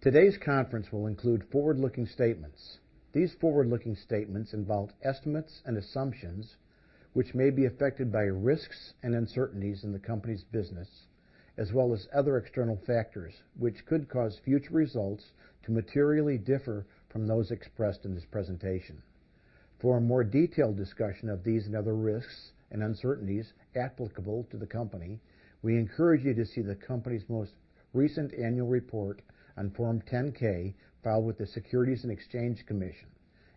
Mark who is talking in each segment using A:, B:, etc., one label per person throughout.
A: Today's conference will include forward-looking statements. These forward-looking statements involve estimates and assumptions which may be affected by risks and uncertainties in the company's business, as well as other external factors which could cause future results to materially differ from those expressed in this presentation. For a more detailed discussion of these and other risks and uncertainties applicable to the company, we encourage you to see the company's most recent annual report on Form 10-K filed with the Securities and Exchange Commission,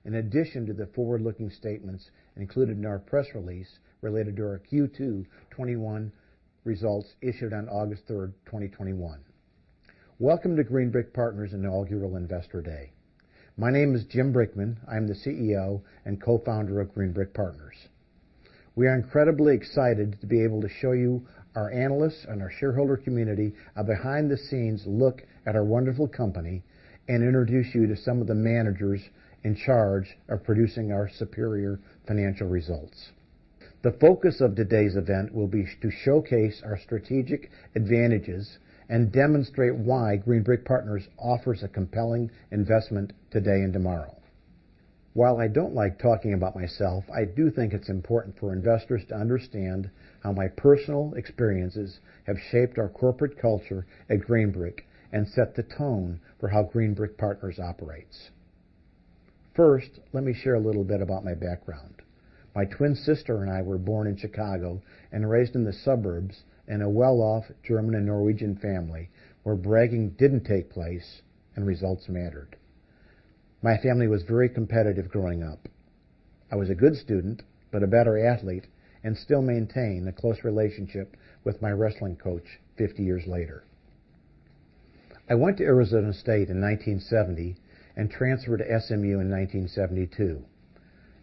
A: in addition to the forward-looking statements included in our press release related to our Q2 2021 results issued on August 3, 2021. Welcome to Green Brick Partners' Inaugural Investor Day. My name is Jim Brickman. I'm the CEO and co-founder of Green Brick Partners. We are incredibly excited to be able to show you, our analysts and our shareholder community, a behind-the-scenes look at our wonderful company and introduce you to some of the managers in charge of producing our superior financial results. The focus of today's event will be to showcase our strategic advantages and demonstrate why Green Brick Partners offers a compelling investment today and tomorrow. While I don't like talking about myself, I do think it's important for investors to understand how my personal experiences have shaped our corporate culture at Green Brick and set the tone for how Green Brick Partners operates. First, let me share a little bit about my background. My twin sister and I were born in Chicago and raised in the suburbs in a well-off German and Norwegian family where bragging didn't take place and results mattered. My family was very competitive growing up. I was a good student but a better athlete and still maintain a close relationship with my wrestling coach 50 years later. I went to Arizona State in 1970 and transferred to SMU in 1972.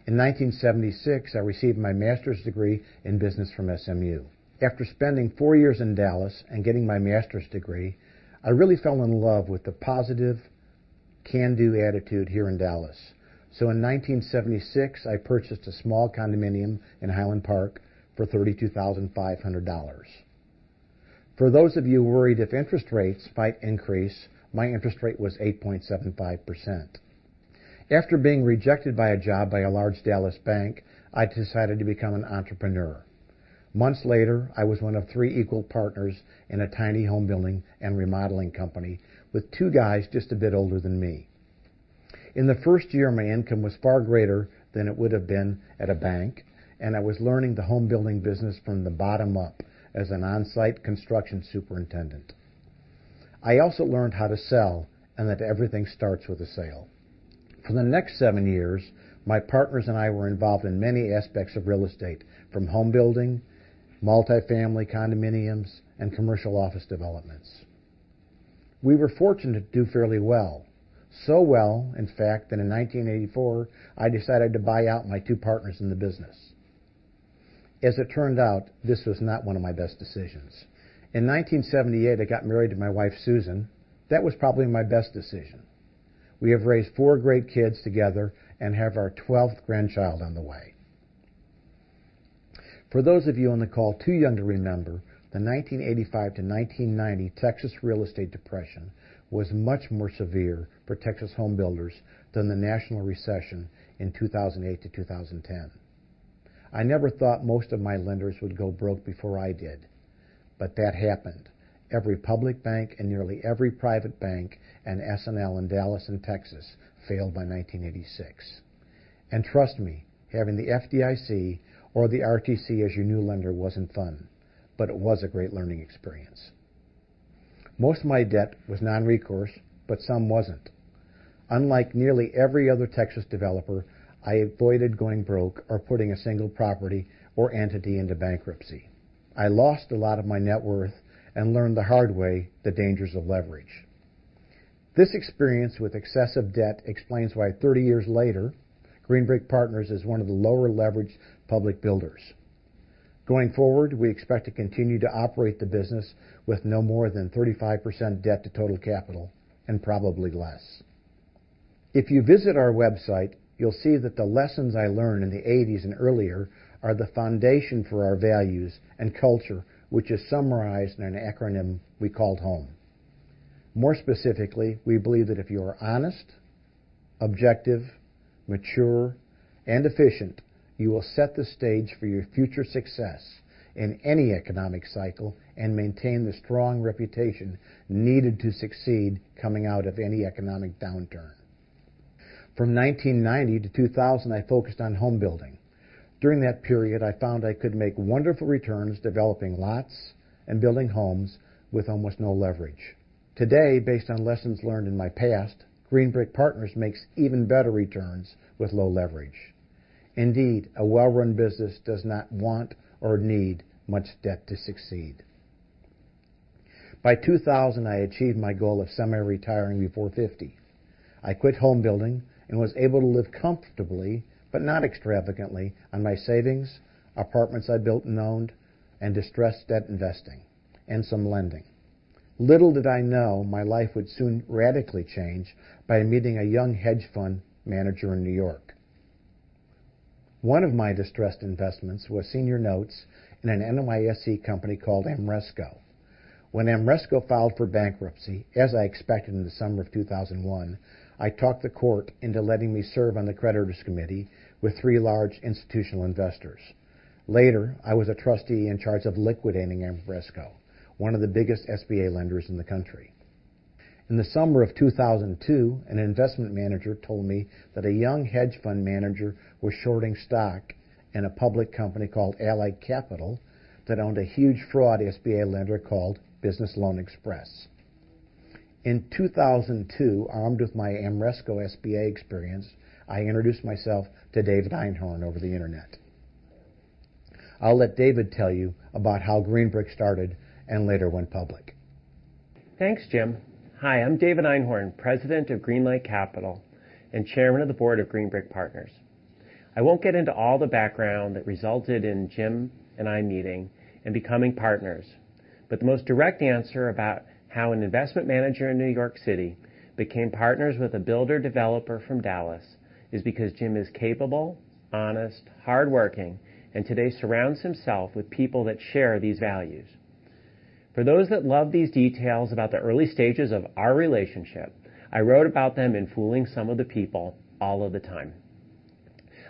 A: In 1976, I received my master's degree in business from SMU. After spending four years in Dallas and getting my master's degree, I really fell in love with the positive can-do attitude here in Dallas. So in 1976, I purchased a small condominium in Highland Park for $32,500. For those of you worried if interest rates might increase, my interest rate was 8.75%. After being rejected by a job by a large Dallas bank, I decided to become an entrepreneur. Months later, I was one of three equal partners in a tiny home building and remodeling company with two guys just a bit older than me. In the first year, my income was far greater than it would have been at a bank, and I was learning the home building business from the bottom up as an on-site construction superintendent. I also learned how to sell and that everything starts with a sale. For the next seven years, my partners and I were involved in many aspects of real estate from home building, multifamily condominiums, and commercial office developments. We were fortunate to do fairly well. So well, in fact, that in 1984, I decided to buy out my two partners in the business. As it turned out, this was not one of my best decisions. In 1978, I got married to my wife, Susan. That was probably my best decision. We have raised four great kids together and have our 12th grandchild on the way. For those of you on the call too young to remember, the 1985 to 1990 Texas real estate depression was much more severe for Texas home builders than the national recession in 2008 to 2010. I never thought most of my lenders would go broke before I did, but that happened. Every public bank and nearly every private bank and S&L in Dallas and Texas failed by 1986. Trust me, having the FDIC or the RTC as your new lender wasn't fun, but it was a great learning experience. Most of my debt was non-recourse, but some wasn't. Unlike nearly every other Texas developer, I avoided going broke or putting a single property or entity into bankruptcy. I lost a lot of my net worth and learned the hard way the dangers of leverage. This experience with excessive debt explains why 30 years later, Green Brick Partners is one of the lower leveraged public builders. Going forward, we expect to continue to operate the business with no more than 35% debt to total capital and probably less. If you visit our website, you'll see that the lessons I learned in the '80s and earlier are the foundation for our values and culture, which is summarized in an acronym we call HOME. More specifically, we believe that if you are honest, objective, mature, and efficient, you will set the stage for your future success in any economic cycle and maintain the strong reputation needed to succeed coming out of any economic downturn. From 1990 to 2000, I focused on home building. During that period, I found I could make wonderful returns developing lots and building homes with almost no leverage. Today, based on lessons learned in my past, Green Brick Partners makes even better returns with low leverage. Indeed, a well-run business does not want or need much debt to succeed. By 2000, I achieved my goal of semi-retiring before 50. I quit home building and was able to live comfortably but not extravagantly on my savings, apartments I built and owned, and distressed debt investing and some lending. Little did I know, my life would soon radically change by meeting a young hedge fund manager in New York. One of my distressed investments was senior notes in an NYSE company called Amresco. When Amresco filed for bankruptcy, as I expected in the summer of 2001, I talked the court into letting me serve on the creditors' committee with three large institutional investors. Later, I was a trustee in charge of liquidating Amresco, one of the biggest SBA lenders in the country. In the summer of 2002, an investment manager told me that a young hedge fund manager was shorting stock in a public company called Allied Capital that owned a huge fraud SBA lender called Business Loan Express. In 2002, armed with my Amresco SBA experience, I introduced myself to David Einhorn over the internet. I'll let David tell you about how Green Brick started and later went public.
B: Thanks, Jim. Hi, I'm David Einhorn, president of Greenlight Capital and chairman of the board of Green Brick Partners. I won't get into all the background that resulted in Jim and I meeting and becoming partners, but the most direct answer about how an investment manager in New York City became partners with a builder developer from Dallas is because Jim is capable, honest, hardworking, and today surrounds himself with people that share these values. For those that love these details about the early stages of our relationship, I wrote about them in Fooling Some of the People All of the Time.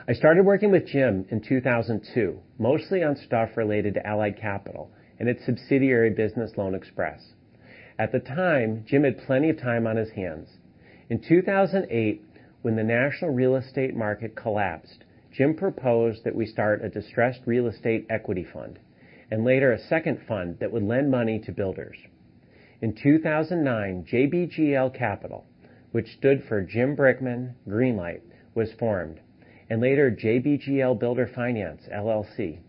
B: I started working with Jim in 2002, mostly on stuff related to Allied Capital and its subsidiary Business Loan Express. At the time, Jim had plenty of time on his hands. In 2008, when the national real estate market collapsed, Jim proposed that we start a distressed real estate equity fund and later a second fund that would lend money to builders. In 2009, JBGL Capital, which stood for Jim Brickman, Green Light, was formed and later JBGL Builder Finance, LLC.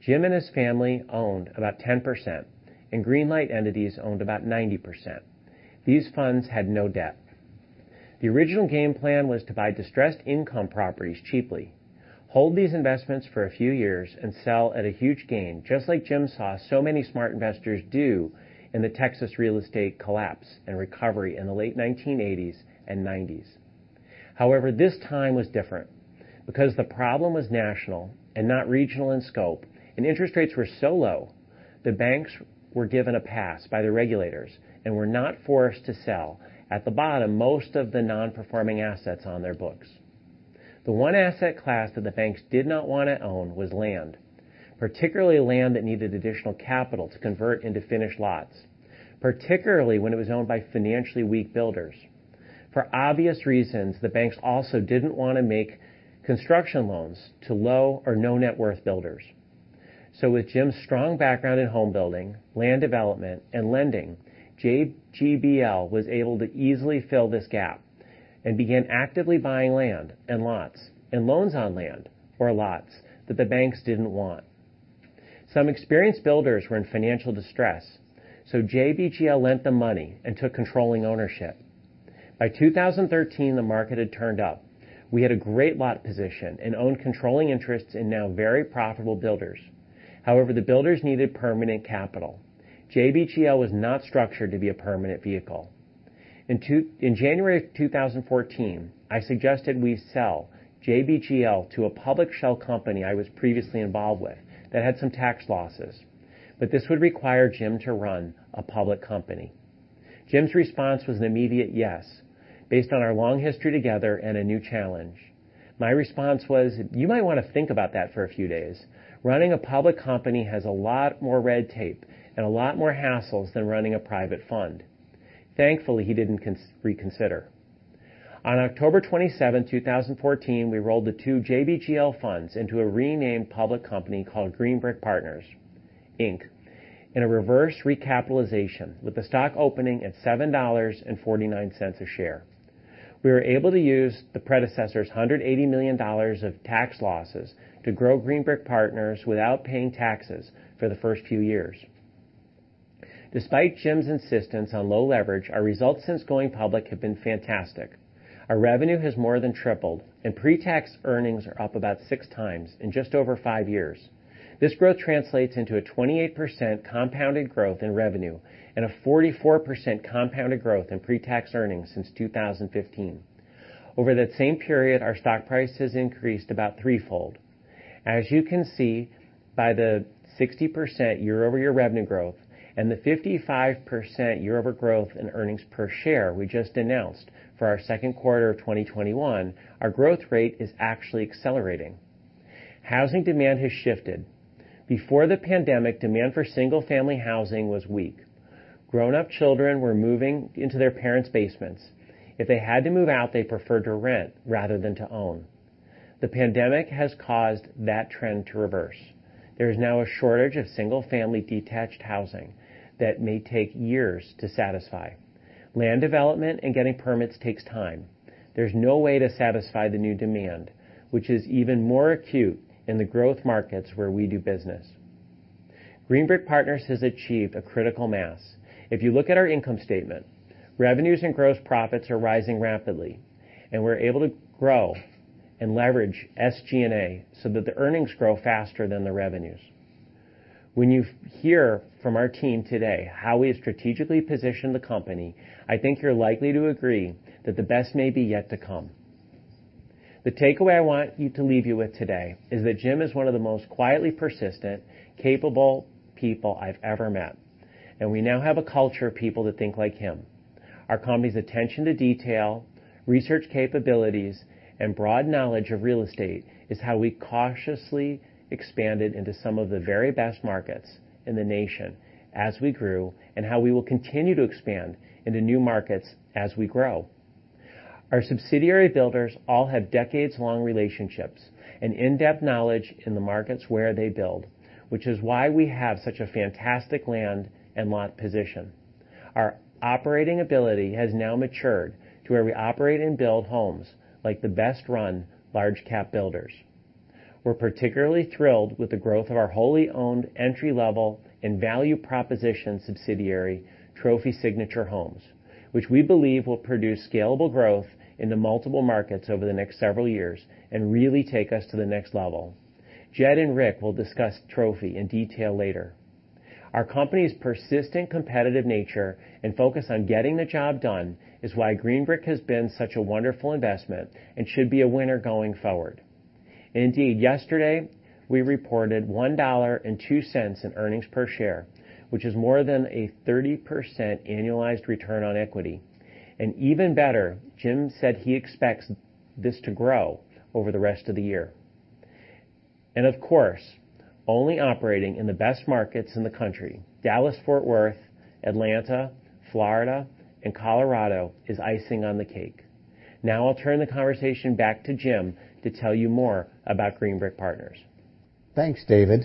B: Jim and his family owned about 10% and Green Light entities owned about 90%. These funds had no debt. The original game plan was to buy distressed income properties cheaply, hold these investments for a few years, and sell at a huge gain, just like Jim saw so many smart investors do in the Texas real estate collapse and recovery in the late 1980s and '90s. However, this time was different because the problem was national and not regional in scope, and interest rates were so low the banks were given a pass by the regulators and were not forced to sell at the bottom most of the non-performing assets on their books. The one asset class that the banks did not want to own was land, particularly land that needed additional capital to convert into finished lots, particularly when it was owned by financially weak builders. For obvious reasons, the banks also didn't want to make construction loans to low or no net worth builders. So with Jim's strong background in home building, land development, and lending, JBL was able to easily fill this gap and began actively buying land and lots and loans on land or lots that the banks didn't want. Some experienced builders were in financial distress, so JBGL lent them money and took controlling ownership. By 2013, the market had turned up. We had a great lot position and owned controlling interests in now very profitable builders. However, the builders needed permanent capital. JBGL was not structured to be a permanent vehicle. In January of 2014, I suggested we sell JBGL to a public shell company I was previously involved with that had some tax losses, but this would require Jim to run a public company. Jim's response was an immediate yes, based on our long history together and a new challenge. My response was, "You might want to think about that for a few days. Running a public company has a lot more red tape and a lot more hassles than running a private fund." Thankfully, he didn't reconsider. On October 27th, 2014, we rolled the two JBGL funds into a renamed public company called Green Brick Partners, Inc., in a reverse recapitalization with the stock opening at $7.49 a share. We were able to use the predecessor's $180 million of tax losses to grow Green Brick Partners without paying taxes for the first few years. Despite Jim's insistence on low leverage, our results since going public have been fantastic. Our revenue has more than tripled, and pre-tax earnings are up about six times in just over five years. This growth translates into a 28% compounded growth in revenue and a 44% compounded growth in pre-tax earnings since 2015. Over that same period, our stock price has increased about threefold. As you can see, by the 60% year-over-year revenue growth and the 55% year-over growth in earnings per share we just announced for our second quarter of 2021, our growth rate is actually accelerating. Housing demand has shifted. Before the pandemic, demand for single-family housing was weak. Grown-up children were moving into their parents' basements. If they had to move out, they preferred to rent rather than to own. The pandemic has caused that trend to reverse. There is now a shortage of single-family detached housing that may take years to satisfy. Land development and getting permits takes time. There's no way to satisfy the new demand, which is even more acute in the growth markets where we do business. Green Brick Partners has achieved a critical mass. If you look at our income statement, revenues and gross profits are rising rapidly, and we're able to grow and leverage SG&A so that the earnings grow faster than the revenues. When you hear from our team today how we have strategically positioned the company, I think you're likely to agree that the best may be yet to come. The takeaway I want you to leave you with today is that Jim is one of the most quietly persistent, capable people I've ever met, and we now have a culture of people that think like him. Our company's attention to detail, research capabilities, and broad knowledge of real estate is how we cautiously expanded into some of the very best markets in the nation as we grew and how we will continue to expand into new markets as we grow. Our subsidiary builders all have decades-long relationships and in-depth knowledge in the markets where they build, which is why we have such a fantastic land and lot position. Our operating ability has now matured to where we operate and build homes like the best-run large-cap builders. We're particularly thrilled with the growth of our wholly owned entry-level and value proposition subsidiary Trophy Signature Homes, which we believe will produce scalable growth in the multiple markets over the next several years and really take us to the next level. Jed and Rick will discuss Trophy in detail later. Our company's persistent competitive nature and focus on getting the job done is why Green Brick has been such a wonderful investment and should be a winner going forward. Indeed, yesterday, we reported $1.02 in earnings per share, which is more than a 30% annualized return on equity. And even better, Jim said he expects this to grow over the rest of the year. And of course, only operating in the best markets in the country, Dallas-Fort Worth, Atlanta, Florida, and Colorado is icing on the cake. Now I'll turn the conversation back to Jim to tell you more about Green Brick Partners.
A: Thanks, David.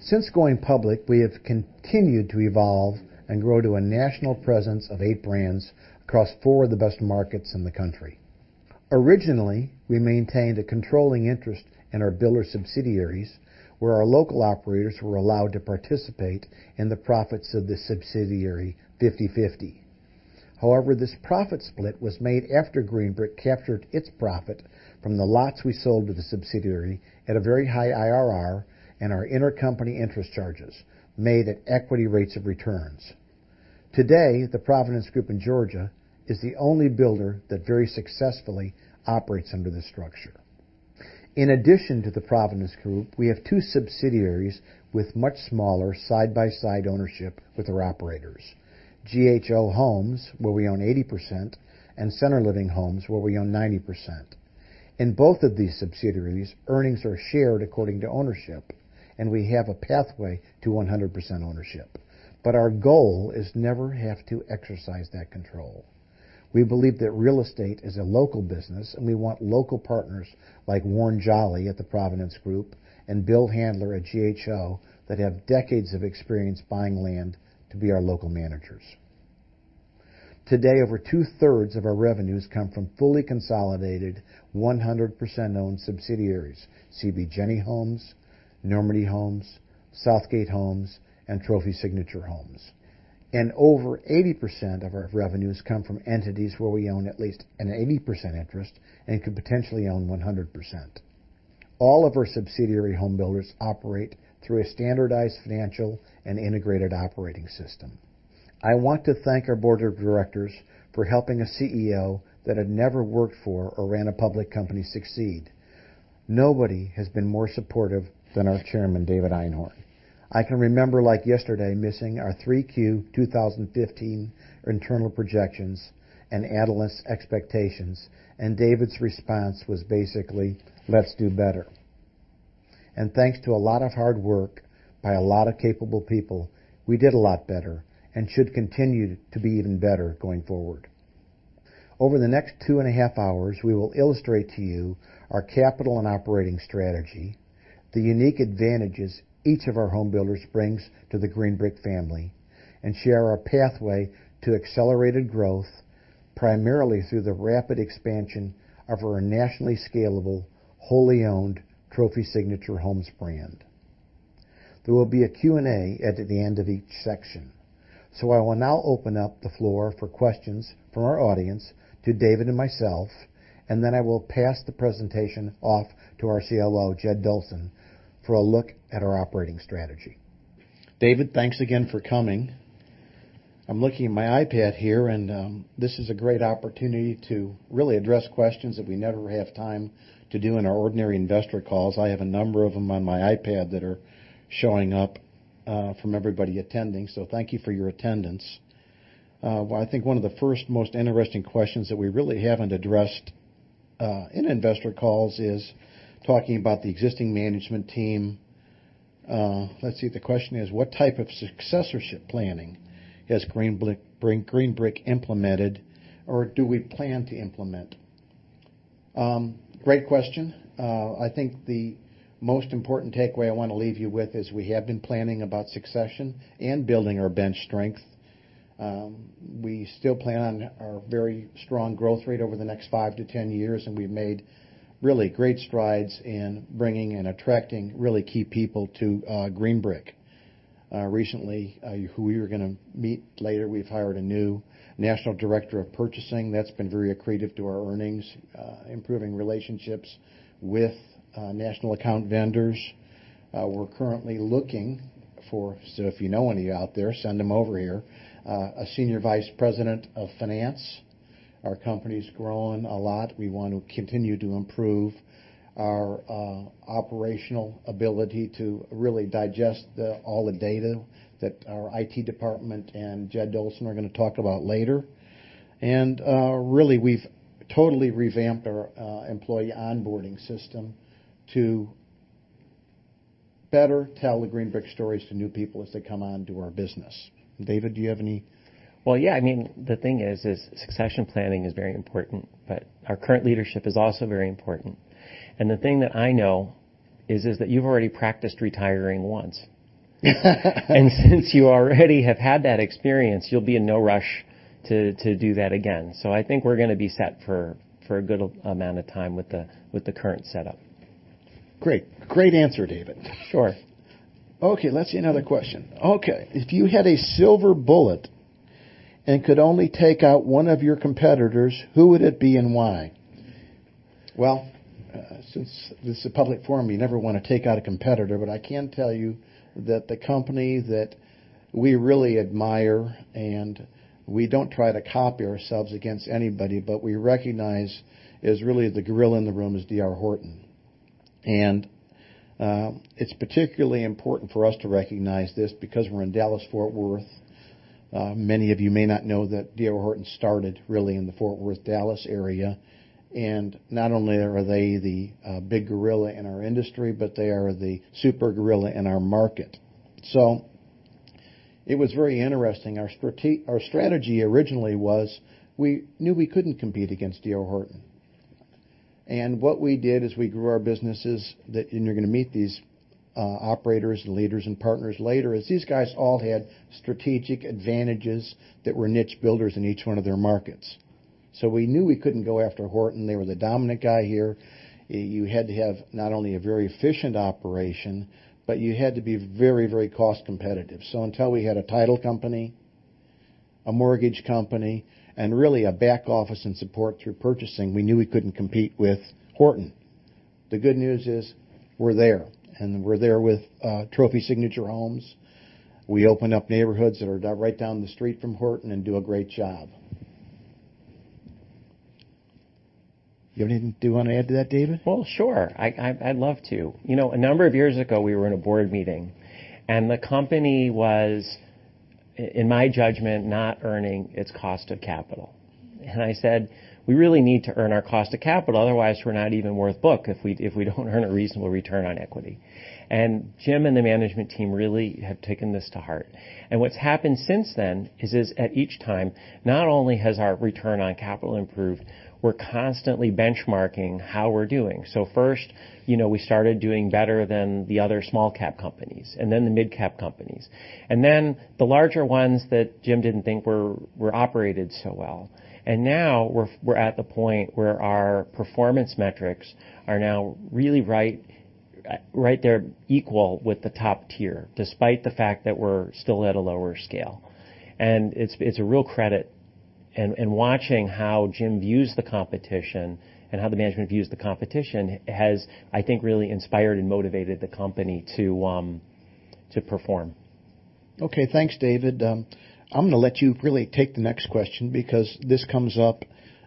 A: Since going public, we have continued to evolve and grow to a national presence of eight brands across four of the best markets in the country. Originally, we maintained a controlling interest in our builder subsidiaries where our local operators were allowed to participate in the profits of the subsidiary 50/50. However, this profit split was made after Green Brick captured its profit from the lots we sold to the subsidiary at a very high IRR and our intercompany interest charges made at equity rates of returns. Today, the Providence Group in Georgia is the only builder that very successfully operates under this structure. In addition to the Providence Group, we have two subsidiaries with much smaller side-by-side ownership with our operators: GHO Homes, where we own 80%, and Center Living Homes, where we own 90%. In both of these subsidiaries, earnings are shared according to ownership, and we have a pathway to 100% ownership. But our goal is never to have to exercise that control. We believe that real estate is a local business, and we want local partners like Warren Jolley at the Providence Group and Bill Handler at GHO that have decades of experience buying land to be our local managers. Today, over two-thirds of our revenues come from fully consolidated 100% owned subsidiaries, CB Jenny Homes, Normandy Homes, Southgate Homes, and Trophy Signature Homes. And over 80% of our revenues come from entities where we own at least an 80% interest and could potentially own 100%. All of our subsidiary home builders operate through a standardized financial and integrated operating system. I want to thank our board of directors for helping a CEO that had never worked for or ran a public company succeed. Nobody has been more supportive than our chairman, David Einhorn. I can remember, like yesterday, missing our 3Q 2015 internal projections and analysts' expectations, and David's response was basically, "Let's do better." And thanks to a lot of hard work by a lot of capable people, we did a lot better and should continue to be even better going forward. Over the next two and a half hours, we will illustrate to you our capital and operating strategy, the unique advantages each of our home builders brings to the Green Brick family, and share our pathway to accelerated growth primarily through the rapid expansion of our nationally scalable, wholly owned Trophy Signature Homes brand. There will be a Q&A at the end of each section, so I will now open up the floor for questions from our audience to David and myself, and then I will pass the presentation off to our CLO, Jed Dolson, for a look at our operating strategy. David, thanks again for coming. I'm looking at my iPad here, and this is a great opportunity to really address questions that we never have time to do in our ordinary investor calls. I have a number of them on my iPad that are showing up from everybody attending, so thank you for your attendance. Well, I think one of the first most interesting questions that we really haven't addressed in investor calls is talking about the existing management team. Let's see, the question is, "What type of successorship planning has Green Brick implemented, or do we plan to implement?"
B: Great question. I think the most important takeaway I want to leave you with is we have been planning about succession and building our bench strength. We still plan on our very strong growth rate over the next 5 to 10 years, and we've made really great strides in bringing and attracting really key people to Green Brick. Recently, who you're going to meet later, we've hired a new national director of purchasing. That's been very accretive to our earnings, improving relationships with national account vendors. We're currently looking for, so if you know any out there, send them over here, a senior vice president of finance. Our company's grown a lot. We want to continue to improve our operational ability to really digest all the data that our IT department and Jed Dolson are going to talk about later. And really, we've totally revamped our employee onboarding system to better tell the Green Brick stories to new people as they come on to our business. David, do you have any? Well, yeah, I mean, the thing is succession planning is very important, but our current leadership is also very important. And the thing that I know is that you've already practiced retiring once. And since you already have had that experience, you'll be in no rush to do that again. So I think we're going to be set for a good amount of time with the current setup.
A: Great. Great answer, David.
B: Sure.
A: Okay. Let's see another question. Okay. If you had a silver bullet and could only take out one of your competitors, who would it be and why? Well, since this is a public forum, you never want to take out a competitor, but I can tell you that the company that we really admire, and we don't try to copy ourselves against anybody, but we recognize is really the gorilla in the room is D.R. Horton. And it's particularly important for us to recognize this because we're in Dallas-Fort Worth. Many of you may not know that D.R. Horton started really in the Fort Worth, Dallas area. And not only are they the big gorilla in our industry, but they are the super gorilla in our market. So it was very interesting. Our strategy originally was we knew we couldn't compete against D.R. Horton. And what we did as we grew our businesses, and you're going to meet these operators and leaders and partners later, is these guys all had strategic advantages that were niche builders in each one of their markets. So we knew we couldn't go after Horton. They were the dominant guy here. You had to have not only a very efficient operation, but you had to be very, very cost competitive. So until we had a title company, a mortgage company, and really a back office and support through purchasing, we knew we couldn't compete with Horton. The good news is we're there, and we're there with Trophy Signature Homes. We open up neighborhoods that are right down the street from Horton and do a great job. Do you want to add to that, David?
B: Well, sure. I'd love to. A number of years ago, we were in a board meeting, and the company was, in my judgment, not earning its cost of capital. And I said, "We really need to earn our cost of capital. Otherwise, we're not even worth book if we don't earn a reasonable return on equity." And Jim and the management team really have taken this to heart. And what's happened since then is, at each time, not only has our return on capital improved, we're constantly benchmarking how we're doing. So first, we started doing better than the other small-cap companies and then the mid-cap companies. And then the larger ones that Jim didn't think were operated so well. And now we're at the point where our performance metrics are now really right there equal with the top tier, despite the fact that we're still at a lower scale. And it's a real credit. And watching how Jim views the competition and how the management views the competition has, I think, really inspired and motivated the company to perform.
A: Okay. Thanks, David. I'm going to let you really take the next question because this comes up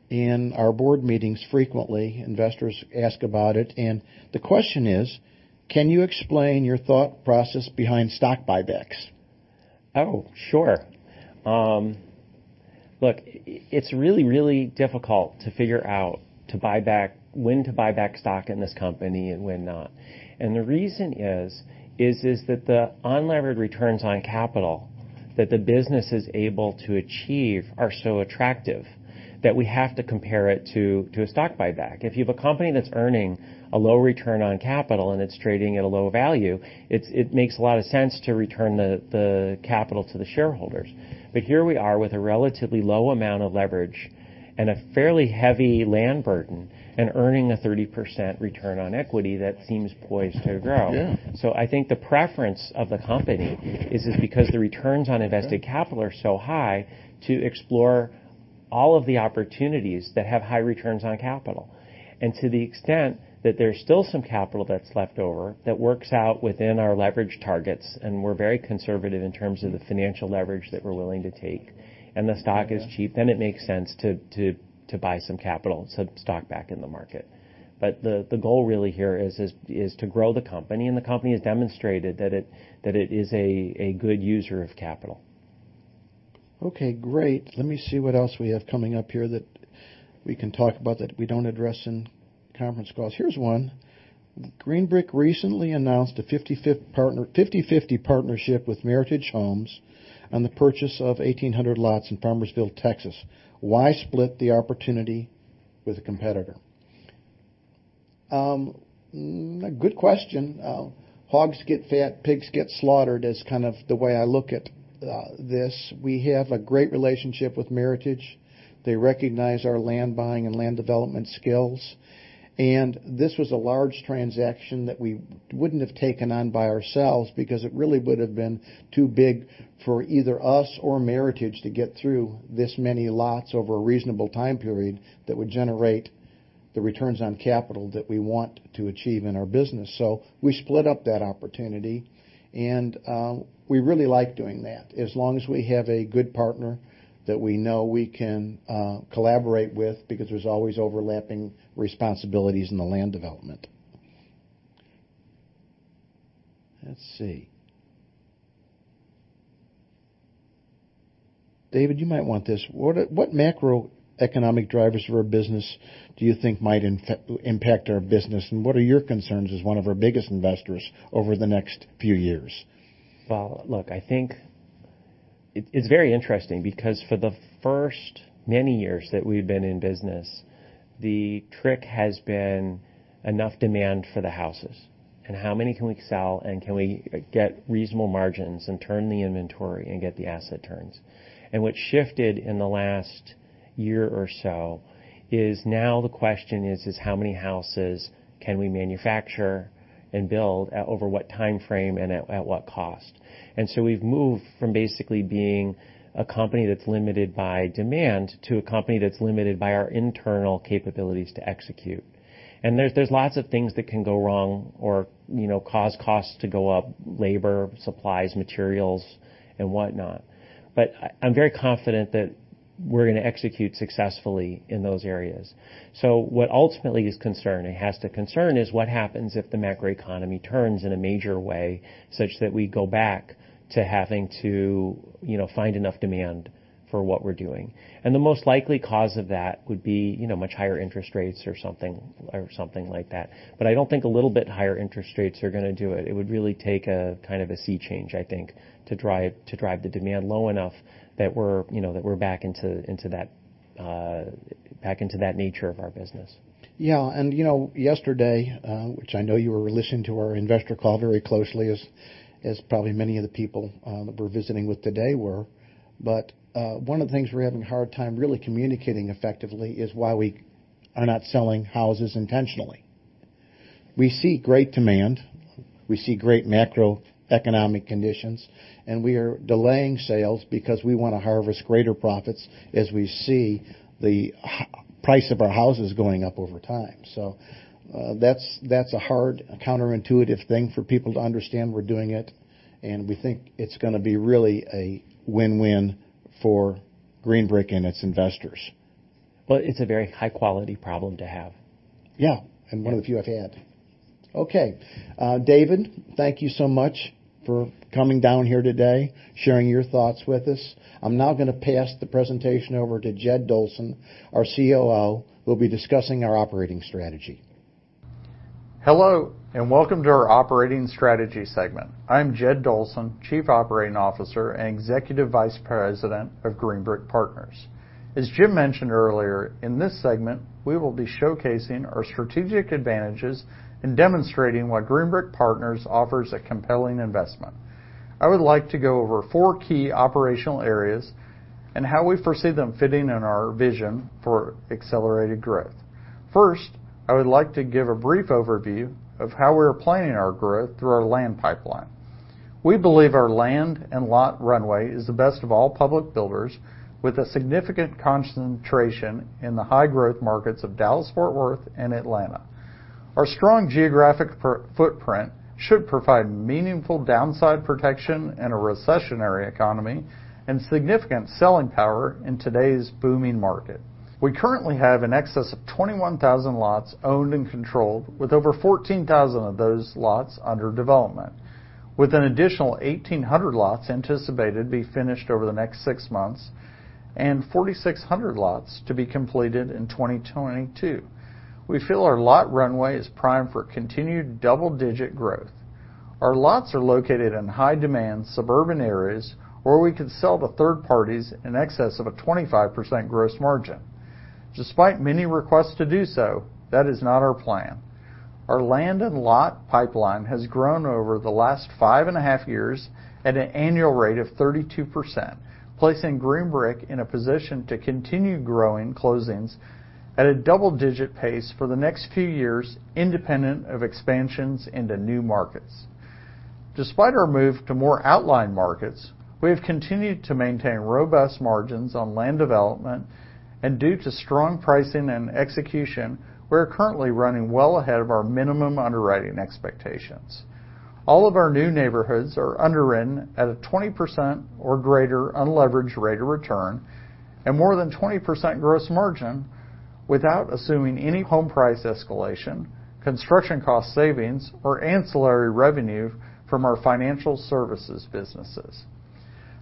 A: in our board meetings frequently. Investors ask about it. And the question is, "Can you explain your thought process behind stock buybacks?"
B: Oh, sure. Look, it's really, really difficult to figure out when to buy back stock in this company and when not. The reason is that the unlevered returns on capital that the business is able to achieve are so attractive that we have to compare it to a stock buyback. If you have a company that's earning a low return on capital and it's trading at a low value, it makes a lot of sense to return the capital to the shareholders. Here we are with a relatively low amount of leverage and a fairly heavy land burden and earning a 30% return on equity that seems poised to grow. I think the preference of the company is because the returns on invested capital are so high to explore all of the opportunities that have high returns on capital. And to the extent that there's still some capital that's left over that works out within our leverage targets, and we're very conservative in terms of the financial leverage that we're willing to take, and the stock is cheap, then it makes sense to buy some capital, some stock back in the market. But the goal really here is to grow the company, and the company has demonstrated that it is a good user of capital.
A: Okay. Great. Let me see what else we have coming up here that we can talk about that we don't address in conference calls. Here's one. Green Brick recently announced a 50/50 partnership with Heritage Homes on the purchase of 1,800 lots in Farmersville, Texas. Why split the opportunity with a competitor? Good question. Hogs get fat, pigs get slaughtered is kind of the way I look at this. We have a great relationship with Heritage. They recognize our land buying and land development skills. And this was a large transaction that we wouldn't have taken on by ourselves because it really would have been too big for either us or Heritage to get through this many lots over a reasonable time period that would generate the returns on capital that we want to achieve in our business. So we split up that opportunity, and we really like doing that as long as we have a good partner that we know we can collaborate with because there's always overlapping responsibilities in the land development. Let's see. David, you might want this. What macroeconomic drivers of our business do you think might impact our business, and what are your concerns as one of our biggest investors over the next few years?
B: Well, look, I think it's very interesting because for the first many years that we've been in business, the trick has been enough demand for the houses and how many can we sell and can we get reasonable margins and turn the inventory and get the asset turns. And what shifted in the last year or so is now the question is, how many houses can we manufacture and build over what time frame and at what cost? And so we've moved from basically being a company that's limited by demand to a company that's limited by our internal capabilities to execute. And there's lots of things that can go wrong or cause costs to go up, labor, supplies, materials, and whatnot. But I'm very confident that we're going to execute successfully in those areas. So what ultimately is concerning has to concern is what happens if the macroeconomy turns in a major way such that we go back to having to find enough demand for what we're doing. And the most likely cause of that would be much higher interest rates or something like that. But I don't think a little bit higher interest rates are going to do it. It would really take a kind of a sea change, I think, to drive the demand low enough that we're back into that nature of our business.
A: Yeah. And yesterday, which I know you were listening to our investor call very closely, as probably many of the people that we're visiting with today were, but one of the things we're having a hard time really communicating effectively is why we are not selling houses intentionally. We see great demand. We see great macroeconomic conditions, and we are delaying sales because we want to harvest greater profits as we see the price of our houses going up over time. So that's a hard counterintuitive thing for people to understand we're doing it, and we think it's going to be really a win-win for Green Brick and its investors.
B: It's a very high-quality problem to have.
A: Yeah. And one of the few I've had. Okay. David, thank you so much for coming down here today, sharing your thoughts with us. I'm now going to pass the presentation over to Jed Dolson, our COO, who will be discussing our operating strategy.
C: Hello and welcome to our operating strategy segment. I'm Jed Dolson, Chief Operating Officer and Executive Vice President of Green Brick Partners. As Jim mentioned earlier, in this segment, we will be showcasing our strategic advantages and demonstrating why Green Brick Partners offers a compelling investment. I would like to go over four key operational areas and how we foresee them fitting in our vision for accelerated growth. First, I would like to give a brief overview of how we are planning our growth through our land pipeline. We believe our land and lot runway is the best of all public builders with a significant concentration in the high-growth markets of Dallas-Fort Worth and Atlanta. Our strong geographic footprint should provide meaningful downside protection in a recessionary economy and significant selling power in today's booming market. We currently have in excess of 21,000 lots owned and controlled, with over 14,000 of those lots under development, with an additional 1,800 lots anticipated to be finished over the next six months and 4,600 lots to be completed in 2022. We feel our lot runway is primed for continued double-digit growth. Our lots are located in high-demand suburban areas where we can sell to third parties in excess of a 25% gross margin. Despite many requests to do so, that is not our plan. Our land and lot pipeline has grown over the last five and a half years at an annual rate of 32%, placing Green Brick in a position to continue growing closings at a double-digit pace for the next few years, independent of expansions into new markets. Despite our move to more outlying markets, we have continued to maintain robust margins on land development, and due to strong pricing and execution, we are currently running well ahead of our minimum underwriting expectations. All of our new neighborhoods are underwritten at a 20% or greater unlevered rate of return and more than 20% gross margin without assuming any home price escalation, construction cost savings, or ancillary revenue from our financial services businesses.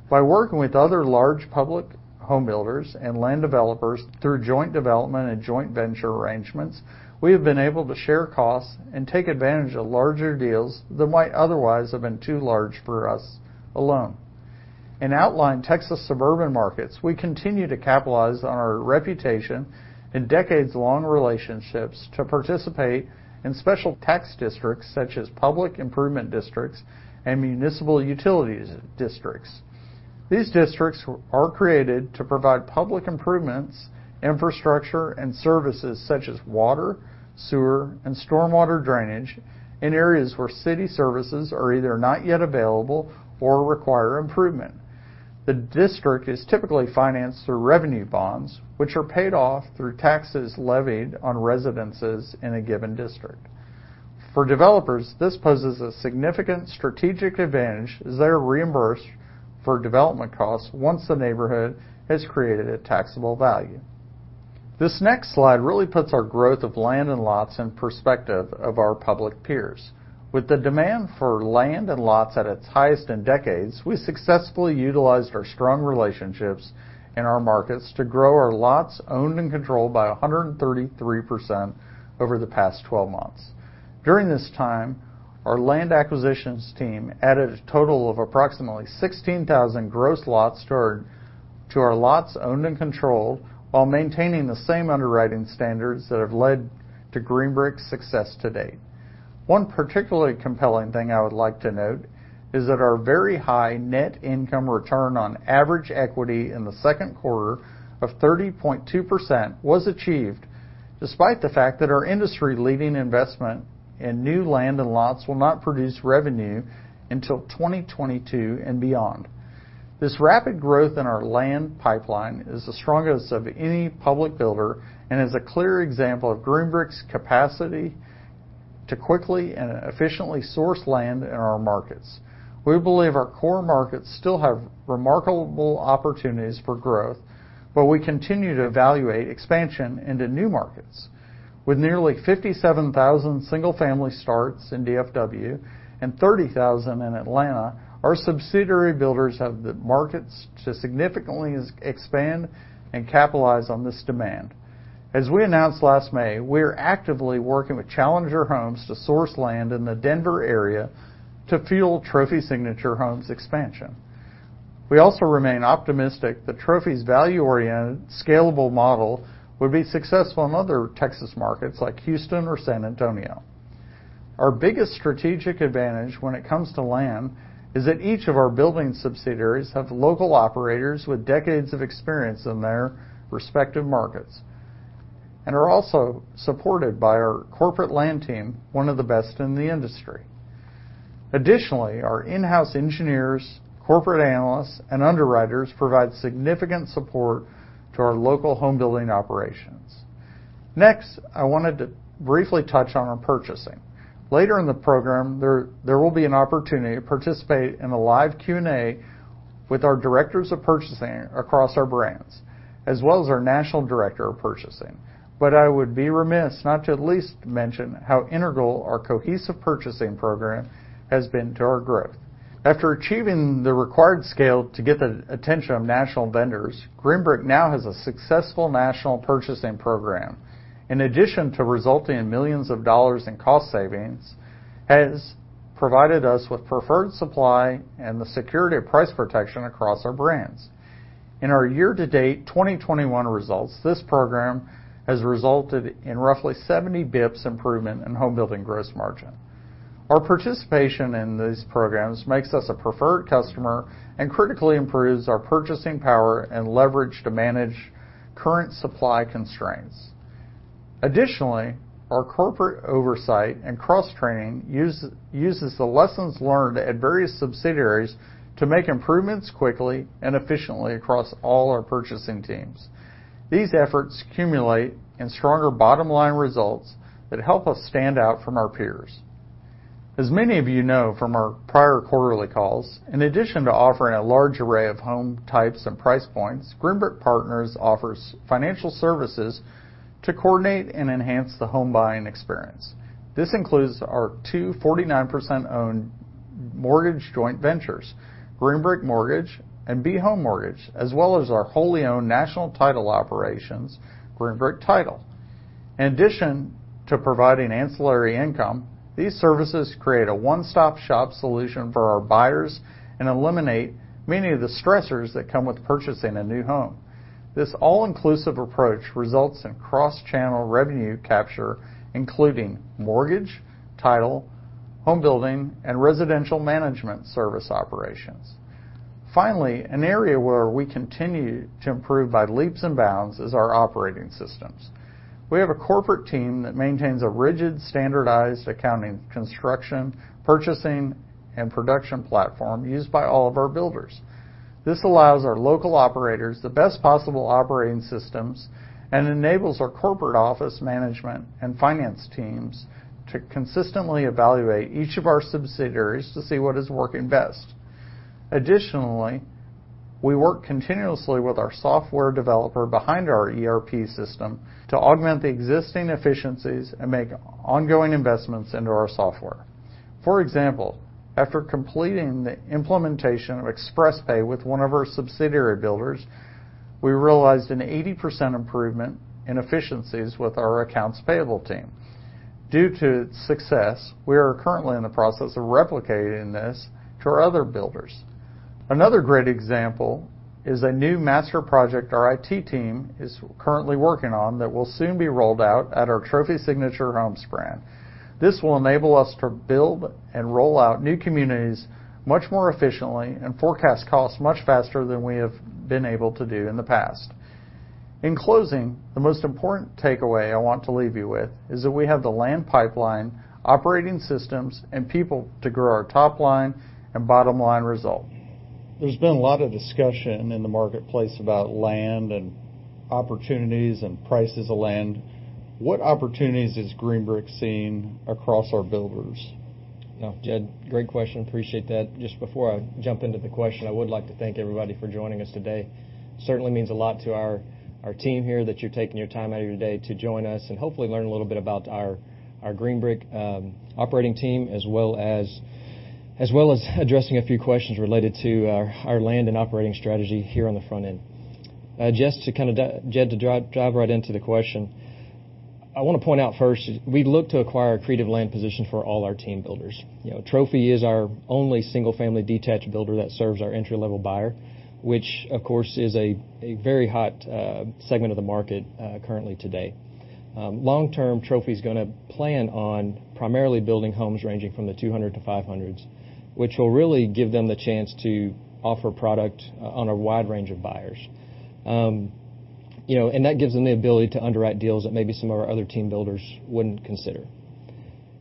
C: By working with other large public home builders and land developers through joint development and joint venture arrangements, we have been able to share costs and take advantage of larger deals that might otherwise have been too large for us alone. In outlying Texas suburban markets, we continue to capitalize on our reputation and decades-long relationships to participate in special tax districts such as public improvement districts and municipal utilities districts. These districts are created to provide public improvements, infrastructure, and services such as water, sewer, and stormwater drainage in areas where city services are either not yet available or require improvement. The district is typically financed through revenue bonds, which are paid off through taxes levied on residences in a given district. For developers, this poses a significant strategic advantage as they are reimbursed for development costs once the neighborhood has created a taxable value. This next slide really puts our growth of land and lots in perspective of our public peers. With the demand for land and lots at its highest in decades, we successfully utilized our strong relationships in our markets to grow our lots owned and controlled by 133% over the past 12 months. During this time, our land acquisitions team added a total of approximately 16,000 gross lots to our lots owned and controlled while maintaining the same underwriting standards that have led to Green Brick's success to date. One particularly compelling thing I would like to note is that our very high net income return on average equity in the second quarter of 30.2% was achieved despite the fact that our industry-leading investment in new land and lots will not produce revenue until 2022 and beyond. This rapid growth in our land pipeline is the strongest of any public builder and is a clear example of Green Brick's capacity to quickly and efficiently source land in our markets. We believe our core markets still have remarkable opportunities for growth, but we continue to evaluate expansion into new markets. With nearly 57,000 single-family starts in DFW and 30,000 in Atlanta, our subsidiary builders have the markets to significantly expand and capitalize on this demand. As we announced last May, we are actively working with Challenger Homes to source land in the Denver area to fuel Trophy Signature Homes' expansion. We also remain optimistic that Trophy's value-oriented, scalable model would be successful in other Texas markets like Houston or San Antonio. Our biggest strategic advantage when it comes to land is that each of our building subsidiaries have local operators with decades of experience in their respective markets and are also supported by our corporate land team, one of the best in the industry. Additionally, our in-house engineers, corporate analysts, and underwriters provide significant support to our local home building operations. Next, I wanted to briefly touch on our purchasing. Later in the program, there will be an opportunity to participate in a live Q&A with our directors of purchasing across our brands, as well as our national director of purchasing. But I would be remiss not to at least mention how integral our cohesive purchasing program has been to our growth. After achieving the required scale to get the attention of national vendors, Green Brick now has a successful national purchasing program. In addition to resulting in millions of dollars in cost savings, it has provided us with preferred supply and the security of price protection across our brands. In our year-to-date 2021 results, this program has resulted in roughly 70 bips improvement in home building gross margin. Our participation in these programs makes us a preferred customer and critically improves our purchasing power and leverage to manage current supply constraints. Additionally, our corporate oversight and cross-training uses the lessons learned at various subsidiaries to make improvements quickly and efficiently across all our purchasing teams. These efforts accumulate in stronger bottom-line results that help us stand out from our peers. As many of you know from our prior quarterly calls, in addition to offering a large array of home types and price points, Green Brick Partners offers financial services to coordinate and enhance the home buying experience. This includes our two 49% owned mortgage joint ventures, Green Brick Mortgage and B Home Mortgage, as well as our wholly owned national title operations, Green Brick Title. In addition to providing ancillary income, these services create a one-stop-shop solution for our buyers and eliminate many of the stressors that come with purchasing a new home. This all-inclusive approach results in cross-channel revenue capture, including mortgage, title, home building, and residential management service operations. Finally, an area where we continue to improve by leaps and bounds is our operating systems. We have a corporate team that maintains a rigid, standardized accounting construction, purchasing, and production platform used by all of our builders. This allows our local operators the best possible operating systems and enables our corporate office management and finance teams to consistently evaluate each of our subsidiaries to see what is working best. Additionally, we work continuously with our software developer behind our ERP system to augment the existing efficiencies and make ongoing investments into our software. For example, after completing the implementation of ExpressPay with one of our subsidiary builders, we realized an 80% improvement in efficiencies with our accounts payable team. Due to its success, we are currently in the process of replicating this to our other builders. Another great example is a new master project our IT team is currently working on that will soon be rolled out at our Trophy Signature Homes brand. This will enable us to build and roll out new communities much more efficiently and forecast costs much faster than we have been able to do in the past. In closing, the most important takeaway I want to leave you with is that we have the land pipeline, operating systems, and people to grow our top-line and bottom-line result. There's been a lot of discussion in the marketplace about land and opportunities and prices of land. What opportunities is Green Brick seeing across our builders?
A: No, Jed, great question. Appreciate that. Just before I jump into the question, I would like to thank everybody for joining us today. It certainly means a lot to our team here that you're taking your time out of your day to join us and hopefully learn a little bit about our Green Brick operating team as well as addressing a few questions related to our land and operating strategy here on the front end. Just to kind of, Jed, to dive right into the question, I want to point out first, we look to acquire a creative land position for all our team builders. Trophy is our only single-family detached builder that serves our entry-level buyer, which, of course, is a very hot segment of the market currently today. Long-term, Trophy is going to plan on primarily building homes ranging from the 200 to 500s, which will really give them the chance to offer product on a wide range of buyers. And that gives them the ability to underwrite deals that maybe some of our other team builders wouldn't consider.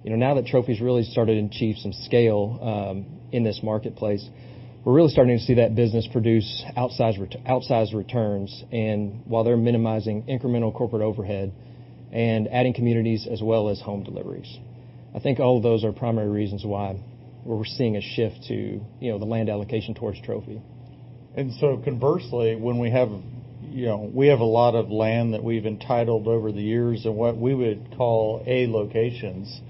A: Now that Trophy's really started to achieve some scale in this marketplace, we're really starting to see that business produce outsized returns while they're minimizing incremental corporate overhead and adding communities as well as home deliveries. I think all of those are primary reasons why we're seeing a shift to the land allocation towards Trophy. And so conversely, when we have a lot of land that we've entitled over the years in what we would call A locations,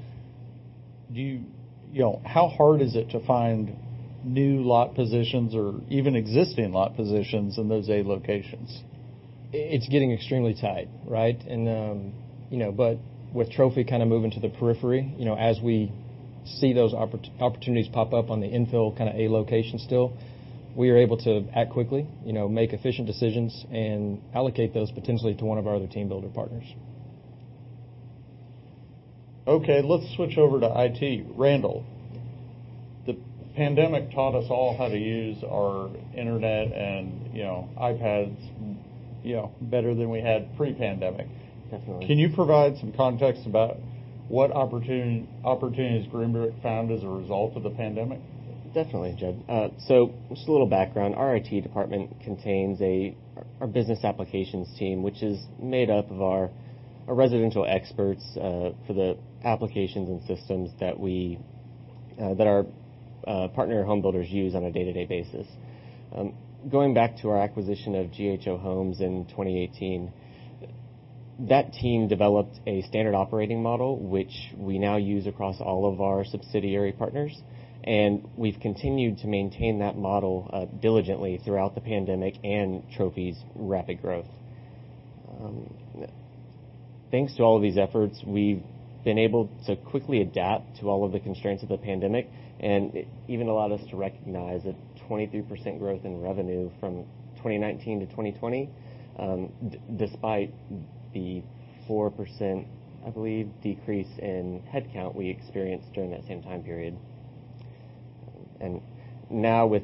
A: how hard is it to find new lot positions or even existing lot positions in those A locations? It's getting extremely tight, right? But with Trophy kind of moving to the periphery, as we see those opportunities pop up on the infill kind of A location still, we are able to act quickly, make efficient decisions, and allocate those potentially to one of our other team builder partners. Okay. Let's switch over to IT, Randall. The pandemic taught us all how to use our internet and iPads better than we had pre-pandemic.
B: Definitely.
A: Can you provide some context about what opportunities Green Brick found as a result of the pandemic?
B: Definitely, Jed. So just a little background. Our IT department contains our business applications team, which is made up of our residential experts for the applications and systems that our partner home builders use on a day-to-day basis. Going back to our acquisition of GHO Homes in 2018, that team developed a standard operating model, which we now use across all of our subsidiary partners. And we've continued to maintain that model diligently throughout the pandemic and Trophy's rapid growth. Thanks to all of these efforts, we've been able to quickly adapt to all of the constraints of the pandemic and even allowed us to recognize a 23% growth in revenue from 2019 to 2020, despite the 4%, I believe, decrease in headcount we experienced during that same time period. And now, with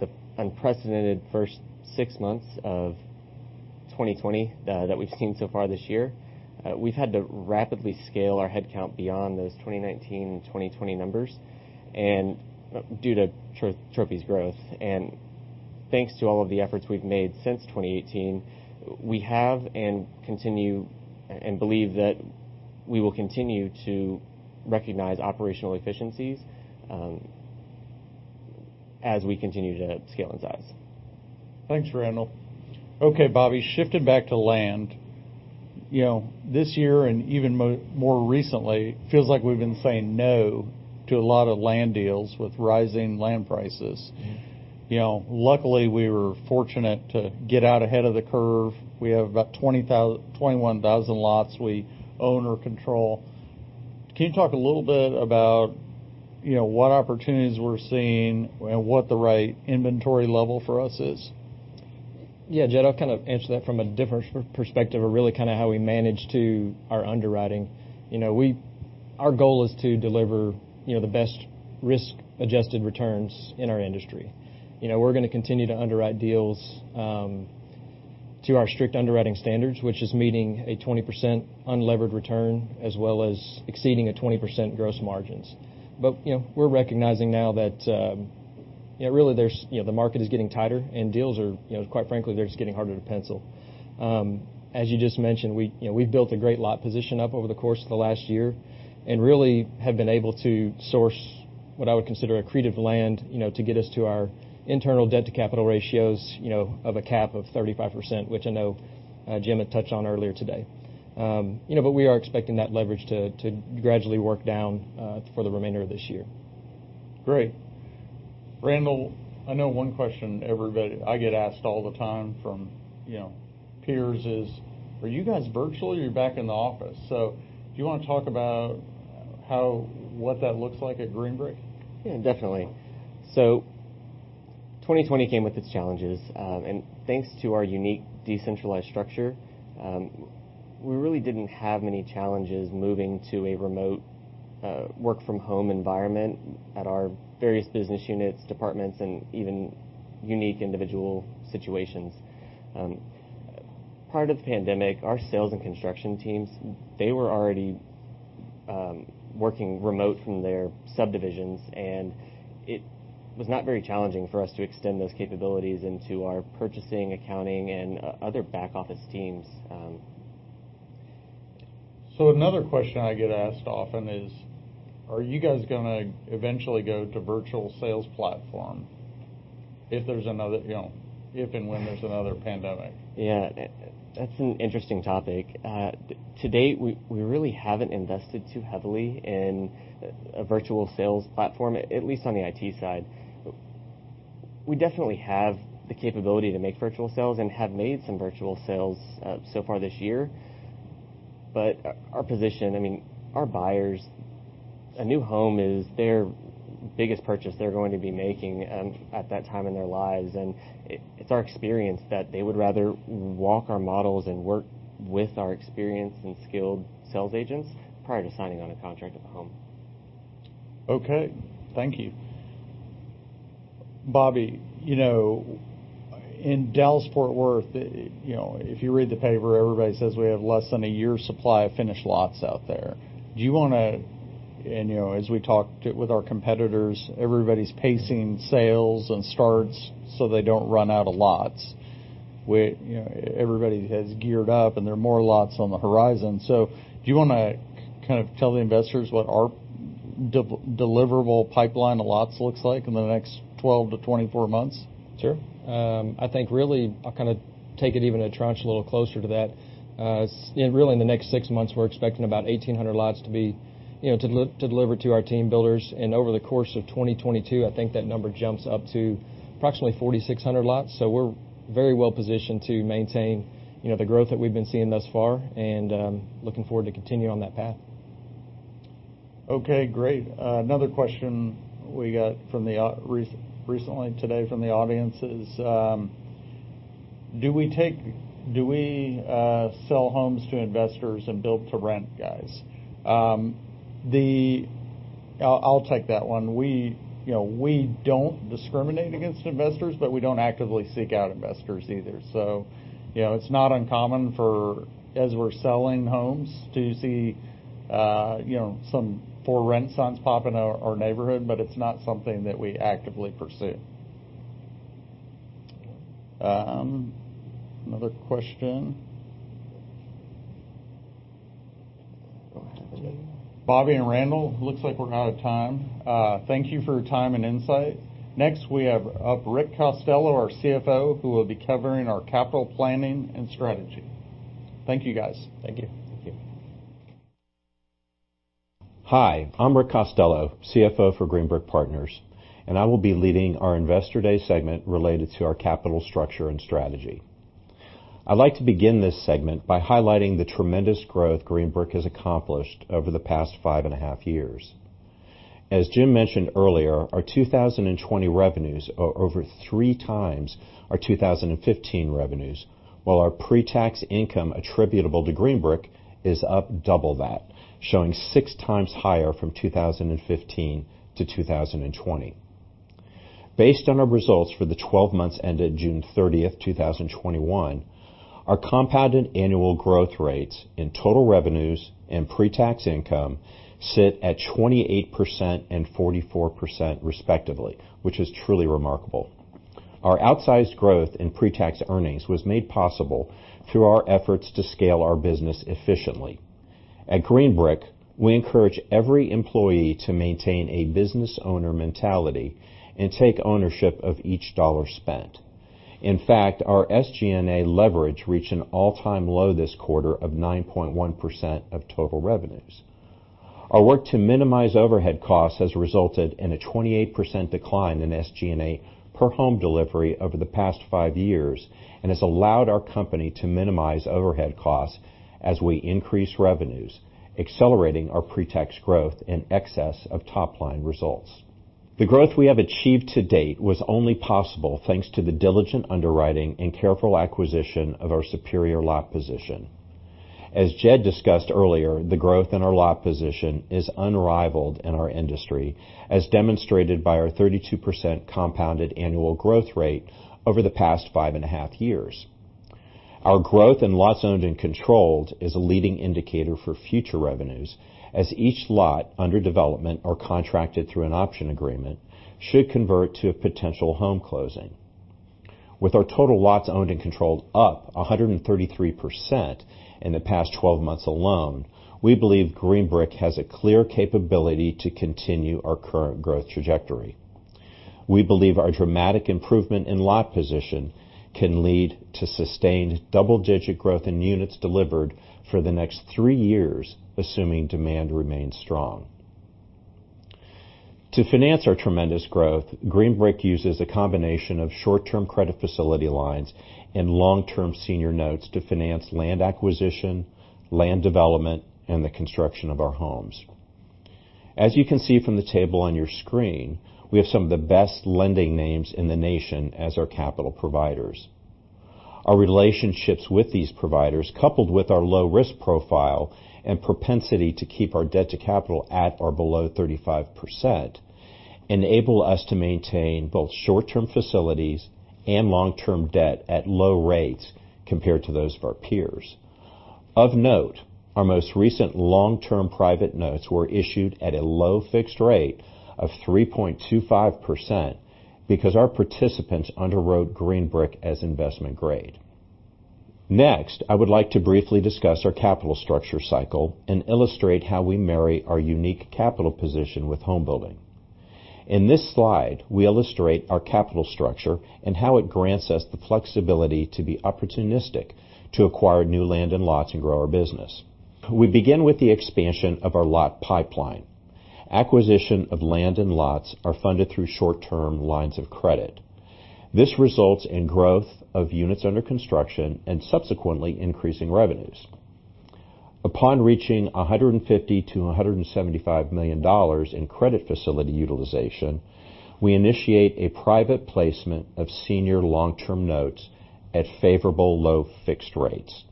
B: the unprecedented first six months of 2020 that we've seen so far this year, we've had to rapidly scale our headcount beyond those 2019, 2020 numbers due to Trophy's growth. And thanks to all of the efforts we've made since 2018, we have and continue and believe that we will continue to recognize operational efficiencies as we continue to scale in size.
A: Thanks, Randall. Okay, Bobby, shifting back to land. This year and even more recently, it feels like we've been saying no to a lot of land deals with rising land prices. Luckily, we were fortunate to get out ahead of the curve. We have about 21,000 lots we own or control. Can you talk a little bit about what opportunities we're seeing and what the right inventory level for us is?
B: Yeah, Jed, I'll kind of answer that from a different perspective of really kind of how we manage our underwriting. Our goal is to deliver the best risk-adjusted returns in our industry. We're going to continue to underwrite deals to our strict underwriting standards, which is meeting a 20% unlevered return as well as exceeding a 20% gross margins. But we're recognizing now that really the market is getting tighter and deals are, quite frankly, they're just getting harder to pencil. As you just mentioned, we've built a great lot position up over the course of the last year and really have been able to source what I would consider a creative land to get us to our internal debt-to-capital ratios of a cap of 35%, which I know Jim had touched on earlier today. But we are expecting that leverage to gradually work down for the remainder of this year.
A: Great. Randall, I know one question I get asked all the time from peers is, are you guys virtual or are you back in the office? So do you want to talk about what that looks like at Green Brick?
B: Yeah, definitely. So 2020 came with its challenges. And thanks to our unique decentralized structure, we really didn't have many challenges moving to a remote work-from-home environment at our various business units, departments, and even unique individual situations. Prior to the pandemic, our sales and construction teams, they were already working remote from their subdivisions, and it was not very challenging for us to extend those capabilities into our purchasing, accounting, and other back-office teams.
A: So another question I get asked often is, are you guys going to eventually go to virtual sales platform if there's another if and when there's another pandemic?
B: Yeah, that's an interesting topic. To date, we really haven't invested too heavily in a virtual sales platform, at least on the IT side. We definitely have the capability to make virtual sales and have made some virtual sales so far this year. But our position, I mean, our buyers, a new home is their biggest purchase they're going to be making at that time in their lives. And it's our experience that they would rather walk our models and work with our experienced and skilled sales agents prior to signing on a contract of a home.
A: Okay. Thank you. Bobby, in Dallas, Fort Worth, if you read the paper, everybody says we have less than a year's supply of finished lots out there. Do you want to, and as we talked with our competitors, everybody's pacing sales and starts so they don't run out of lots. Everybody has geared up and there are more lots on the horizon. So do you want to kind of tell the investors what our deliverable pipeline of lots looks like in the next 12 to 24 months?
B: Sure. I think really I'll kind of take it even a tranche a little closer to that. Really, in the next six months, we're expecting about 1,800 lots to be delivered to our team builders. And over the course of 2022, I think that number jumps up to approximately 4,600 lots. So we're very well positioned to maintain the growth that we've been seeing thus far and looking forward to continuing on that path.
A: Okay, great. Another question we got recently today from the audience is, do we sell homes to investors and build-to-rent guys? I'll take that one. We don't discriminate against investors, but we don't actively seek out investors either. So it's not uncommon for, as we're selling homes, to see some for rent signs pop in our neighborhood, but it's not something that we actively pursue. Another question. Bobby and Randall, looks like we're out of time. Thank you for your time and insight. Next, we have Rick Costello, our CFO, who will be covering our capital planning and strategy. Thank you, guys.
B: Thank you. Thank you.
D: Hi, I'm Rick Costello, CFO for Green Brick Partners, and I will be leading our Investor Day segment related to our capital structure and strategy. I'd like to begin this segment by highlighting the tremendous growth Green Brick has accomplished over the past five and a half years. As Jim mentioned earlier, our 2020 revenues are over three times our 2015 revenues, while our pre-tax income attributable to Green Brick is up double that, showing six times higher from 2015 to 2020. Based on our results for the 12 months ended June 30th, 2021, our compounded annual growth rates in total revenues and pre-tax income sit at 28% and 44%, respectively, which is truly remarkable. Our outsized growth in pre-tax earnings was made possible through our efforts to scale our business efficiently. At Green Brick, we encourage every employee to maintain a business owner mentality and take ownership of each dollar spent. In fact, our SG&A leverage reached an all-time low this quarter of 9.1% of total revenues. Our work to minimize overhead costs has resulted in a 28% decline in SG&A per home delivery over the past five years and has allowed our company to minimize overhead costs as we increase revenues, accelerating our pre-tax growth in excess of top-line results. The growth we have achieved to date was only possible thanks to the diligent underwriting and careful acquisition of our superior lot position. As Jed discussed earlier, the growth in our lot position is unrivaled in our industry, as demonstrated by our 32% compounded annual growth rate over the past five and a half years. Our growth in lots owned and controlled is a leading indicator for future revenues, as each lot under development or contracted through an option agreement should convert to a potential home closing. With our total lots owned and controlled up 133% in the past 12 months alone, we believe Green Brick has a clear capability to continue our current growth trajectory. We believe our dramatic improvement in lot position can lead to sustained double-digit growth in units delivered for the next three years, assuming demand remains strong. To finance our tremendous growth, Green Brick uses a combination of short-term credit facility lines and long-term senior notes to finance land acquisition, land development, and the construction of our homes. As you can see from the table on your screen, we have some of the best lending names in the nation as our capital providers. Our relationships with these providers, coupled with our low-risk profile and propensity to keep our debt-to-capital at or below 35%, enable us to maintain both short-term facilities and long-term debt at low rates compared to those of our peers. Of note, our most recent long-term private notes were issued at a low fixed rate of 3.25% because our participants underwrote Green Brick as investment grade. Next, I would like to briefly discuss our capital structure cycle and illustrate how we marry our unique capital position with home building. In this slide, we illustrate our capital structure and how it grants us the flexibility to be opportunistic to acquire new land and lots and grow our business. We begin with the expansion of our lot pipeline. Acquisition of land and lots are funded through short-term lines of credit. This results in growth of units under construction and subsequently increasing revenues. Upon reaching $150-$175 million in credit facility utilization, we initiate a private placement of senior long-term notes at favorable low fixed rates.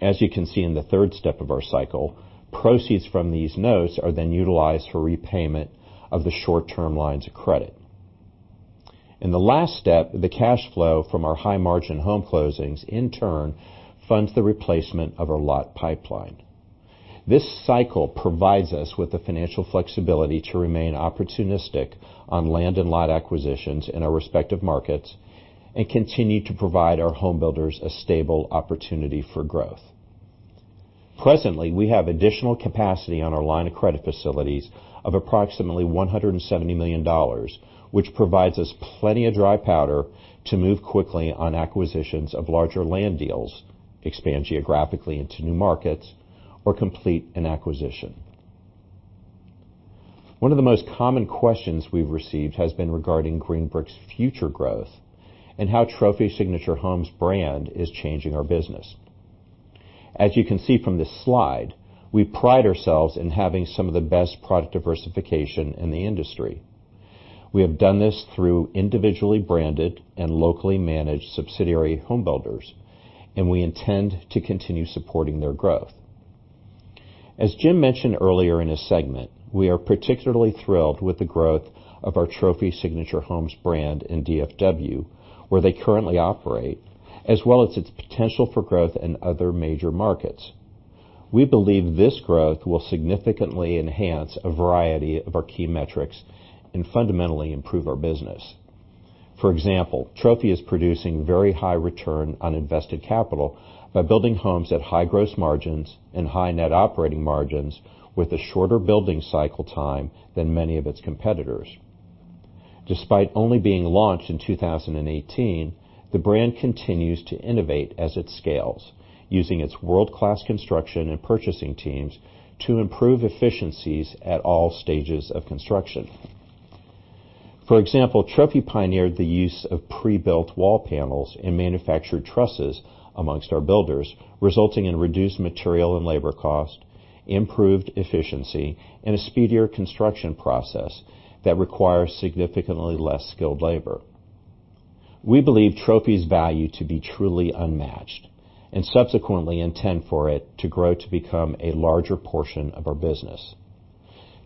D: As you can see in the third step of our cycle, proceeds from these notes are then utilized for repayment of the short-term lines of credit. In the last step, the cash flow from our high-margin home closings, in turn, funds the replacement of our lot pipeline. This cycle provides us with the financial flexibility to remain opportunistic on land and lot acquisitions in our respective markets and continue to provide our home builders a stable opportunity for growth. Presently, we have additional capacity on our line of credit facilities of approximately $170 million, which provides us plenty of dry powder to move quickly on acquisitions of larger land deals, expand geographically into new markets, or complete an acquisition. One of the most common questions we've received has been regarding Green Brick's future growth and how Trophy Signature Homes brand is changing our business. As you can see from this slide, we pride ourselves in having some of the best product diversification in the industry. We have done this through individually branded and locally managed subsidiary home builders, and we intend to continue supporting their growth. As Jim mentioned earlier in his segment, we are particularly thrilled with the growth of our Trophy Signature Homes brand in DFW, where they currently operate, as well as its potential for growth in other major markets. We believe this growth will significantly enhance a variety of our key metrics and fundamentally improve our business. For example, Trophy is producing very high return on invested capital by building homes at high gross margins and high net operating margins with a shorter building cycle time than many of its competitors. Despite only being launched in 2018, the brand continues to innovate as it scales, using its world-class construction and purchasing teams to improve efficiencies at all stages of construction. For example, Trophy pioneered the use of pre-built wall panels and manufactured trusses amongst our builders, resulting in reduced material and labor cost, improved efficiency, and a speedier construction process that requires significantly less skilled labor. We believe Trophy's value to be truly unmatched and subsequently intend for it to grow to become a larger portion of our business.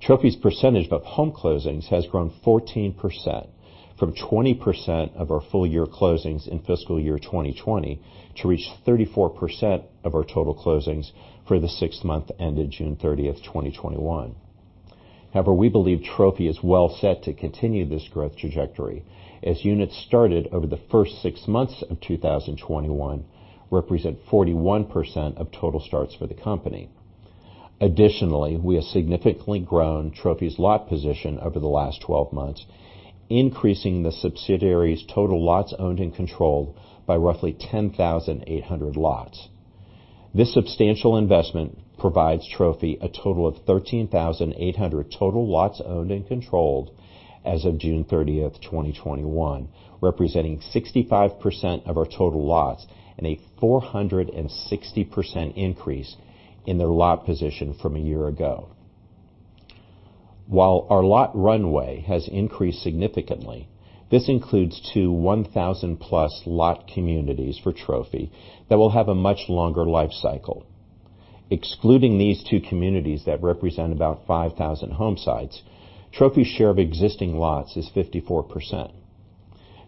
D: Trophy's percentage of home closings has grown 14% from 20% of our full-year closings in fiscal year 2020 to reach 34% of our total closings for the sixth month ended June 30th, 2021. However, we believe Trophy is well set to continue this growth trajectory, as units started over the first six months of 2021 represent 41% of total starts for the company. Additionally, we have significantly grown Trophy's lot position over the last 12 months, increasing the subsidiary's total lots owned and controlled by roughly 10,800 lots. This substantial investment provides Trophy a total of 13,800 total lots owned and controlled as of June 30th, 2021, representing 65% of our total lots and a 460% increase in their lot position from a year ago. While our lot runway has increased significantly, this includes two 1,000-plus lot communities for Trophy that will have a much longer life cycle. Excluding these two communities that represent about 5,000 home sites, Trophy's share of existing lots is 54%.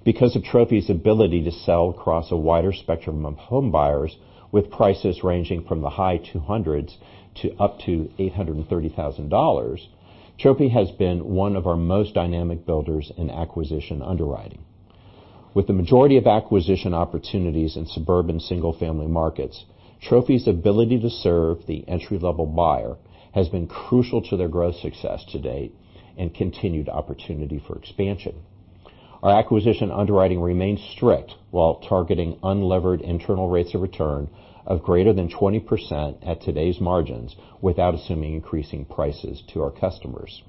D: Because of Trophy's ability to sell across a wider spectrum of home buyers with prices ranging from the high 200s to up to $830,000, Trophy has been one of our most dynamic builders in acquisition underwriting. With the majority of acquisition opportunities in suburban single-family markets, Trophy's ability to serve the entry-level buyer has been crucial to their growth success to date and continued opportunity for expansion. Our acquisition underwriting remains strict while targeting unlevered internal rates of return of greater than 20% at today's margins without assuming increasing prices to our customers.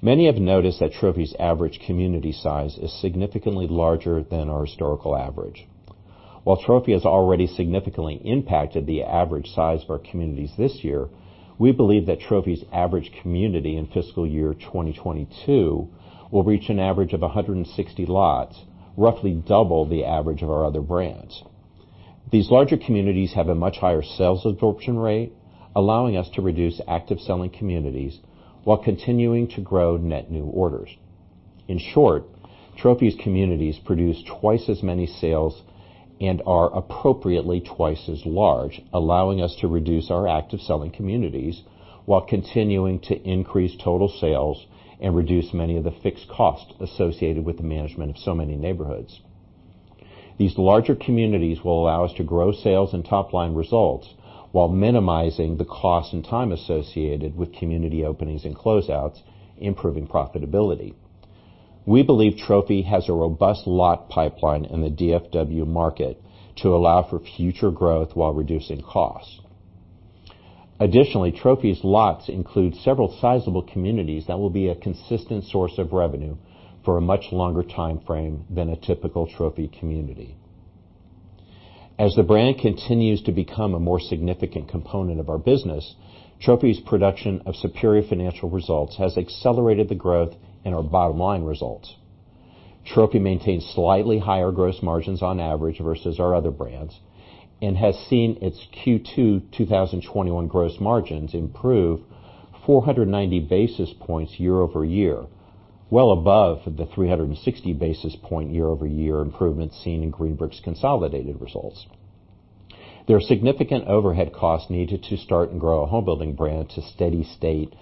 D: Many have noticed that Trophy's average community size is significantly larger than our historical average. While Trophy has already significantly impacted the average size of our communities this year, we believe that Trophy's average community in fiscal year 2022 will reach an average of 160 lots, roughly double the average of our other brands. These larger communities have a much higher sales absorption rate, allowing us to reduce active selling communities while continuing to grow net new orders. In short, Trophy's communities produce twice as many sales and are appropriately twice as large, allowing us to reduce our active selling communities while continuing to increase total sales and reduce many of the fixed costs associated with the management of so many neighborhoods. These larger communities will allow us to grow sales and top-line results while minimizing the cost and time associated with community openings and closeouts, improving profitability. We believe Trophy has a robust lot pipeline in the DFW market to allow for future growth while reducing costs. Additionally, Trophy's lots include several sizable communities that will be a consistent source of revenue for a much longer timeframe than a typical Trophy community. As the brand continues to become a more significant component of our business, Trophy's production of superior financial results has accelerated the growth in our bottom-line results. Trophy maintains slightly higher gross margins on average versus our other brands and has seen its Q2 2021 gross margins improve 490 basis points year-over-year, well above the 360 basis point year-over- year improvement seen in Green Brick's consolidated results. There are significant overhead costs needed to start and grow a home building brand to steady-state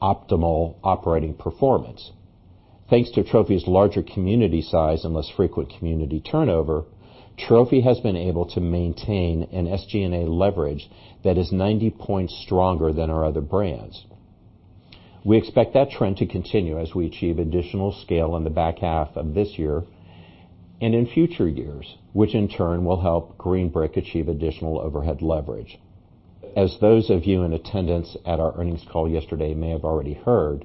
D: optimal operating performance. Thanks to Trophy's larger community size and less frequent community turnover, Trophy has been able to maintain an SG&A leverage that is 90 points stronger than our other brands. We expect that trend to continue as we achieve additional scale in the back half of this year and in future years, which in turn will help Green Brick achieve additional overhead leverage. As those of you in attendance at our earnings call yesterday may have already heard,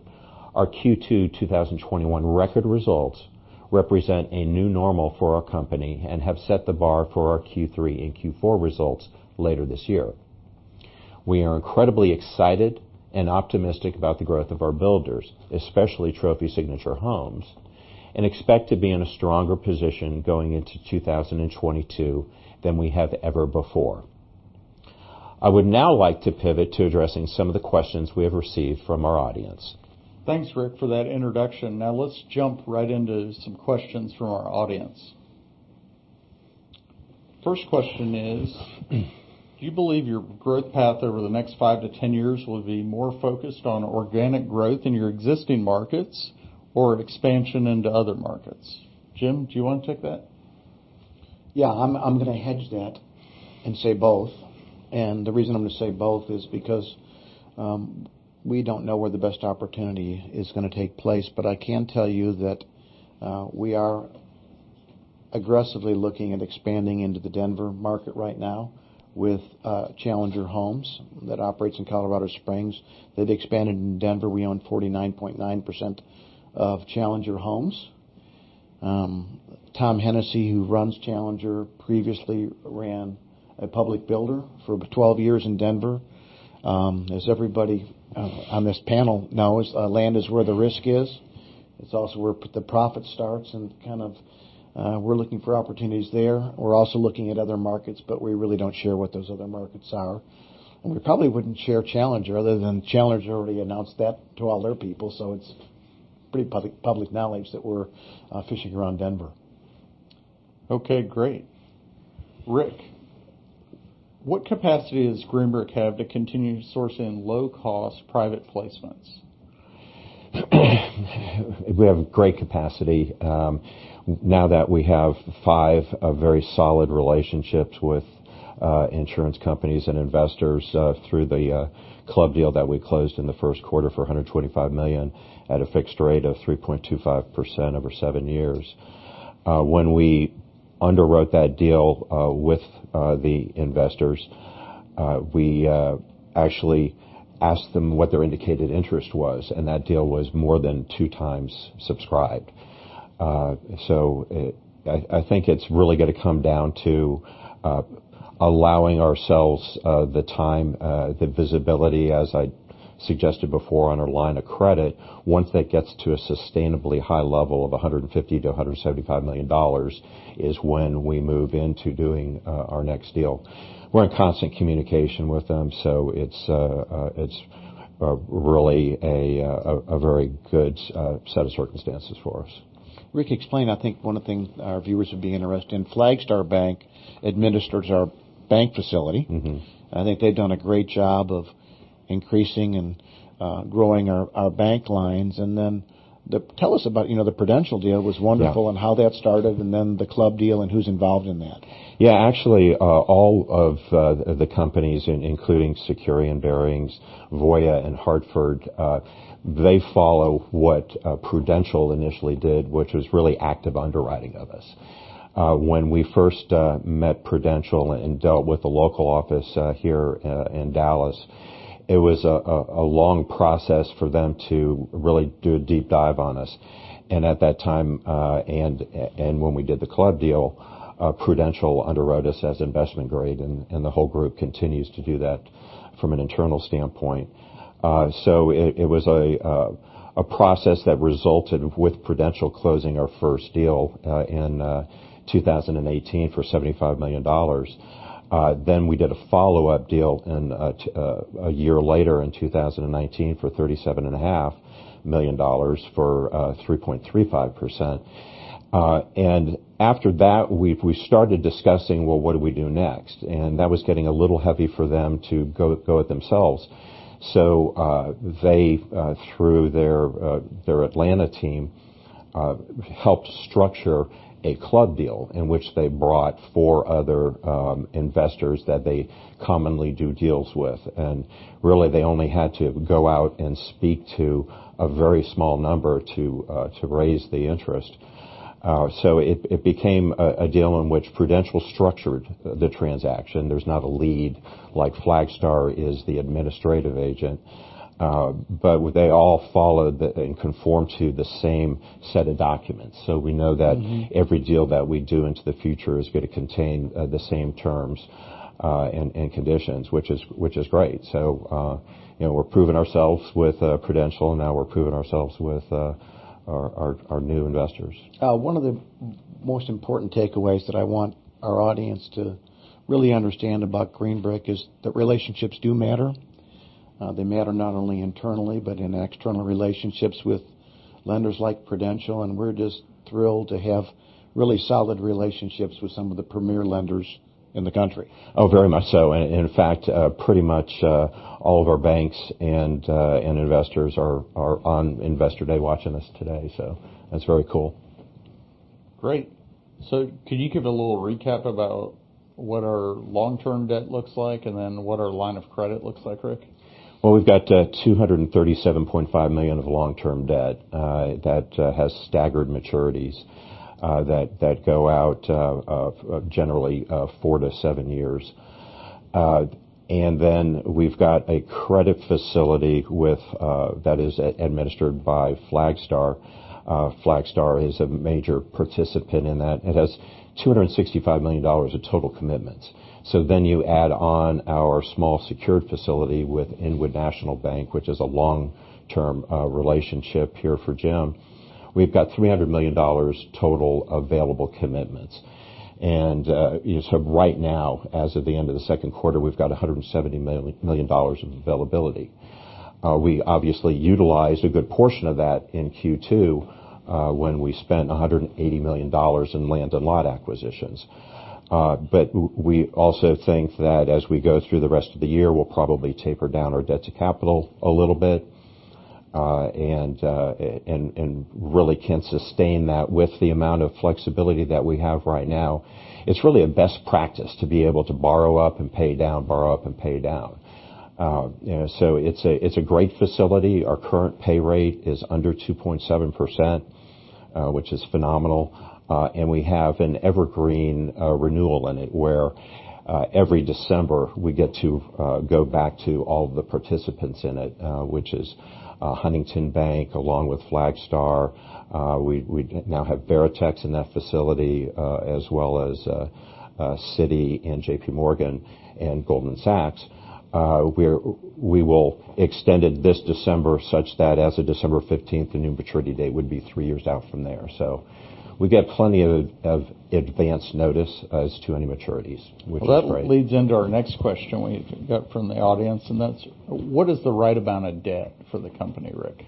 D: our Q2 2021 record results represent a new normal for our company and have set the bar for our Q3 and Q4 results later this year. We are incredibly excited and optimistic about the growth of our builders, especially Trophy Signature Homes, and expect to be in a stronger position going into 2022 than we have ever before. I would now like to pivot to addressing some of the questions we have received from our audience.
C: Thanks, Rick, for that introduction. Now, let's jump right into some questions from our audience. First question is, do you believe your growth path over the next 5 to 10 years will be more focused on organic growth in your existing markets or expansion into other markets? Jim, do you want to take that? Yeah, I'm going to hedge that and say both. And the reason I'm going to say both is because we don't know where the best opportunity is going to take place. But I can tell you that we are aggressively looking at expanding into the Denver market right now with Challenger Homes that operates in Colorado Springs. They've expanded in Denver. We own 49.9% of Challenger Homes. Tom Hennessey, who runs Challenger, previously ran a public builder for 12 years in Denver. As everybody on this panel knows, land is where the risk is. It's also where the profit starts. And kind of we're looking for opportunities there. We're also looking at other markets, but we really don't share what those other markets are. And we probably wouldn't share Challenger other than Challenger already announced that to all their people. So it's pretty public knowledge that we're fishing around Denver. Okay, great. Rick, what capacity does Green Brick have to continue sourcing low-cost private placements?
D: We have great capacity. Now that we have five very solid relationships with insurance companies and investors through the club deal that we closed in the first quarter for $125 million at a fixed rate of 3.25% over seven years. When we underwrote that deal with the investors, we actually asked them what their indicated interest was, and that deal was more than two times subscribed. So I think it's really going to come down to allowing ourselves the time, the visibility, as I suggested before, on our line of credit. Once that gets to a sustainably high level of $150 to $175 million is when we move into doing our next deal. We're in constant communication with them, so it's really a very good set of circumstances for us.
A: Rick, explain, I think one of the things our viewers would be interested in, Flagstar Bank administers our bank facility. I think they've done a great job of increasing and growing our bank lines. And then tell us about the Prudential deal was wonderful and how that started, and then the club deal and who's involved in that.
D: Yeah, actually, all of the companies, including Security and Bearings, Voya, and Hartford, they follow what Prudential initially did, which was really active underwriting of us. When we first met Prudential and dealt with the local office here in Dallas, it was a long process for them to really do a deep dive on us. And at that time, and when we did the club deal, Prudential underwrote us as investment grade, and the whole group continues to do that from an internal standpoint. So it was a process that resulted with Prudential closing our first deal in 2018 for $75 million. Then we did a follow-up deal a year later in 2019 for $37.5 million for 3.35%. And after that, we started discussing, well, what do we do next? And that was getting a little heavy for them to go at themselves. So they, through their Atlanta team, helped structure a club deal in which they brought four other investors that they commonly do deals with. And really, they only had to go out and speak to a very small number to raise the interest. So it became a deal in which Prudential structured the transaction. There's not a lead like Flagstar is the administrative agent, but they all followed and conformed to the same set of documents. So we know that every deal that we do into the future is going to contain the same terms and conditions, which is great. So we're proving ourselves with Prudential, and now we're proving ourselves with our new investors. One of the most important takeaways that I want our audience to really understand about Green Brick is that relationships do matter. They matter not only internally, but in external relationships with lenders like Prudential. And we're just thrilled to have really solid relationships with some of the premier lenders in the country. Oh, very much so. And in fact, pretty much all of our banks and investors are on investor day watching us today. So that's very cool. Great. So can you give a little recap about what our long-term debt looks like and then what our line of credit looks like, Rick? Well, we've got 237.5 million of long-term debt that has staggered maturities that go out generally four to seven years. And then we've got a credit facility that is administered by Flagstar. Flagstar is a major participant in that. It has $265 million of total commitments. So then you add on our small secured facility with Inwood National Bank, which is a long-term relationship here for Jim. We've got $300 million total available commitments. And so right now, as of the end of the second quarter, we've got $170 million of availability. We obviously utilized a good portion of that in Q2 when we spent $180 million in land and lot acquisitions. But we also think that as we go through the rest of the year, we'll probably taper down our debt to capital a little bit and really can sustain that with the amount of flexibility that we have right now. It's really a best practice to be able to borrow up and pay down, borrow up and pay down. So it's a great facility. Our current pay rate is under 2.7%, which is phenomenal. And we have an evergreen renewal in it where every December we get to go back to all of the participants in it, which is Huntington Bank along with Flagstar. We now have Veritex in that facility as well as Citi and JP Morgan and Goldman Sachs. We will extend it this December such that as of December 15th, the new maturity date would be three years out from there. So we get plenty of advance notice as to any maturities, which is great.
C: Well, that leads into our next question we got from the audience, and that's, what is the right amount of debt for the company, Rick?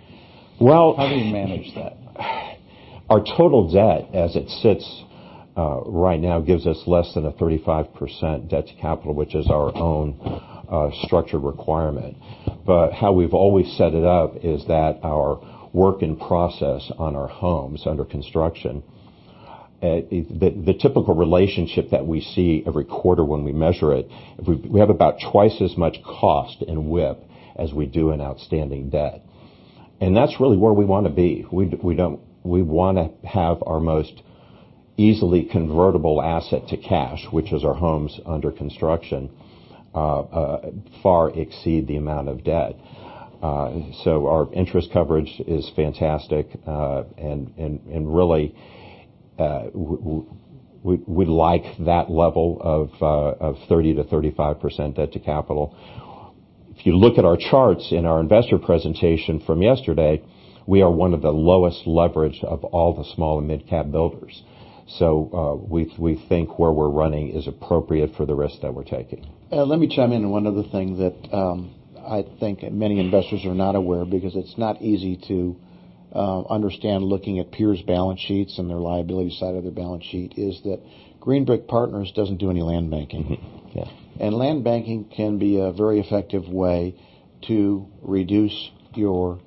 D: Well. How do you manage that? Our total debt as it sits right now gives us less than a 35% debt to capital, which is our own structured requirement. But how we've always set it up is that our work in process on our homes under construction, the typical relationship that we see every quarter when we measure it, we have about twice as much cost in WIP as we do in outstanding debt. And that's really where we want to be. We want to have our most easily convertible asset to cash, which is our homes under construction, far exceed the amount of debt. So our interest coverage is fantastic. And really, we like that level of 30 to 35% debt to capital. If you look at our charts in our investor presentation from yesterday, we are one of the lowest leveraged of all the small and mid-cap builders. So we think where we're running is appropriate for the risk that we're taking. Let me chime in on one other thing that I think many investors are not aware because it's not easy to understand looking at peers' balance sheets and their liability side of their balance sheet is that Green Brick Partners doesn't do any land banking. And land banking can be a very effective way to reduce your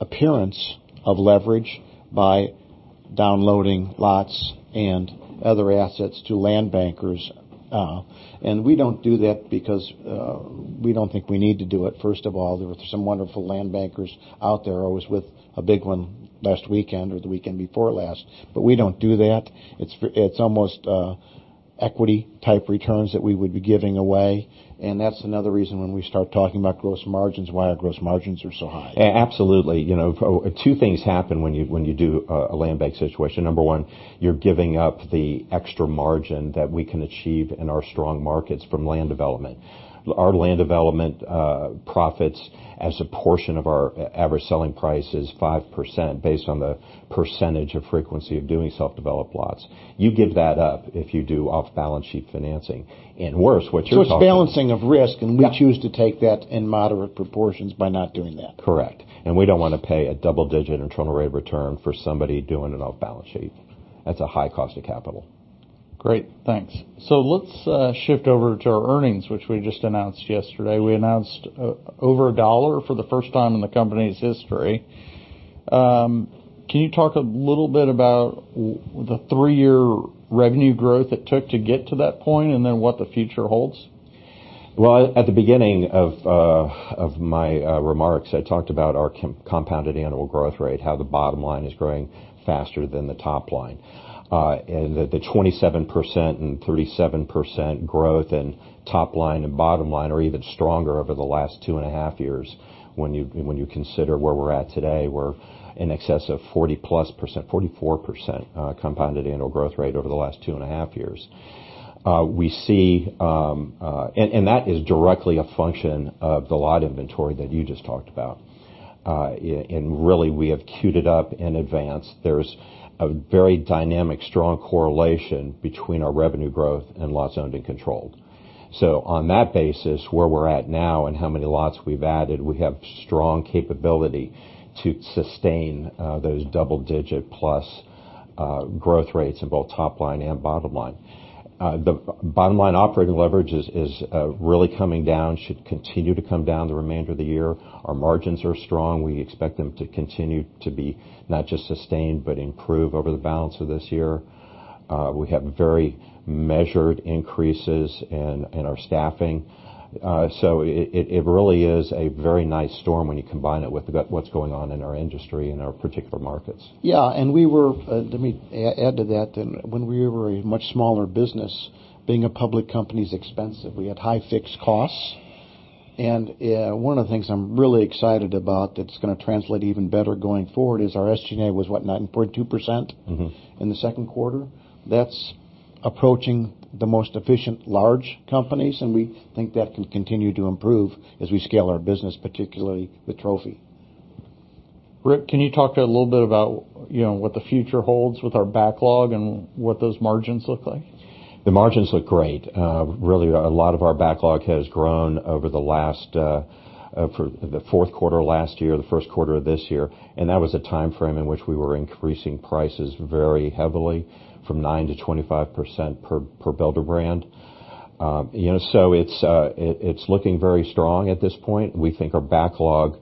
D: appearance of leverage by downloading lots and other assets to land bankers. And we don't do that because we don't think we need to do it. First of all, there are some wonderful land bankers out there. I was with a big one last weekend or the weekend before last, but we don't do that. It's almost equity-type returns that we would be giving away. And that's another reason when we start talking about gross margins why our gross margins are so high. Absolutely. Two things happen when you do a land bank situation. Number one, you're giving up the extra margin that we can achieve in our strong markets from land development. Our land development profits as a portion of our average selling price is 5% based on the percentage of frequency of doing self-developed lots. You give that up if you do off-balance sheet financing. And worse, what you're talking about. So it's balancing of risk, and we choose to take that in moderate proportions by not doing that. Correct. And we don't want to pay a double-digit internal rate of return for somebody doing an off-balance sheet. That's a high cost of capital. Great.
C: Thanks. So let's shift over to our earnings, which we just announced yesterday. We announced over a dollar for the first time in the company's history. Can you talk a little bit about the three-year revenue growth it took to get to that point and then what the future holds?
D: Well, at the beginning of my remarks, I talked about our compounded annual growth rate, how the bottom line is growing faster than the top line. And the 27% and 37% growth in top line and bottom line are even stronger over the last two and a half years when you consider where we're at today. We're in excess of 40-plus percent, 44% compounded annual growth rate over the last two and a half years. We see, and that is directly a function of the lot inventory that you just talked about. And really, we have queued it up in advance. There's a very dynamic, strong correlation between our revenue growth and lots owned and controlled. So on that basis, where we're at now and how many lots we've added, we have strong capability to sustain those double-digit-plus growth rates in both top line and bottom line. The bottom line operating leverage is really coming down, should continue to come down the remainder of the year. Our margins are strong. We expect them to continue to be not just sustained, but improve over the balance of this year. We have very measured increases in our staffing. So it really is a very nice storm when you combine it with what's going on in our industry and our particular markets.
A: Yeah. And let me add to that. When we were a much smaller business, being a public company is expensive. We had high fixed costs. And one of the things I'm really excited about that's going to translate even better going forward is our SG&A was what, 9.2% in the second quarter? That's approaching the most efficient large companies. And we think that can continue to improve as we scale our business, particularly with Trophy.
C: Rick, can you talk a little bit about what the future holds with our backlog and what those margins look like?
D: The margins look great. Really, a lot of our backlog has grown over the last, for the fourth quarter last year, the first quarter of this year. And that was a timeframe in which we were increasing prices very heavily from 9 to 25 percent per builder brand. So it's looking very strong at this point. We think our backlog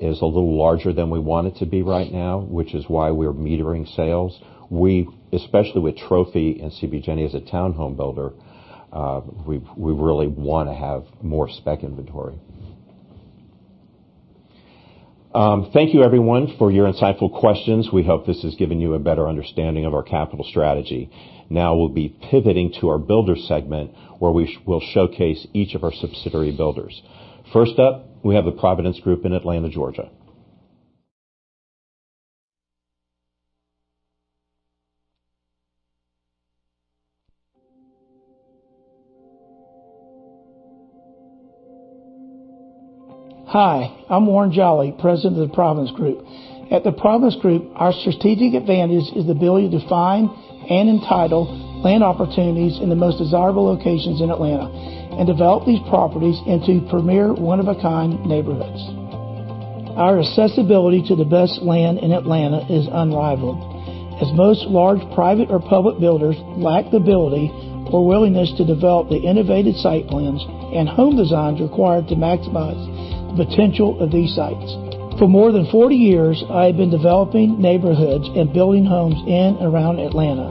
D: is a little larger than we want it to be right now, which is why we're metering sales. We, especially with Trophy and CBGE as a townhome builder, we really want to have more spec inventory. Thank you, everyone, for your insightful questions. We hope this has given you a better understanding of our capital strategy. Now we'll be pivoting to our builder segment where we will showcase each of our subsidiary builders. First up, we have the Providence Group in Atlanta, Georgia.
E: Hi. I'm Warren Jolly, President of the Providence Group. At the Providence Group, our strategic advantage is the ability to define and entitle land opportunities in the most desirable locations in Atlanta and develop these properties into premier one-of-a-kind neighborhoods. Our accessibility to the best land in Atlanta is unrivaled, as most large private or public builders lack the ability or willingness to develop the innovative site plans and home designs required to maximize the potential of these sites. For more than 40 years, I have been developing neighborhoods and building homes in and around Atlanta.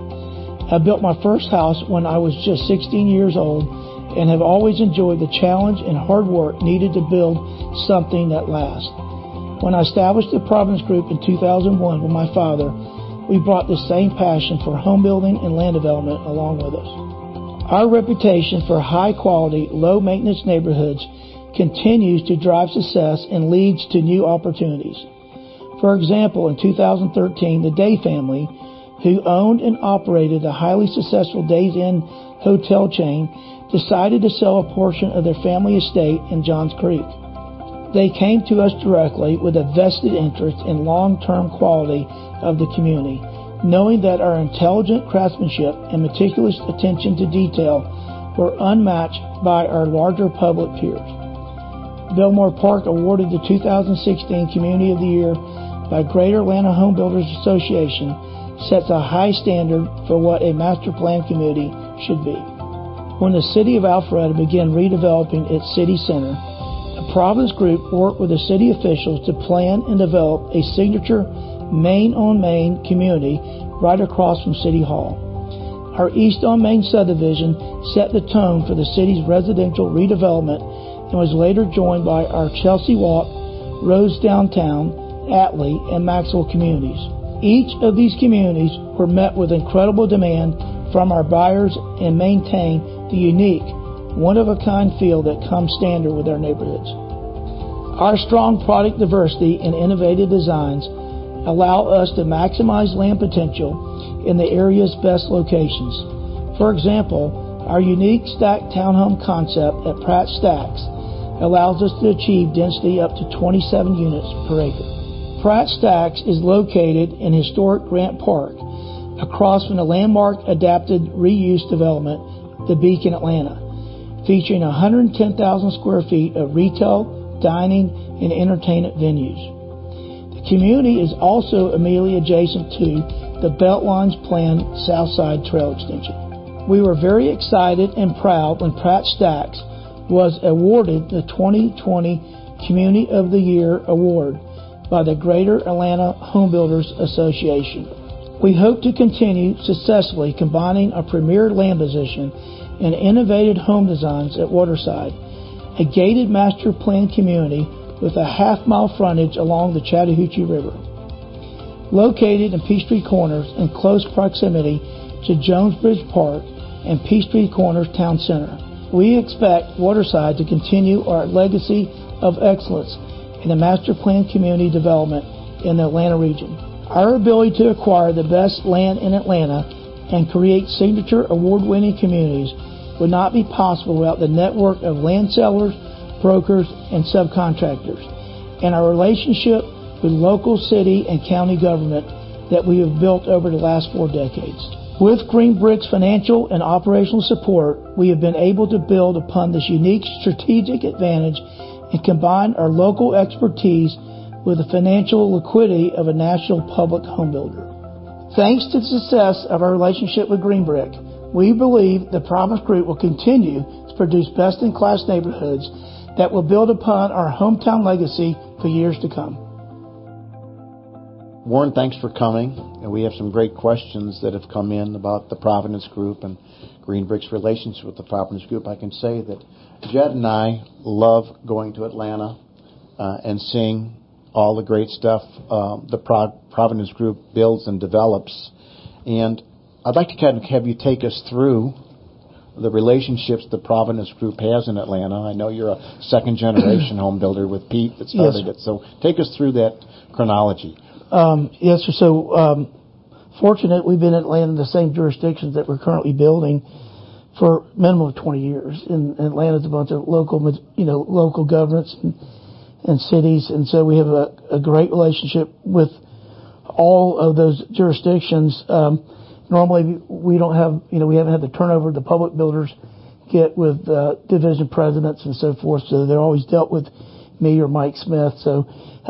E: I built my first house when I was just 16 years old and have always enjoyed the challenge and hard work needed to build something that lasts. When I established the Providence Group in 2001 with my father, we brought the same passion for home building and land development along with us. Our reputation for high-quality, low-maintenance neighborhoods continues to drive success and leads to new opportunities. For example, in 2013, the Day family, who owned and operated a highly successful Day's Inn hotel chain, decided to sell a portion of their family estate in Johns Creek. They came to us directly with a vested interest in long-term quality of the community, knowing that our intelligent craftsmanship and meticulous attention to detail were unmatched by our larger public peers. Bilmore Park awarded the 2016 Community of the Year by Greater Atlanta Home Builders Association sets a high standard for what a master plan committee should be. When the city of Alpharetta began redeveloping its city center, the Providence Group worked with the city officials to plan and develop a signature main-on-main community right across from City Hall. Our east-on-main subdivision set the tone for the city's residential redevelopment and was later joined by our Chelsea Walk, Rose Downtown, Atley, and Maxwell communities. Each of these communities were met with incredible demand from our buyers and maintain the unique, one-of-a-kind feel that comes standard with our neighborhoods. Our strong product diversity and innovative designs allow us to maximize land potential in the area's best locations. For example, our unique stacked townhome concept at Pratt Stacks allows us to achieve density up to 27 units per acre. Pratt Stacks is located in historic Grant Park, across from the landmark adapted reuse development, the Beacon Atlanta, featuring 110,000 square feet of retail, dining, and entertainment venues. The community is also immediately adjacent to the Beltlines Plan Southside Trail Extension. We were very excited and proud when Pratt Stacks was awarded the 2020 Community of the Year award by the Greater Atlanta Home Builders Association. We hope to continue successfully combining our premier land position and innovative home designs at Waterside, a gated master plan community with a half-mile frontage along the Chattahoochee River, located in Peachtree Corners in close proximity to Jonesbridge Park and Peachtree Corners Town Center. We expect Waterside to continue our legacy of excellence in the master plan community development in the Atlanta region. Our ability to acquire the best land in Atlanta and create signature award-winning communities would not be possible without the network of land sellers, brokers, and subcontractors, and our relationship with local city and county government that we have built over the last four decades. With Green Brick's financial and operational support, we have been able to build upon this unique strategic advantage and combine our local expertise with the financial liquidity of a national public home builder. Thanks to the success of our relationship with Green Brick, we believe the Providence Group will continue to produce best-in-class neighborhoods that will build upon our hometown legacy for years to come.
A: Warren, thanks for coming. And we have some great questions that have come in about the Providence Group and Green Brick's relationship with the Providence Group. I can say that Jett and I love going to Atlanta and seeing all the great stuff the Providence Group builds and develops. And I'd like to have you take us through the relationships the Providence Group has in Atlanta. I know you're a second-generation home builder with Pete that started it. So take us through that chronology. Yes. So fortunately, we've been in Atlanta, the same jurisdictions that we're currently building for a minimum of 20 years. And Atlanta is a bunch of local governments and cities. And so we have a great relationship with all of those jurisdictions. Normally, we don't have we haven't had the turnover the public builders get with division presidents and so forth. So they're always dealt with me or Mike Smith.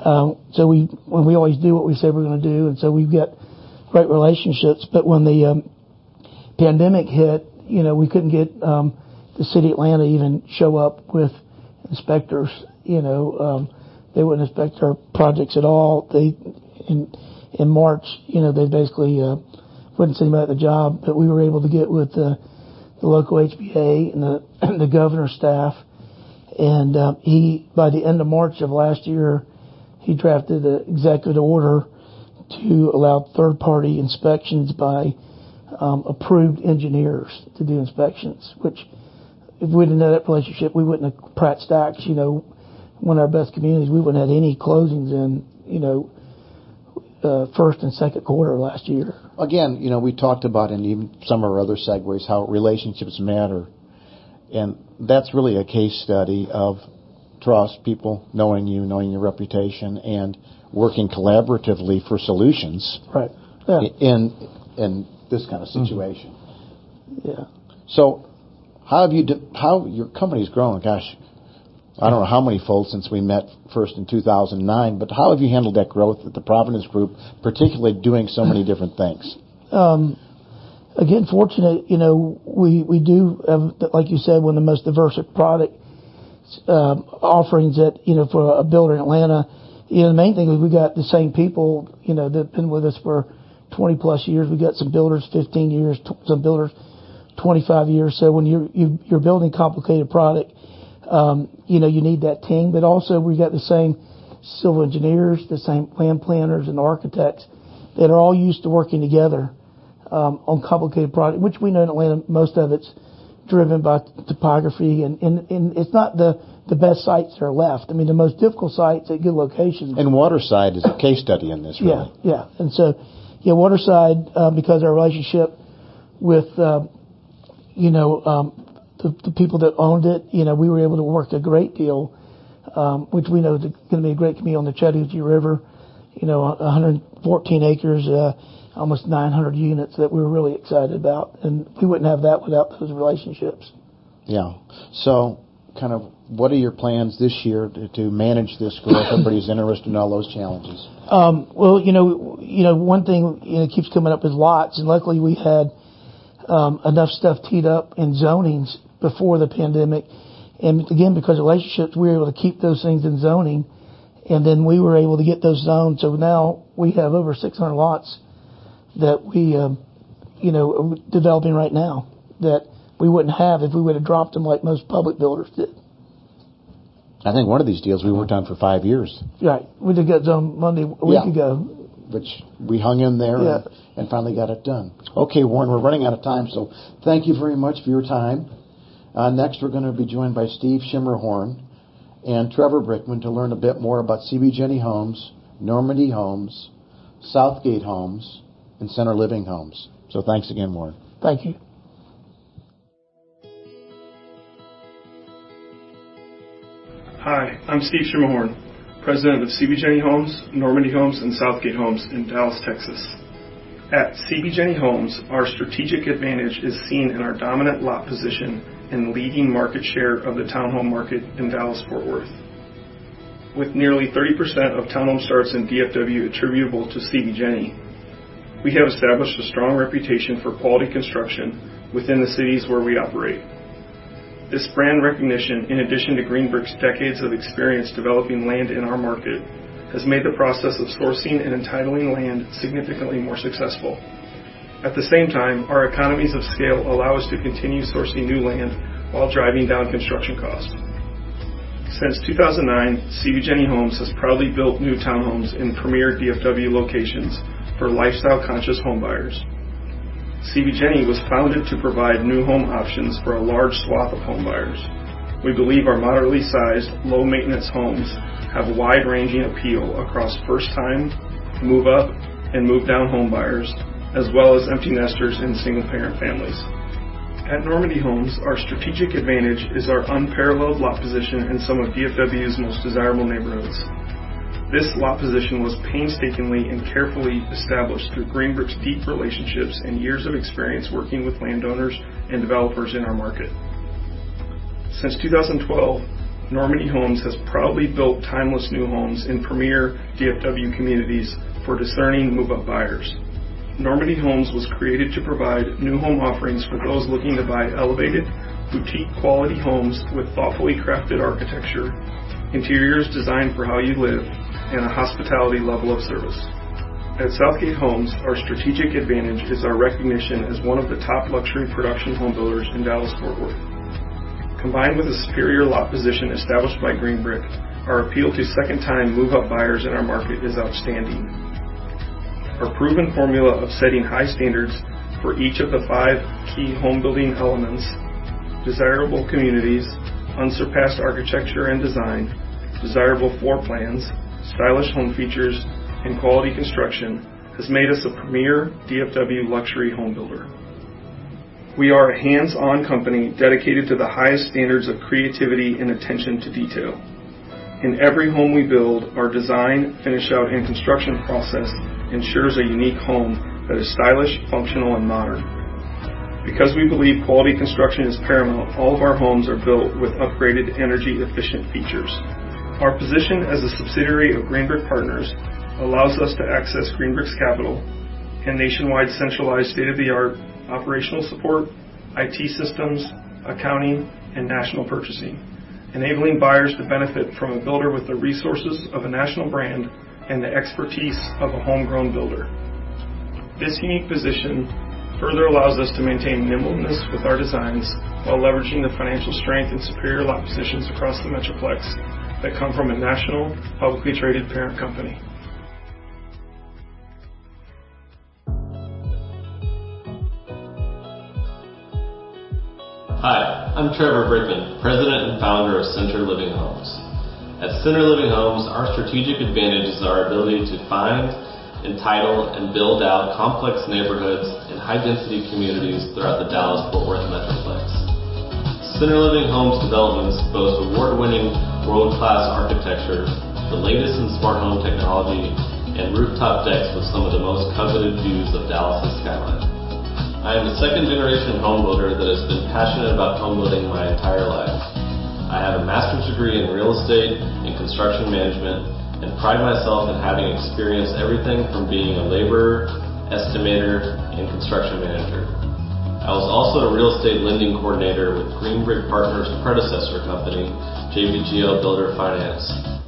A: So we always do what we say we're going to do. And so we've got great relationships. But when the pandemic hit, we couldn't get the city of Atlanta even show up with inspectors. They wouldn't inspect our projects at all. In March, they basically wouldn't send anybody the job that we were able to get with the local HBA and the governor's staff. And by the end of March of last year, he drafted an executive order to allow third-party inspections by approved engineers to do inspections, which if we didn't have that relationship, we wouldn't have Pratt Stacks, one of our best communities. We wouldn't have had any closings in first and second quarter last year.
C: Again, we talked about in some of our other segues how relationships matter. And that's really a case study of trust, people knowing you, knowing your reputation, and working collaboratively for solutions in this kind of situation. So how have your company's grown? Gosh, I don't know how many folds since we met first in 2009, but how have you handled that growth with the Providence Group, particularly doing so many different things?
A: Again, fortunately, we do have, like you said, one of the most diverse product offerings for a builder in Atlanta. The main thing is we got the same people that have been with us for 20-plus years. We've got some builders 15 years, some builders 25 years. So when you're building complicated product, you need that team. But also, we've got the same civil engineers, the same land planners, and architects that are all used to working together on complicated product, which we know in Atlanta, most of it's driven by topography. And it's not the best sites that are left. I mean, the most difficult sites at good locations. And Waterside is a case study in this, really. Yeah. Yeah. And so Waterside, because of our relationship with the people that owned it, we were able to work a great deal, which we know is going to be a great community on the Chattahoochee River, 114 acres, almost 900 units that we were really excited about. And we wouldn't have that without those relationships.
C: Yeah. So kind of what are your plans this year to manage this growth? Everybody's interested in all those challenges.
A: Well, one thing that keeps coming up is lots. And luckily, we had enough stuff teed up in zonings before the pandemic. And again, because of relationships, we were able to keep those things in zoning. And then we were able to get those zoned. So now we have over 600 lots that we are developing right now that we wouldn't have if we would have dropped them like most public builders did.
D: I think one of these deals we worked on for five years. Right. We did get zoned a week ago. Yeah.
C: Which we hung in there and finally got it done. Okay, Warren, we're running out of time. So thank you very much for your time. Next, we're going to be joined by Steve Schimmerhorn and Trevor Brickman to learn a bit more about CBGE Homes, Normandie Homes, Southgate Homes, and Center Living Homes. So thanks again, Warren. Thank you.
F: Hi. I'm Steve Schimmerhorn, president of CBGE Homes, Normandie Homes, and Southgate Homes in Dallas, Texas. At CBGE Homes, our strategic advantage is seen in our dominant lot position and leading market share of the townhome market in Dallas-Fort Worth. With nearly 30% of townhome starts in DFW attributable to CBGE, we have established a strong reputation for quality construction within the cities where we operate. This brand recognition, in addition to Green Brick's decades of experience developing land in our market, has made the process of sourcing and entitling land significantly more successful. At the same time, our economies of scale allow us to continue sourcing new land while driving down construction costs. Since 2009, CBGE Homes has proudly built new townhomes in premier DFW locations for lifestyle-conscious homebuyers. CBGE was founded to provide new home options for a large swath of homebuyers. We believe our moderately sized, low-maintenance homes have wide-ranging appeal across first-time, move-up, and move-down homebuyers, as well as empty nesters and single-parent families. At Normandie Homes, our strategic advantage is our unparalleled lot position in some of DFW's most desirable neighborhoods. This lot position was painstakingly and carefully established through Green Brick's deep relationships and years of experience working with landowners and developers in our market. Since 2012, Normandie Homes has proudly built timeless new homes in premier DFW communities for discerning move-up buyers. Normandie Homes was created to provide new home offerings for those looking to buy elevated, boutique-quality homes with thoughtfully crafted architecture, interiors designed for how you live, and a hospitality level of service. At Southgate Homes, our strategic advantage is our recognition as one of the top luxury production home builders in Dallas-Fort Worth. Combined with a superior lot position established by Green Brick, our appeal to second-time move-up buyers in our market is outstanding. Our proven formula of setting high standards for each of the five key home building elements, desirable communities, unsurpassed architecture and design, desirable floor plans, stylish home features, and quality construction has made us a premier DFW luxury home builder. We are a hands-on company dedicated to the highest standards of creativity and attention to detail. In every home we build, our design, finish-out, and construction process ensures a unique home that is stylish, functional, and modern. Because we believe quality construction is paramount, all of our homes are built with upgraded energy-efficient features. Our position as a subsidiary of Green Brick Partners allows us to access Green Brick's capital and nationwide centralized state-of-the-art operational support, IT systems, accounting, and national purchasing, enabling buyers to benefit from a builder with the resources of a national brand and the expertise of a homegrown builder. This unique position further allows us to maintain nimbleness with our designs while leveraging the financial strength and superior lot positions across the metroplex that come from a national, publicly traded parent company.
G: Hi. I'm Trevor Brickman, president and founder of Center Living Homes. At Center Living Homes, our strategic advantage is our ability to find, entitle, and build out complex neighborhoods in high-density communities throughout the Dallas-Fort Worth metroplex. Center Living Homes developments boast award-winning world-class architecture, the latest in smart home technology, and rooftop decks with some of the most coveted views of Dallas's skyline. I am a second-generation home builder that has been passionate about home building my entire life. I have a master's degree in real estate and construction management and pride myself in having experienced everything from being a laborer, estimator, and construction manager. I was also a real estate lending coordinator with Green Brick Partners' predecessor company, JBGL Builder Finance,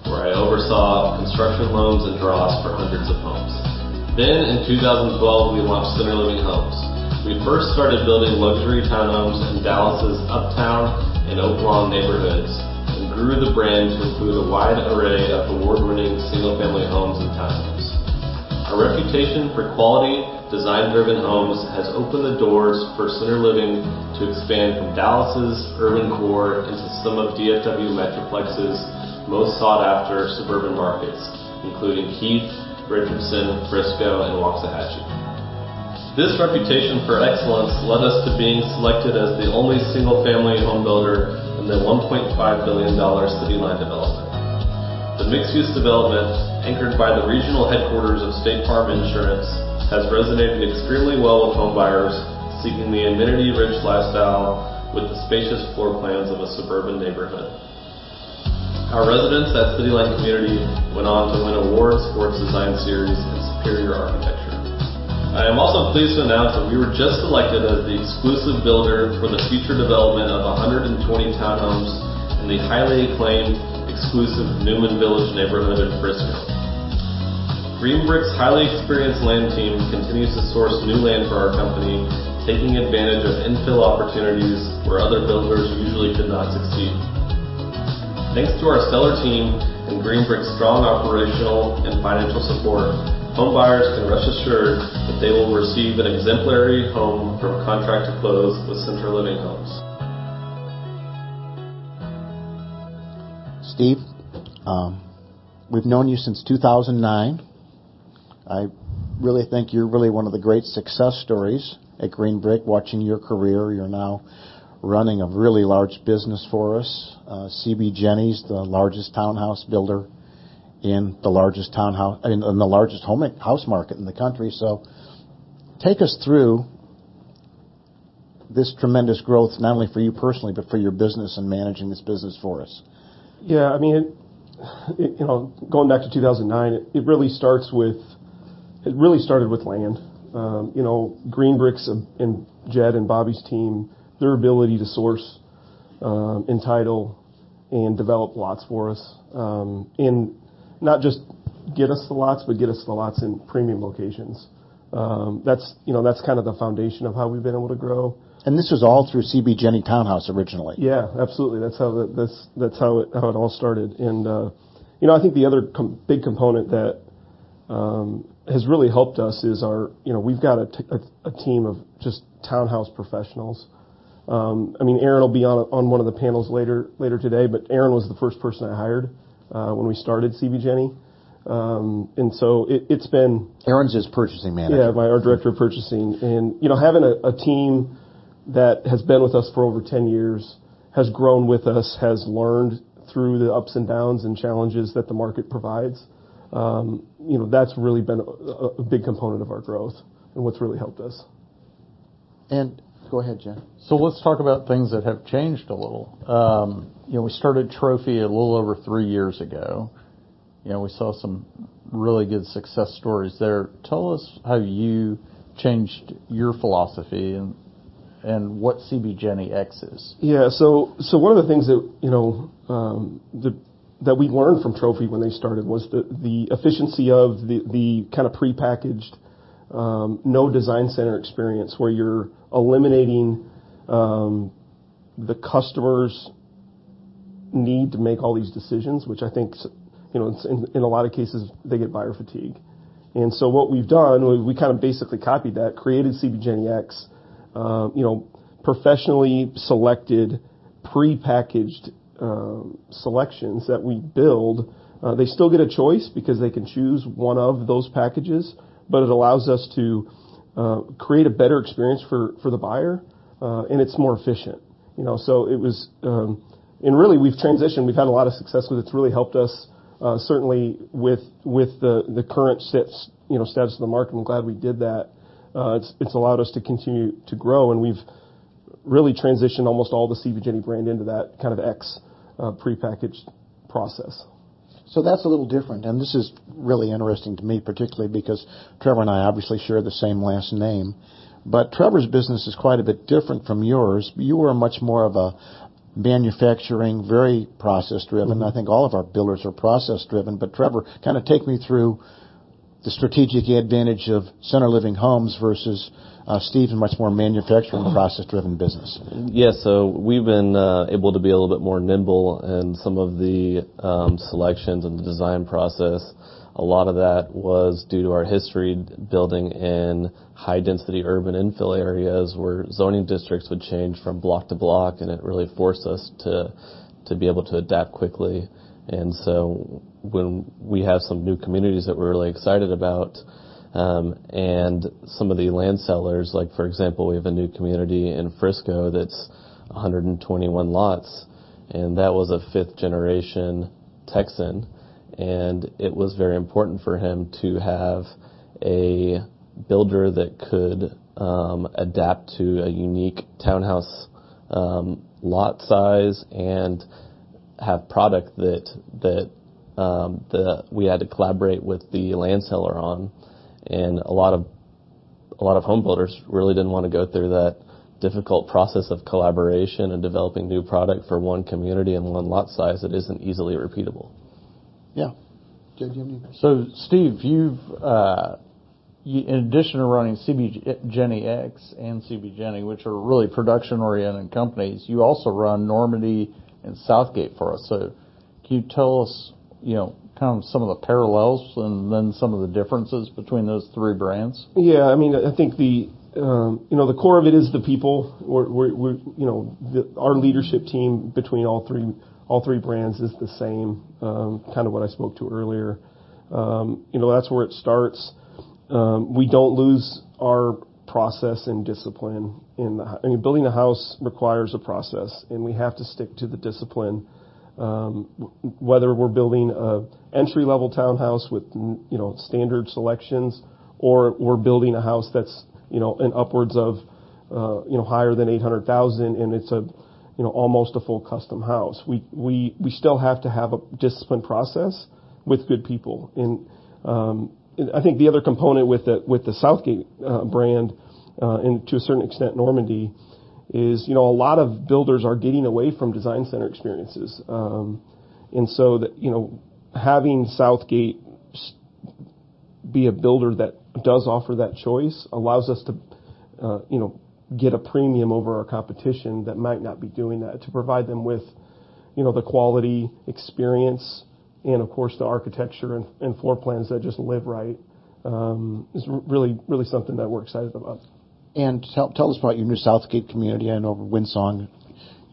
G: where I oversaw construction loans and draws for hundreds of homes. Then, in 2012, we launched Center Living Homes. We first started building luxury townhomes in Dallas's Uptown and Oaklawn neighborhoods and grew the brand to include a wide array of award-winning single-family homes and townhomes. Our reputation for quality, design-driven homes has opened the doors for Center Living to expand from Dallas's urban core into some of DFW metroplex's most sought-after suburban markets, including Keith, Richardson, Frisco, and Waxahachie. This reputation for excellence led us to being selected as the only single-family home builder in the $1.5 billion city line development. The mixed-use development, anchored by the regional headquarters of State Farm Insurance, has resonated extremely well with homebuyers seeking the amenity-rich lifestyle with the spacious floor plans of a suburban neighborhood. Our residents at City Line Community went on to win awards for its design series and superior architecture. I am also pleased to announce that we were just selected as the exclusive builder for the future development of 120 townhomes in the highly acclaimed exclusive Newman Village neighborhood in Frisco. Green Brick's highly experienced land team continues to source new land for our company, taking advantage of infill opportunities where other builders usually could not succeed. Thanks to our stellar team and Green Brick's strong operational and financial support, homebuyers can rest assured that they will receive an exemplary home from contract to close with Center Living Homes.
A: Steve, we've known you since 2009. I really think you're really one of the great success stories at Green Brick, watching your career. You're now running a really large business for us. CBGE is the largest townhouse builder in the largest townhouse in the largest home and house market in the country. So take us through this tremendous growth, not only for you personally, but for your business and managing this business for us.
D: Yeah. I mean, going back to 2009, it really starts with it really started with land. Green Brick's and Jed and Bobby's team, their ability to source, entitle, and develop lots for us, and not just get us the lots, but get us the lots in premium locations. That's kind of the foundation of how we've been able to grow. And this was all through CBGE Townhouse originally. Yeah, absolutely. That's how it all started. And I think the other big component that has really helped us is we've got a team of just townhouse professionals. I mean, Aaron will be on one of the panels later today, but Aaron was the first person I hired when we started CBGENE. And so it's been. Aaron's just purchasing manager. Yeah, our director of purchasing. And having a team that has been with us for over 10 years, has grown with us, has learned through the ups and downs and challenges that the market provides, that's really been a big component of our growth and what's really helped us. And go ahead, Jed.
C: So let's talk about things that have changed a little. We started Trophy a little over three years ago. We saw some really good success stories there. Tell us how you changed your philosophy and what CBGENEX is. Yeah. So one of the things that we learned from Trophy when they started was the efficiency of the kind of pre-packaged, no design center experience where you're eliminating the customer's need to make all these decisions, which I think in a lot of cases, they get buyer fatigue. And so what we've done, we kind of basically copied that, created CBGENEX, professionally selected pre-packaged selections that we build. They still get a choice because they can choose one of those packages, but it allows us to create a better experience for the buyer, and it's more efficient. So it was, and really, we've transitioned. We've had a lot of success with it. It's really helped us, certainly with the current status of the market. I'm glad we did that. It's allowed us to continue to grow, and we've really transitioned almost all the CBGENE brand into that kind of X pre-packaged process. So that's a little different. And this is really interesting to me, particularly because Trevor and I obviously share the same last name. But Trevor's business is quite a bit different from yours. You are much more of a manufacturing, very process-driven. I think all of our builders are process-driven. But Trevor, kind of take me through the strategic advantage of Center Living Homes versus Steve's much more manufacturing process-driven business.
D: Yeah. So we've been able to be a little bit more nimble in some of the selections and the design process. A lot of that was due to our history building in high-density urban infill areas where zoning districts would change from block to block, and it really forced us to be able to adapt quickly. And so when we have some new communities that we're really excited about and some of the land sellers, like for example, we have a new community in Frisco that's 121 lots, and that was a fifth-generation Texan. And it was very important for him to have a builder that could adapt to a unique townhouse lot size and have product that we had to collaborate with the land seller on. And a lot of home builders really didn't want to go through that difficult process of collaboration and developing new product for one community and one lot size that isn't easily repeatable. Yeah. Jed, do you have any?
C: So Steve, in addition to running CBGENEX and CBGENE, which are really production-oriented companies, you also run Normandie and Southgate for us. So can you tell us kind of some of the parallels and then some of the differences between those three brands? Yeah. I mean, I think the core of it is the people. Our leadership team between all three brands is the same, kind of what I spoke to earlier. That's where it starts. We don't lose our process and discipline. I mean, building a house requires a process, and we have to stick to the discipline, whether we're building an entry-level townhouse with standard selections or we're building a house that's upwards of higher than 800,000, and it's almost a full custom house. We still have to have a discipline process with good people. And I think the other component with the Southgate brand, and to a certain extent Normandie, is a lot of builders are getting away from design center experiences. And so having Southgate be a builder that does offer that choice allows us to get a premium over our competition that might not be doing that to provide them with the quality experience and, of course, the architecture and floor plans that just live right is really something that we're excited about. And tell us about your new Southgate community and over Winsong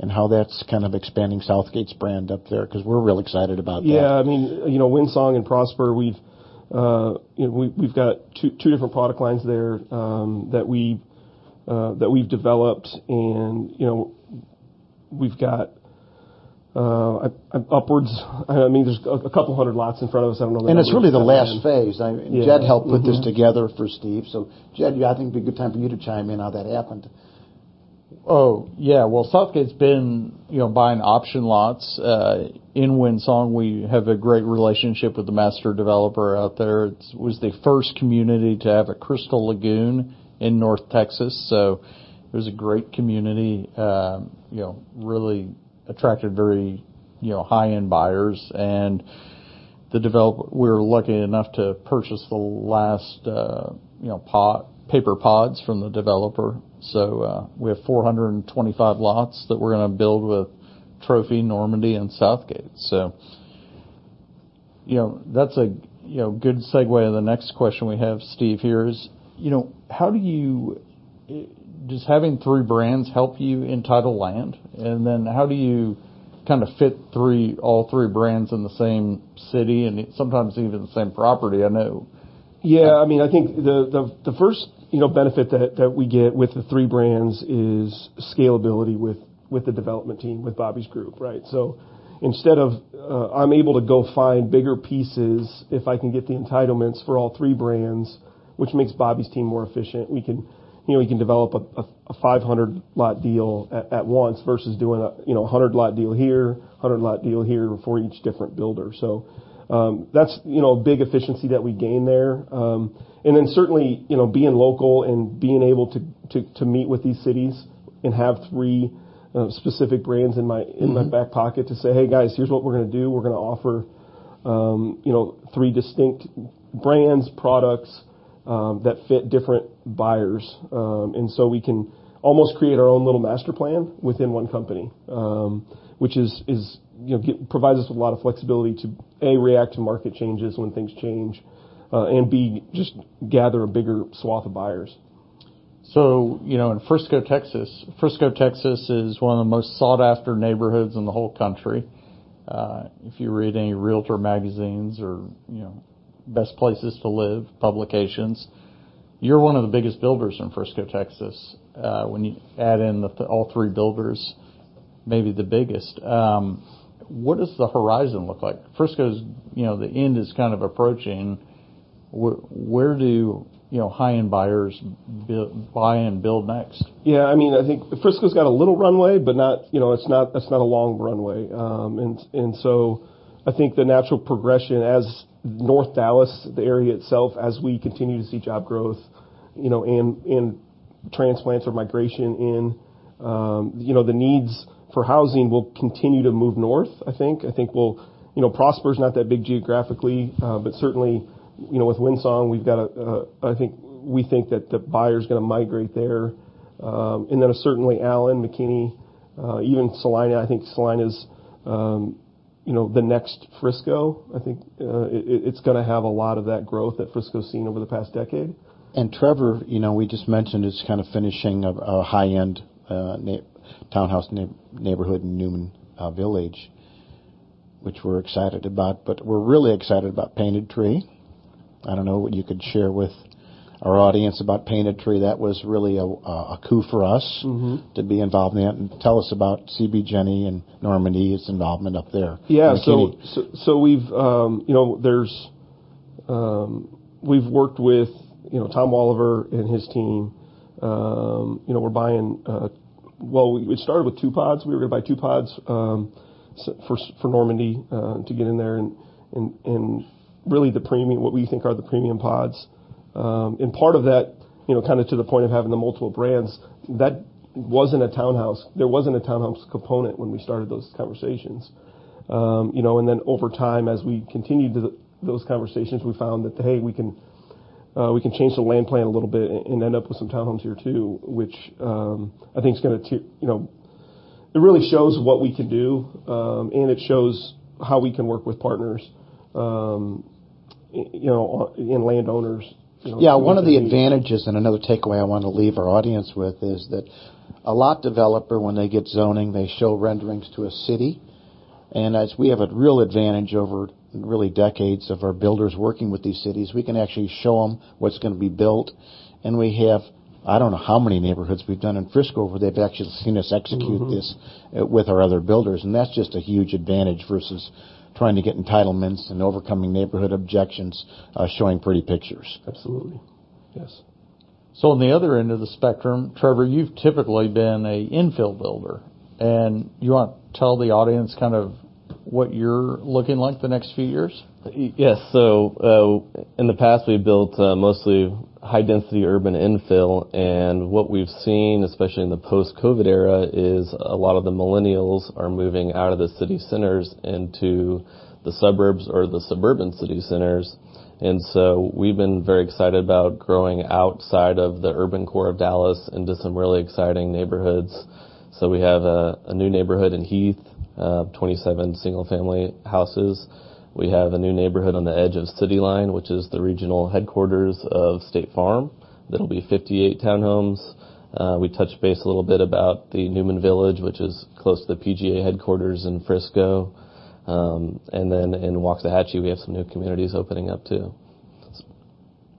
C: and how that's kind of expanding Southgate's brand up there because we're really excited about that. Yeah. I mean, Winsong and Prosper, we've got two different product lines there that we've developed, and we've got upwards.
A: I mean, there's a couple hundred lots in front of us. I don't know that. And it's really the last phase. Jed helped put this together for Steve. So Jed, I think it'd be a good time for you to chime in how that happened.
D: Oh, yeah. Well, Southgate's been buying option lots. In Winsong, we have a great relationship with the master developer out there. It was the first community to have a Crystal Lagoon in North Texas. So it was a great community, really attracted very high-end buyers. And we were lucky enough to purchase the last paper pods from the developer. So we have 425 lots that we're going to build with Trophy, Normandie, and Southgate. So that's a good segue to the next question we have, Steve. Here is how do you does having three brands help you entitle land? And then how do you kind of fit all three brands in the same city and sometimes even the same property? I know.
C: Yeah. I mean, I think the first benefit that we get with the three brands is scalability with the development team, with Bobby's group, right? So instead of I'm able to go find bigger pieces if I can get the entitlements for all three brands, which makes Bobby's team more efficient. We can develop a 500-lot deal at once versus doing a 100-lot deal here, 100-lot deal here for each different builder. So that's a big efficiency that we gain there. And then certainly being local and being able to meet with these cities and have three specific brands in my back pocket to say, "Hey, guys, here's what we're going to do. We're going to offer three distinct brands, products that fit different buyers." And so we can almost create our own little master plan within one company, which provides us with a lot of flexibility to, A, react to market changes when things change, and B, just gather a bigger swath of buyers. So in Frisco, Texas Frisco, Texas is one of the most sought-after neighborhoods in the whole country. If you read any realtor magazines or best places to live publications, you're one of the biggest builders in Frisco, Texas. When you add in all three builders, maybe the biggest. What does the horizon look like?
A: Frisco's the end is kind of approaching. Where do high-end buyers buy and build next? Yeah. I mean, I think Frisco's got a little runway, but it's not a long runway. And so I think the natural progression as North Dallas, the area itself, as we continue to see job growth and transplants or migration in, the needs for housing will continue to move north, I think. I think Prosper is not that big geographically, but certainly with Winsong, we think that the buyer is going to migrate there. And then certainly Allen, McKinney, even Salina. I think Salina is the next Frisco. I think it's going to have a lot of that growth that Frisco's seen over the past decade. And Trevor, we just mentioned it's kind of finishing a high-end townhouse neighborhood in Newman Village, which we're excited about, but we're really excited about Painted Tree. I don't know what you could share with our audience about Painted Tree. That was really a coup for us to be involved in that. And tell us about CBGENE and Normandie's involvement up there. Yeah. So we've worked with Tom Oliver and his team. We're buying well, we started with two pods. We were going to buy two pods for Normandie to get in there and really what we think are the premium pods. And part of that, kind of to the point of having the multiple brands, that wasn't a townhouse. There wasn't a townhouse component when we started those conversations. And then over time, as we continued those conversations, we found that, hey, we can change the land plan a little bit and end up with some town homes here too, which I think is going to it really shows what we can do, and it shows how we can work with partners and landowners. Yeah. One of the advantages and another takeaway I want to leave our audience with is that a lot developer, when they get zoning, they show renderings to a city. And as we have a real advantage over really decades of our builders working with these cities, we can actually show them what's going to be built. And we have, I don't know how many neighborhoods we've done in Frisco where they've actually seen us execute this with our other builders.
D: And that's just a huge advantage versus trying to get entitlements and overcoming neighborhood objections, showing pretty pictures. Absolutely. Yes. So on the other end of the spectrum, Trevor, you've typically been an infill builder. And you want to tell the audience kind of what you're looking like the next few years? Yes. So in the past, we built mostly high-density urban infill. And what we've seen, especially in the post-COVID era, is a lot of the millennials are moving out of the city centers into the suburbs or the suburban city centers. And so we've been very excited about growing outside of the urban core of Dallas into some really exciting neighborhoods. So we have a new neighborhood in Heath, 27 single-family houses. We have a new neighborhood on the edge of City Line, which is the regional headquarters of State Farm. That'll be 58 town homes. We touched base a little bit about the Newman Village, which is close to the PGA headquarters in Frisco. And then in Waxahachie, we have some new communities opening up too.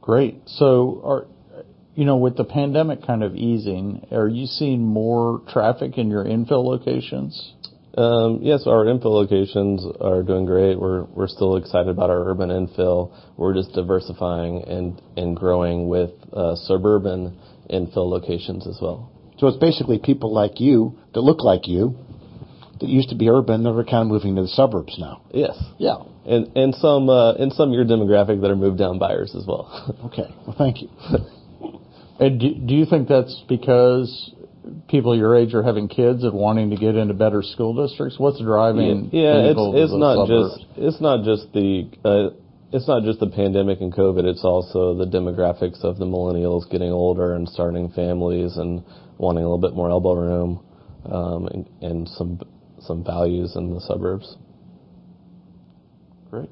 D: Great. So with the pandemic kind of easing, are you seeing more traffic in your infill locations? Yes. Our infill locations are doing great. We're still excited about our urban infill. We're just diversifying and growing with suburban infill locations as well. So it's basically people like you that look like you that used to be urban, that are kind of moving to the suburbs now. Yes. Yeah. And some of your demographic that are moved-down buyers as well. Okay. Well, thank you. And do you think that's because people your age are having kids and wanting to get into better school districts? What's driving infill locations? Yeah. It's not just the pandemic and COVID. It's also the demographics of the millennials getting older and starting families and wanting a little bit more elbow room and some values in the suburbs. Great.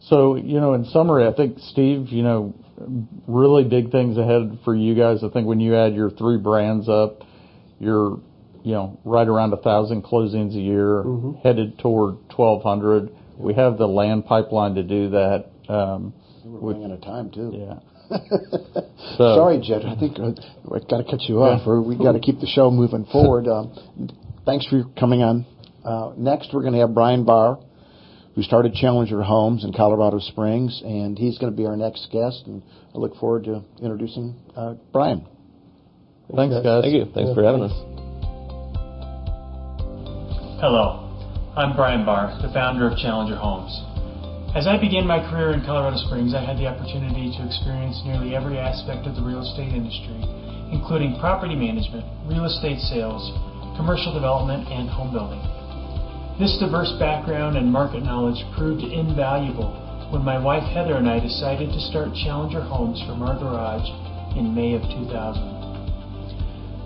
D: So in summary, I think, Steve, really big things ahead for you guys. I think when you add your three brands up, you're right around 1,000 closings a year, headed toward 1,200. We have the land pipeline to do that. We're running out of time too. Yeah. Sorry, Jed. I think I got to cut you off. We got to keep the show moving forward. Thanks for coming on. Next, we're going to have Brian Barr, who started Challenger Homes in Colorado Springs. And he's going to be our next guest. And I look forward to introducing Brian. Thanks, guys. Thank you. Thanks for having us.
H: Hello. I'm Brian Barr, the founder of Challenger Homes. As I began my career in Colorado Springs, I had the opportunity to experience nearly every aspect of the real estate industry, including property management, real estate sales, commercial development, and home building. This diverse background and market knowledge proved invaluable when my wife, Heather, and I decided to start Challenger Homes for Margarage in May of 2000.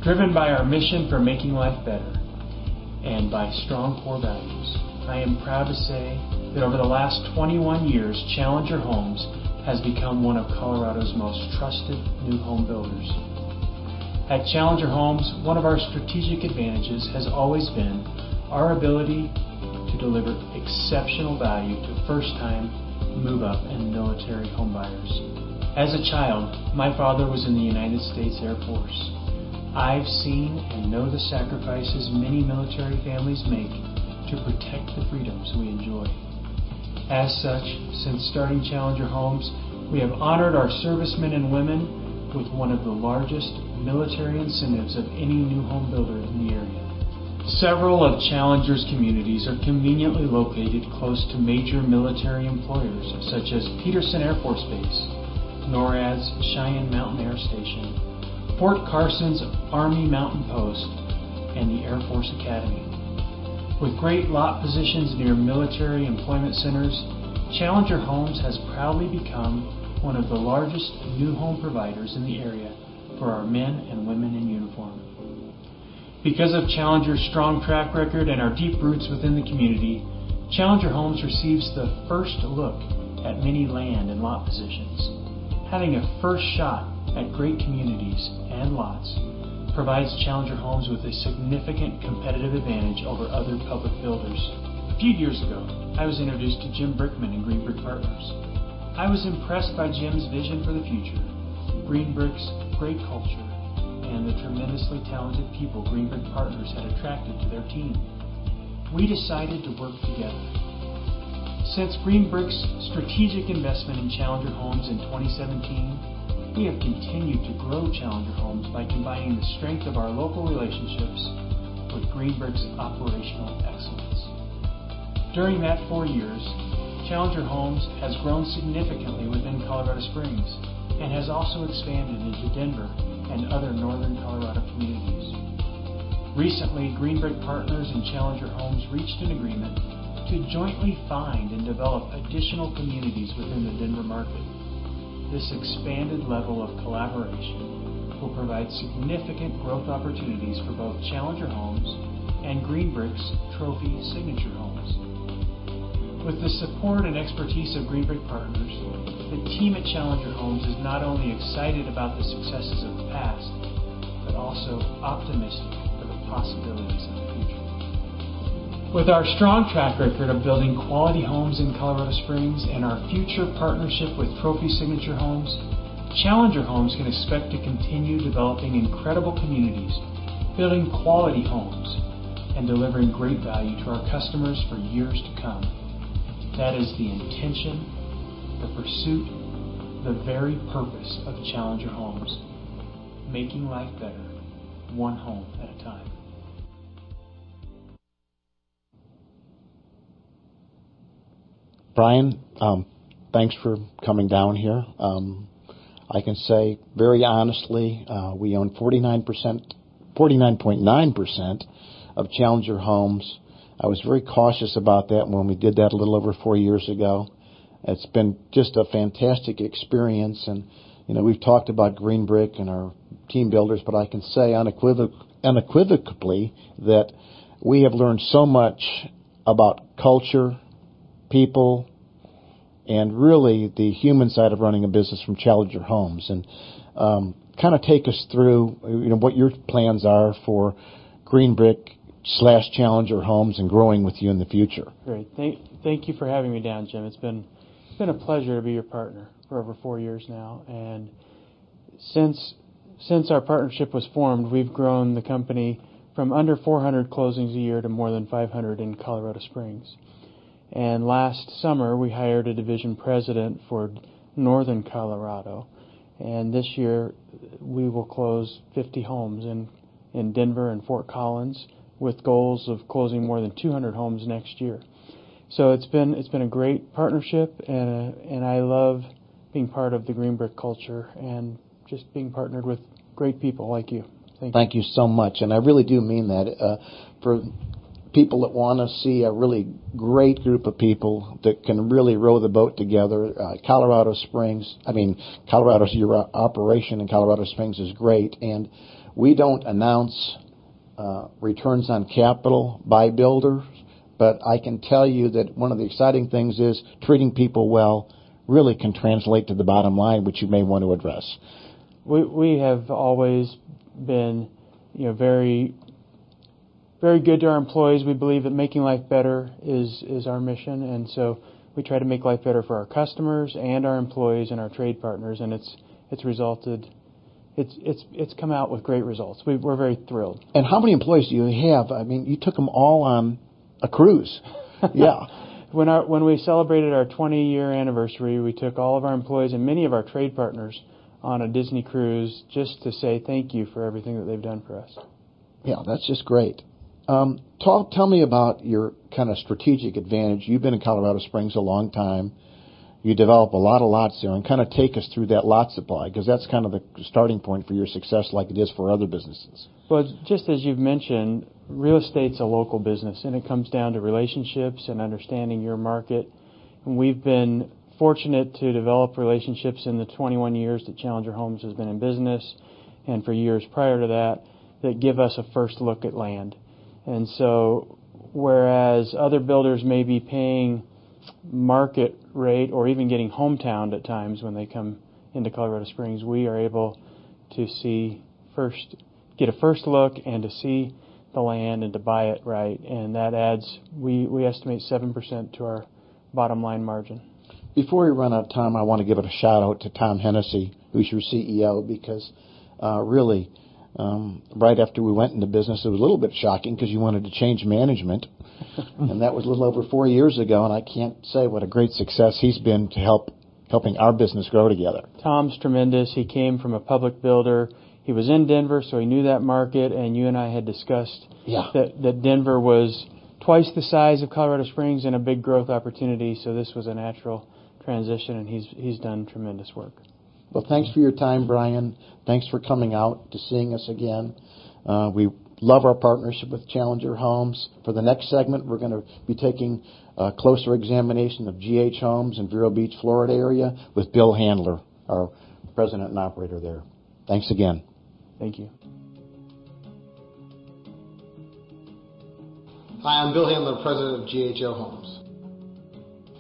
H: Driven by our mission for making life better and by strong core values, I am proud to say that over the last 21 years, Challenger Homes has become one of Colorado's most trusted new home builders. At Challenger Homes, one of our strategic advantages has always been our ability to deliver exceptional value to first-time move-up and military home buyers. As a child, my father was in the United States Air Force. I've seen and know the sacrifices many military families make to protect the freedoms we enjoy. As such, since starting Challenger Homes, we have honored our servicemen and women with one of the largest military incentives of any new home builder in the area. Several of Challenger's communities are conveniently located close to major military employers such as Peterson Air Force Base, NORAD's Cheyenne Mountain Air Station, Fort Carson's Army Mountain Post, and the Air Force Academy. With great lot positions near military employment centers, Challenger Homes has proudly become one of the largest new home providers in the area for our men and women in uniform. Because of Challenger's strong track record and our deep roots within the community, Challenger Homes receives the first look at many land and lot positions. Having a first shot at great communities and lots provides Challenger Homes with a significant competitive advantage over other public builders. A few years ago, I was introduced to Jim Brickman and Greenbrick Partners. I was impressed by Jim's vision for the future, Greenbrick's great culture, and the tremendously talented people Greenbrick Partners had attracted to their team. We decided to work together. Since Greenbrick's strategic investment in Challenger Homes in 2017, we have continued to grow Challenger Homes by combining the strength of our local relationships with Greenbrick's operational excellence. During that four years, Challenger Homes has grown significantly within Colorado Springs and has also expanded into Denver and other northern Colorado communities. Recently, Greenbrick Partners and Challenger Homes reached an agreement to jointly find and develop additional communities within the Denver market. This expanded level of collaboration will provide significant growth opportunities for both Challenger Homes and Greenbrick's Trophy Signature Homes. With the support and expertise of Greenbrick Partners, the team at Challenger Homes is not only excited about the successes of the past but also optimistic for the possibilities of the future. With our strong track record of building quality homes in Colorado Springs and our future partnership with Trophy Signature Homes, Challenger Homes can expect to continue developing incredible communities, building quality homes, and delivering great value to our customers for years to come. That is the intention, the pursuit, the very purpose of Challenger Homes: making life better, one home at a time. Brian, thanks for coming down here. I can say very honestly, we own 49.9% of Challenger Homes. I was very cautious about that when we did that a little over four years ago. It's been just a fantastic experience.
A: And we've talked about Greenbrick and our team builders, but I can say unequivocally that we have learned so much about culture, people, and really the human side of running a business from Challenger Homes. And kind of take us through what your plans are for Greenbrick/Challenger Homes and growing with you in the future. Great. Thank you for having me down, Jim. It's been a pleasure to be your partner for over four years now. And since our partnership was formed, we've grown the company from under 400 closings a year to more than 500 in Colorado Springs. And last summer, we hired a division president for northern Colorado. And this year, we will close 50 homes in Denver and Fort Collins with goals of closing more than 200 homes next year. So it's been a great partnership, and I love being part of the Greenbrick culture and just being partnered with great people like you. Thank you. Thank you so much. And I really do mean that. For people that want to see a really great group of people that can really row the boat together, Colorado Springs I mean, your operation in Colorado Springs is great. And we don't announce returns on capital by builders, but I can tell you that one of the exciting things is treating people well really can translate to the bottom line, which you may want to address. We have always been very good to our employees. We believe that making life better is our mission. And so we try to make life better for our customers and our employees and our trade partners. And it's come out with great results. We're very thrilled. And how many employees do you have? I mean, you took them all on a cruise. Yeah. When we celebrated our 20-year anniversary, we took all of our employees and many of our trade partners on a Disney cruise just to say thank you for everything that they've done for us. Yeah. That's just great. Tell me about your kind of strategic advantage. You've been in Colorado Springs a long time. You develop a lot of lots there. And kind of take us through that lot supply because that's kind of the starting point for your success like it is for other businesses. Well, just as you've mentioned, real estate's a local business, and it comes down to relationships and understanding your market. And we've been fortunate to develop relationships in the 21 years that Challenger Homes has been in business and for years prior to that that give us a first look at land. And so whereas other builders may be paying market rate or even getting hometowned at times when they come into Colorado Springs, we are able to get a first look and to see the land and to buy it right. And we estimate 7% to our bottom line margin. Before we run out of time, I want to give a shout-out to Tom Hennessy, who's your CEO, because really, right after we went into business, it was a little bit shocking because you wanted to change management. And that was a little over four years ago. And I can't say what a great success he's been to helping our business grow together. Tom's tremendous.
D: He came from a public builder. He was in Denver, so he knew that market. And you and I had discussed that Denver was twice the size of Colorado Springs and a big growth opportunity. So this was a natural transition, and he's done tremendous work. Well, thanks for your time, Brian. Thanks for coming out to seeing us again. We love our partnership with Challenger Homes. For the next segment, we're going to be taking a closer examination of GH Homes in Vero Beach, Florida area with Bill Handler, our president and operator there. Thanks again. Thank you.
I: Hi. I'm Bill Handler, president of GHO Homes.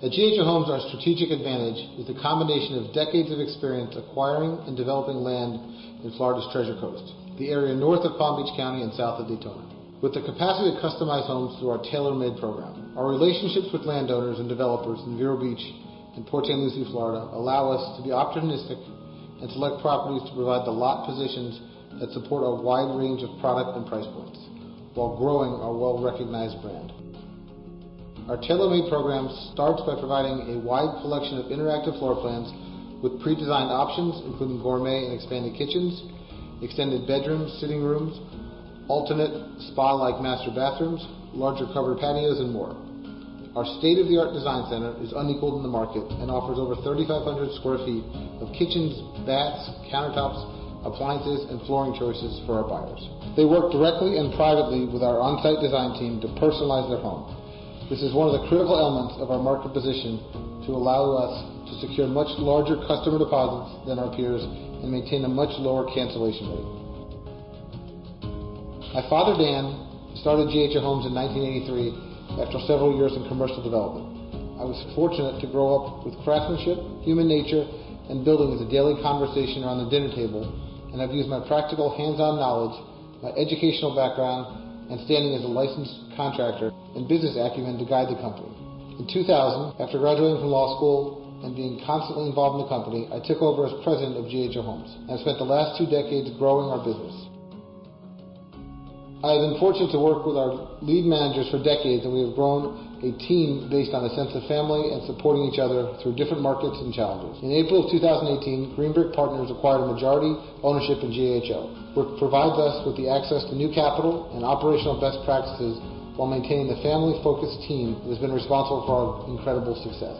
I: At GHO Homes, our strategic advantage is the combination of decades of experience acquiring and developing land in Florida's Treasure Coast, the area north of Palm Beach County and south of Daytona, with the capacity to customize homes through our tailor-made program.
D: Our relationships with landowners and developers in Vero Beach and Port St. Lucie, Florida, allow us to be optimistic and select properties to provide the lot positions that support a wide range of product and price points while growing our well-recognized brand. Our tailor-made program starts by providing a wide collection of interactive floor plans with pre-designed options, including gourmet and expanded kitchens, extended bedrooms, sitting rooms, alternate spa-like master bathrooms, larger covered patios, and more. Our state-of-the-art design center is unequaled in the market and offers over 3,500 square feet of kitchens, baths, countertops, appliances, and flooring choices for our buyers. They work directly and privately with our on-site design team to personalize their home. This is one of the critical elements of our market position to allow us to secure much larger customer deposits than our peers and maintain a much lower cancellation rate. My father, Dan, started GHO Homes in 1983 after several years in commercial development. I was fortunate to grow up with craftsmanship, human nature, and building as a daily conversation around the dinner table. And I've used my practical hands-on knowledge, my educational background, and standing as a licensed contractor and business acumen to guide the company. In 2000, after graduating from law school and being constantly involved in the company, I took over as president of GHO Homes. And I've spent the last two decades growing our business. I have been fortunate to work with our lead managers for decades, and we have grown a team based on a sense of family and supporting each other through different markets and challenges. In April of 2018, Greenbrick Partners acquired a majority ownership in GHO, which provides us with the access to new capital and operational best practices while maintaining the family-focused team that has been responsible for our incredible success.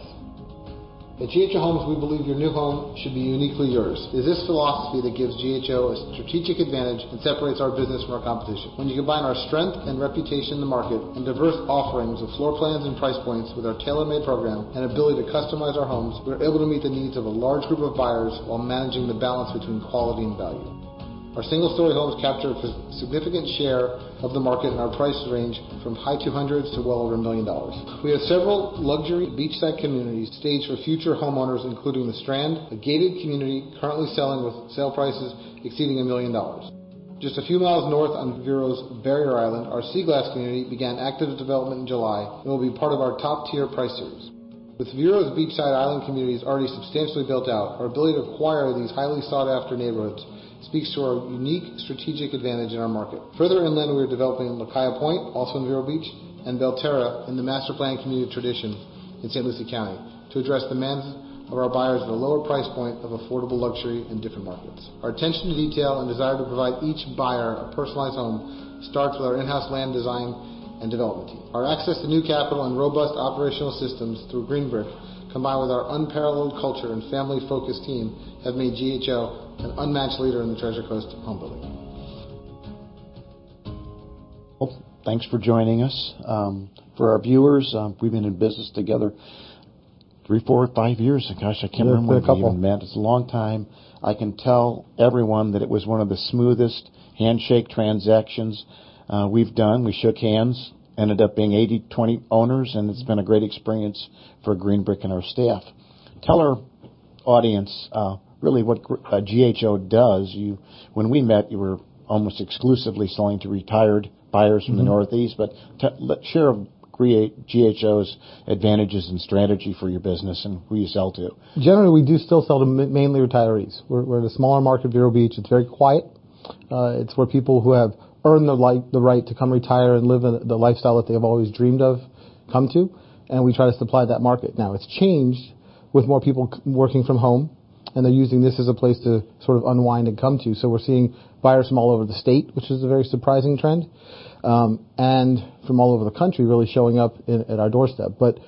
D: At GHO Homes, we believe your new home should be uniquely yours. It is this philosophy that gives GHO a strategic advantage and separates our business from our competition. When you combine our strength and reputation in the market and diverse offerings of floor plans and price points with our tailor-made program and ability to customize our homes, we're able to meet the needs of a large group of buyers while managing the balance between quality and value. Our single-story homes capture a significant share of the market in our price range from high 200s to well over a million dollars. We have several luxury beachside communities staged for future homeowners, including The Strand, a gated community currently selling with sale prices exceeding a million dollars. Just a few miles north on Vero's Barrier Island, our Seaglass community began active development in July and will be part of our top-tier price series. With Vero's beachside island communities already substantially built out, our ability to acquire these highly sought-after neighborhoods speaks to our unique strategic advantage in our market. Further inland, we are developing Lakaya Point, also in Vero Beach, and Belterra in the master plan community tradition in St. Lucie County to address the demands of our buyers at a lower price point of affordable luxury in different markets. Our attention to detail and desire to provide each buyer a personalized home starts with our in-house land design and development team. Our access to new capital and robust operational systems through Greenbrick, combined with our unparalleled culture and family-focused team, have made GHO an unmatched leader in the Treasure Coast home building. Well, thanks for joining us. For our viewers, we've been in business together three, four, five years. Gosh, I can't remember. It's been a couple. It's been a long time. I can tell everyone that it was one of the smoothest handshake transactions we've done. We shook hands, ended up being 80, 20 owners, and it's been a great experience for Greenbrick and our staff. Tell our audience really what GHO does. When we met, you were almost exclusively selling to retired buyers from the Northeast. But share of GHO's advantages and strategy for your business and who you sell to. Generally, we do still sell to mainly retirees. We're in a smaller market, Vero Beach. It's very quiet. It's where people who have earned the right to come retire and live the lifestyle that they've always dreamed of come to. And we try to supply that market. Now, it's changed with more people working from home, and they're using this as a place to sort of unwind and come to. So we're seeing buyers from all over the state, which is a very surprising trend, and from all over the country really showing up at our doorstep. But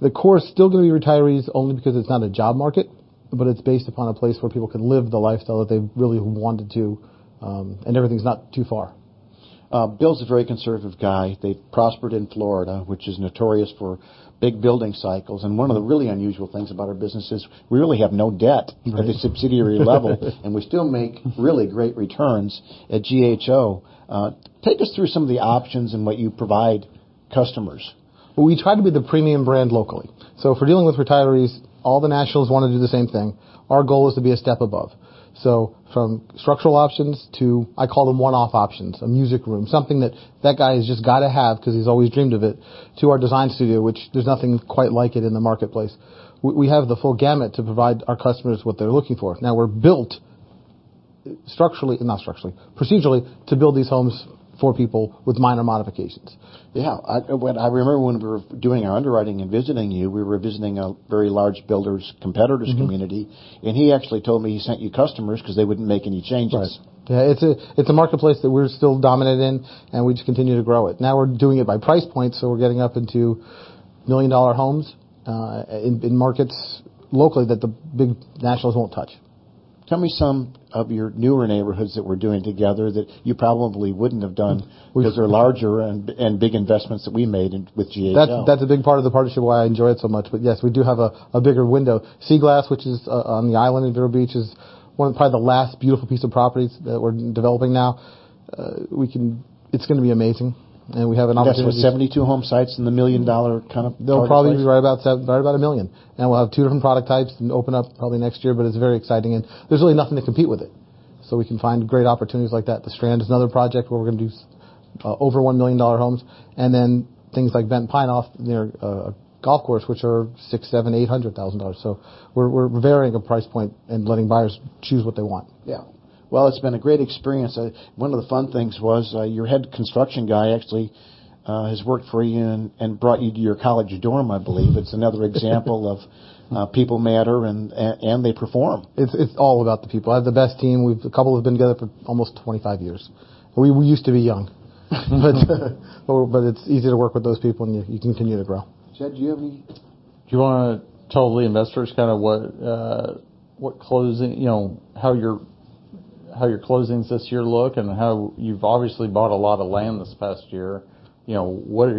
D: the core is still going to be retirees only because it's not a job market, but it's based upon a place where people can live the lifestyle that they've really wanted to, and everything's not too far. Bill's a very conservative guy. They've prospered in Florida, which is notorious for big building cycles. And one of the really unusual things about our business is we really have no debt at the subsidiary level, and we still make really great returns at GHO. Take us through some of the options and what you provide customers. Well, we try to be the premium brand locally. So if we're dealing with retirees, all the nationals want to do the same thing. Our goal is to be a step above. So from structural options to, I call them, one-off options, a music room, something that that guy has just got to have because he's always dreamed of it, to our design studio, which there's nothing quite like it in the marketplace. We have the full gamut to provide our customers what they're looking for. Now, we're built structurally not structurally, procedurally to build these homes for people with minor modifications. Yeah. I remember when we were doing our underwriting and visiting you, we were visiting a very large builder's competitor's community. And he actually told me he sent you customers because they wouldn't make any changes. Right. Yeah. It's a marketplace that we're still dominant in, and we just continue to grow it. Now, we're doing it by price points, so we're getting up into million-dollar homes in markets locally that the big nationals won't touch. Tell me some of your newer neighborhoods that we're doing together that you probably wouldn't have done because they're larger and big investments that we made with GHO. That's a big part of the partnership why I enjoy it so much. But yes, we do have a bigger window. Seaglass, which is on the island in Vero Beach, is probably the last beautiful piece of property that we're developing now. It's going to be amazing. And we have an opportunity. That's with 72 home sites and the million-dollar kind of project? They'll probably be right about a million. And we'll have two different product types and open up probably next year, but it's very exciting. And there's really nothing to compete with it. So we can find great opportunities like that. The Strand is another project where we're going to do over $1 million homes. And then things like Bent Pine Off, near a golf course, which are 6, 7, 8 hundred thousand dollars. So we're varying a price point and letting buyers choose what they want. Yeah. Well, it's been a great experience. One of the fun things was your head construction guy actually has worked for you and brought you to your college dorm, I believe. It's another example of people matter and they perform. It's all about the people. I have the best team. A couple have been together for almost 25 years. We used to be young. But it's easy to work with those people, and you continue to grow. Chad, do you have any? Do you want to tell the investors kind of what how your closings this year look and how you've obviously bought a lot of land this past year? Where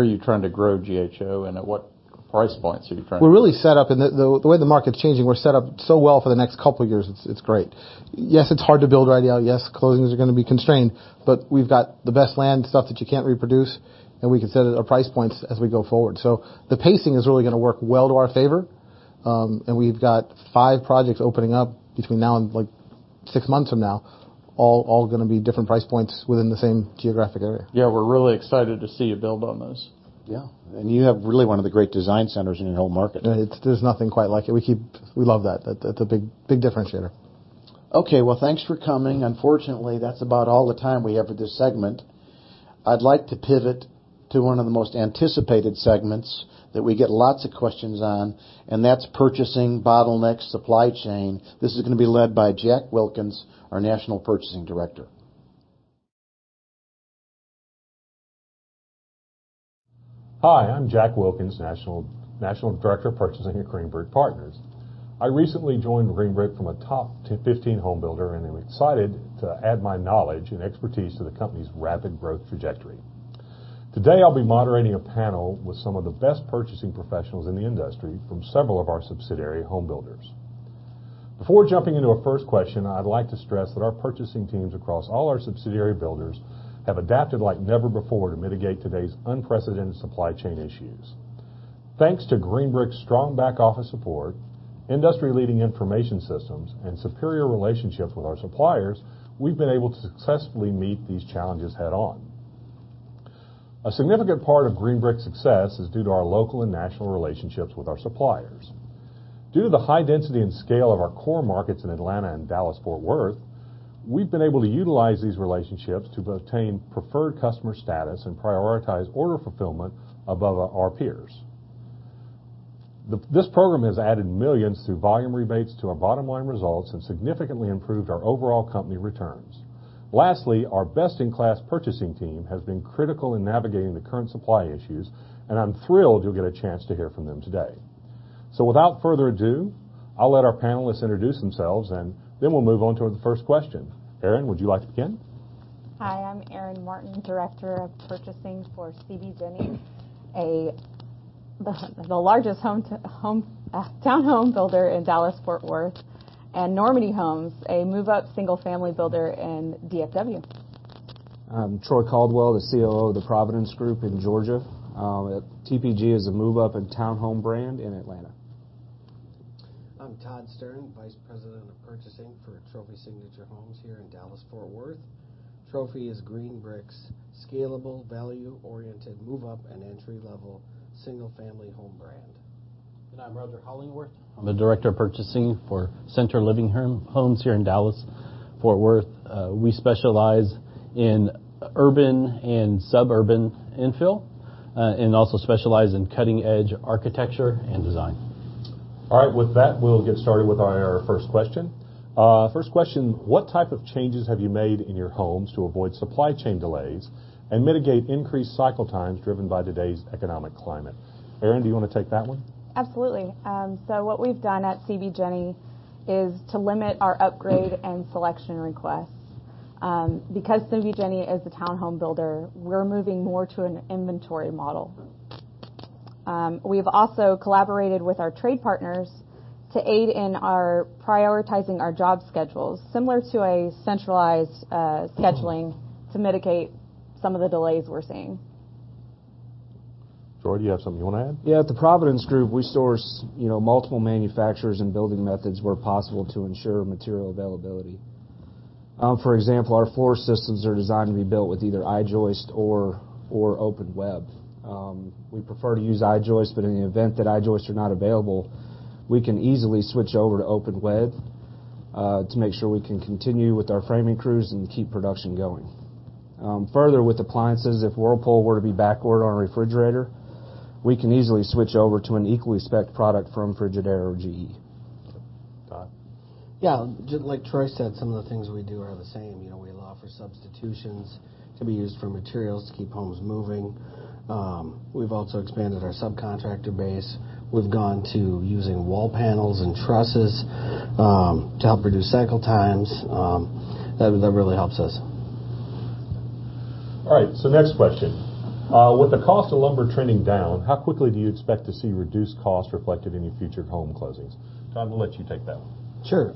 D: are you trying to grow GHO, and at what price points are you trying to? We're really set up. And the way the market's changing, we're set up so well for the next couple of years. It's great. Yes, it's hard to build right out. Yes, closings are going to be constrained. But we've got the best land stuff that you can't reproduce, and we can set our price points as we go forward. So the pacing is really going to work well to our favor. And we've got five projects opening up between now and like six months from now, all going to be different price points within the same geographic area. Yeah. We're really excited to see you build on those. Yeah. And you have really one of the great design centers in your whole market. There's nothing quite like it. We love that. That's a big differentiator. Okay. Well, thanks for coming. Unfortunately, that's about all the time we have for this segment. I'd like to pivot to one of the most anticipated segments that we get lots of questions on, and that's purchasing, bottlenecks, supply chain. This is going to be led by Jack Wilkins, our national purchasing director.
J: Hi. I'm Jack Wilkins, national director of purchasing at Greenbrick Partners. I recently joined Greenbrick from a top 15 home builder, and I'm excited to add my knowledge and expertise to the company's rapid growth trajectory. Today, I'll be moderating a panel with some of the best purchasing professionals in the industry from several of our subsidiary home builders. Before jumping into our first question, I'd like to stress that our purchasing teams across all our subsidiary builders have adapted like never before to mitigate today's unprecedented supply chain issues. Thanks to Greenbrick's strong back office support, industry-leading information systems, and superior relationships with our suppliers, we've been able to successfully meet these challenges head-on. A significant part of Greenbrick's success is due to our local and national relationships with our suppliers.
D: Due to the high density and scale of our core markets in Atlanta and Dallas-Fort Worth, we've been able to utilize these relationships to obtain preferred customer status and prioritize order fulfillment above our peers. This program has added millions through volume rebates to our bottom-line results and significantly improved our overall company returns. Lastly, our best-in-class purchasing team has been critical in navigating the current supply issues, and I'm thrilled you'll get a chance to hear from them today. Without further ado, I'll let our panelists introduce themselves, and then we'll move on to the first question. Erin, would you like to begin?
K: Hi. I'm Erin Martin, Director of Purchasing for CB JENI Homes, the largest townhome builder in Dallas-Fort Worth, and Normandy Homes, a move-up single-family builder in DFW.
L: I'm Troy Caldwell, the COO of the Providence Group in Georgia.
D: Group is a move-up and townhome brand in Atlanta. I'm Todd Stern, vice president of purchasing for Trophy Signature Homes here in Dallas-Fort Worth. Trophy is Green Brick's scalable, value-oriented, move-up and entry-level single-family home brand. And I'm Roger Holingworth. I'm the director of purchasing for Center Living Homes here in Dallas-Fort Worth. We specialize in urban and suburban infill and also specialize in cutting-edge architecture and design. All right. With that, we'll get started with our first question. First question, what type of changes have you made in your homes to avoid supply chain delays and mitigate increased cycle times driven by today's economic climate? Erin, do you want to take that one? Absolutely. So what we've done at CB JENI is to limit our upgrade and selection requests. Because CB JENI is a townhome builder, we're moving more to an inventory model. We've also collaborated with our trade partners to aid in prioritizing our job schedules, similar to a centralized scheduling to mitigate some of the delays we're seeing. Troy, do you have something you want to add? Yeah. At the Providence Group, we source multiple manufacturers and building methods where possible to ensure material availability. For example, our floor systems are designed to be built with either iJoist or OpenWeb. We prefer to use iJoist, but in the event that iJoist are not available, we can easily switch over to OpenWeb to make sure we can continue with our framing crews and keep production going. Further, with appliances, if Whirlpool were to be backward on a refrigerator, we can easily switch over to an equally specced product from Frigidaire or GE. Yeah. Like Troy said, some of the things we do are the same. We allow for substitutions to be used for materials to keep homes moving. We've also expanded our subcontractor base. We've gone to using wall panels and trusses to help reduce cycle times. That really helps us. All right, so next question. With the cost of lumber trending down, how quickly do you expect to see reduced costs reflected in your future home closings? Todd, we'll let you take that one. Sure.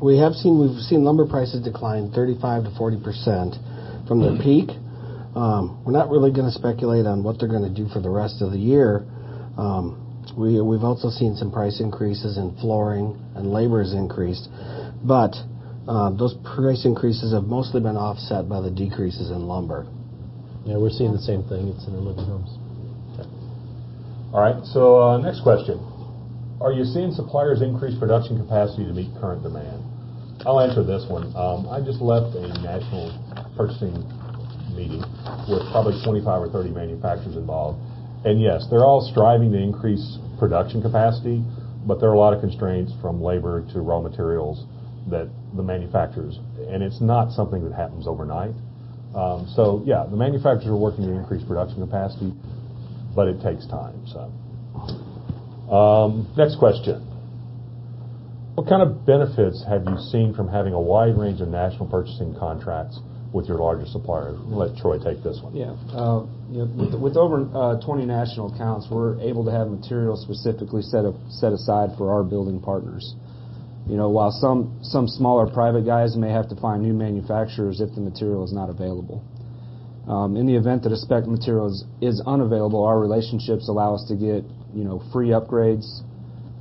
D: We've seen lumber prices decline 35%-40% from their peak. We're not really going to speculate on what they're going to do for the rest of the year. We've also seen some price increases in flooring, and labor has increased. But those price increases have mostly been offset by the decreases in lumber. Yeah. We're seeing the same thing. It's in our living rooms. All right, so next question. Are you seeing suppliers increase production capacity to meet current demand? I'll answer this one. I just left a national purchasing meeting with probably 25 or 30 manufacturers involved. And yes, they're all striving to increase production capacity, but there are a lot of constraints from labor to raw materials that the manufacturers and it's not something that happens overnight. So yeah, the manufacturers are working to increase production capacity, but it takes time, so. Next question. What kind of benefits have you seen from having a wide range of national purchasing contracts with your larger suppliers? We'll let Troy take this one. Yeah. With over 20 national accounts, we're able to have material specifically set aside for our building partners. While some smaller private guys may have to find new manufacturers if the material is not available. In the event that a specced material is unavailable, our relationships allow us to get free upgrades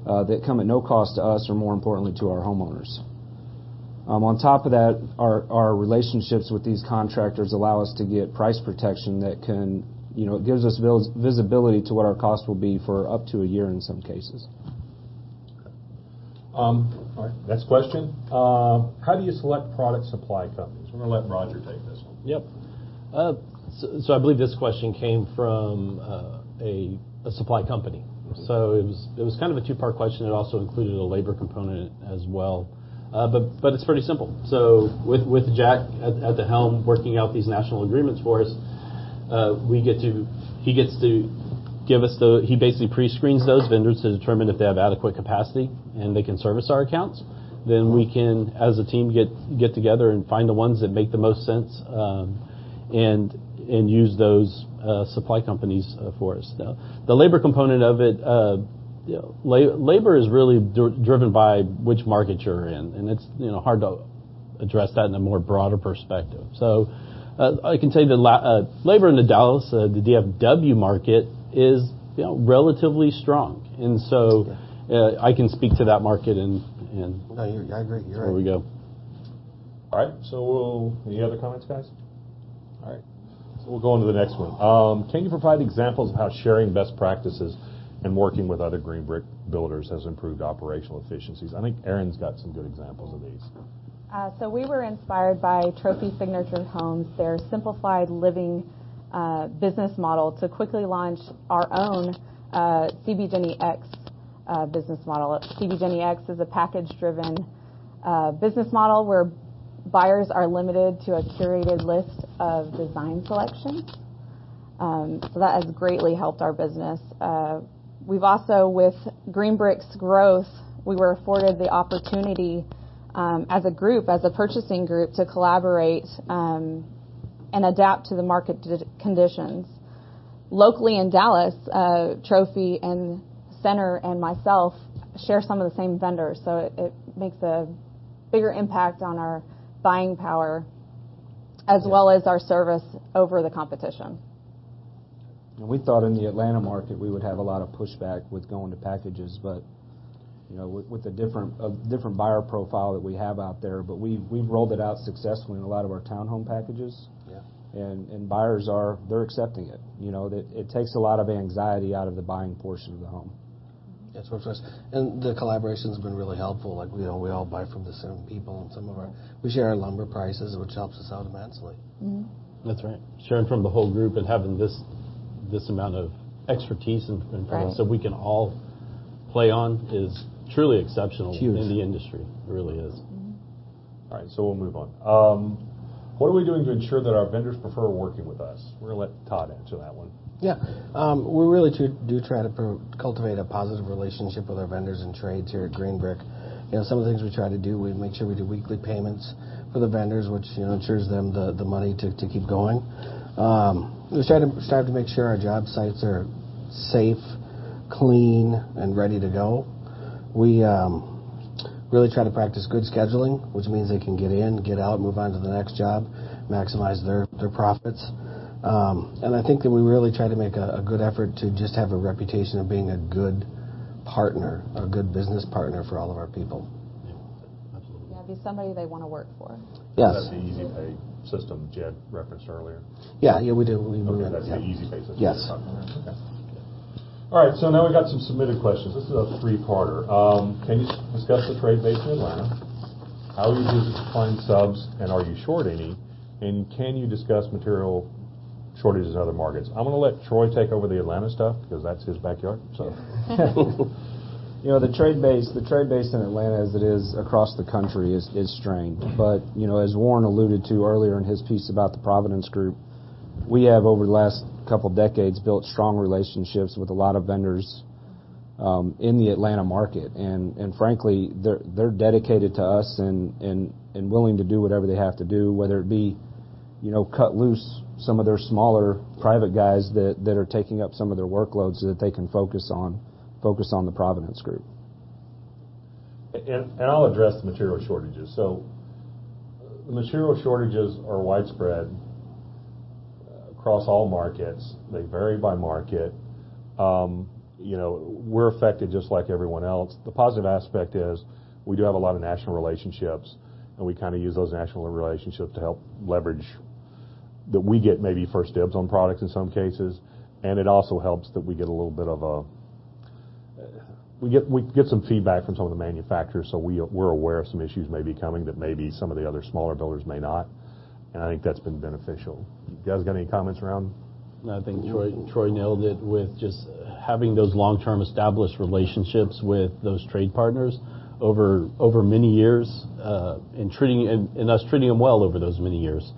D: that come at no cost to us or, more importantly, to our homeowners. On top of that, our relationships with these contractors allow us to get price protection that can it gives us visibility to what our cost will be for up to a year in some cases. All right. Next question. How do you select product supply companies? We're going to let Roger take this one. Yep. So I believe this question came from a supply company. So it was kind of a two-part question. It also included a labor component as well. But it's pretty simple. So with Jack at the helm working out these national agreements for us, he gets to give us the he basically pre-screens those vendors to determine if they have adequate capacity and they can service our accounts. Then we can, as a team, get together and find the ones that make the most sense and use those supply companies for us. The labor component of it labor is really driven by which market you're in. And it's hard to address that in a more broader perspective. So I can tell you the labor in the Dallas-DFW market is relatively strong. And so I can speak to that market and. No, I agree. You're right. There we go. All right. So any other comments, guys? All right. So we'll go on to the next one. Can you provide examples of how sharing best practices and working with other Greenbrick builders has improved operational efficiencies? I think Erin's got some good examples of these. So we were inspired by Trophy Signature Homes. Their simplified living business model to quickly launch our own CB Jenny X business model. CB Jenny X is a package-driven business model where buyers are limited to a curated list of design selections. So that has greatly helped our business. With Greenbrick's growth, we were afforded the opportunity as a group, as a purchasing group, to collaborate and adapt to the market conditions. Locally in Dallas, Trophy and Center and myself share some of the same vendors. So it makes a bigger impact on our buying power as well as our service over the competition. And we thought in the Atlanta market, we would have a lot of pushback with going to packages with a different buyer profile that we have out there. But we've rolled it out successfully in a lot of our townhome packages. And buyers, they're accepting it. It takes a lot of anxiety out of the buying portion of the home. That's what it says. And the collaborations have been really helpful. We all buy from the same people. We share our lumber prices, which helps us out immensely. That's right. Sharing from the whole group and having this amount of expertise and products that we can all play on is truly exceptional in the industry. It really is. All right. So we'll move on. What are we doing to ensure that our vendors prefer working with us? We're going to let Todd answer that one. Yeah. We really do try to cultivate a positive relationship with our vendors and trades here at Greenbrick. Some of the things we try to do, we make sure we do weekly payments for the vendors, which ensures them the money to keep going. We try to make sure our job sites are safe, clean, and ready to go. We really try to practice good scheduling, which means they can get in, get out, move on to the next job, maximize their profits. And I think that we really try to make a good effort to just have a reputation of being a good partner, a good business partner for all of our people. Yeah. Absolutely. Yeah. Be somebody they want to work for. Yes. Is that the easy pay system Jed referenced earlier? Yeah. Yeah. We do. We remember that. That's the easy pay system we're talking about. Yes. Okay.
A: All right. So now we've got some submitted questions. This is a three-parter. Can you discuss the trade base in Atlanta? How are you doing supplying subs? And are you short any? And can you discuss material shortages in other markets? I'm going to let Troy take over the Atlanta stuff because that's his backyard, so. The trade base in Atlanta, as it is across the country, is strained. But as Warren alluded to earlier in his piece about the Providence Group, we have, over the last couple of decades, built strong relationships with a lot of vendors in the Atlanta market. And frankly, they're dedicated to us and willing to do whatever they have to do, whether it be cut loose some of their smaller private guys that are taking up some of their workloads so that they can focus on the Providence Group.
D: And I'll address the material shortages. So the material shortages are widespread across all markets. They vary by market. We're affected just like everyone else. The positive aspect is we do have a lot of national relationships, and we kind of use those national relationships to help leverage that we get maybe first dibs on products in some cases. And it also helps that we get a little bit of a we get some feedback from some of the manufacturers so we're aware of some issues may be coming that maybe some of the other smaller builders may not. And I think that's been beneficial. You guys got any comments around? No, I think Troy nailed it with just having those long-term established relationships with those trade partners over many years and us treating them well over those many years.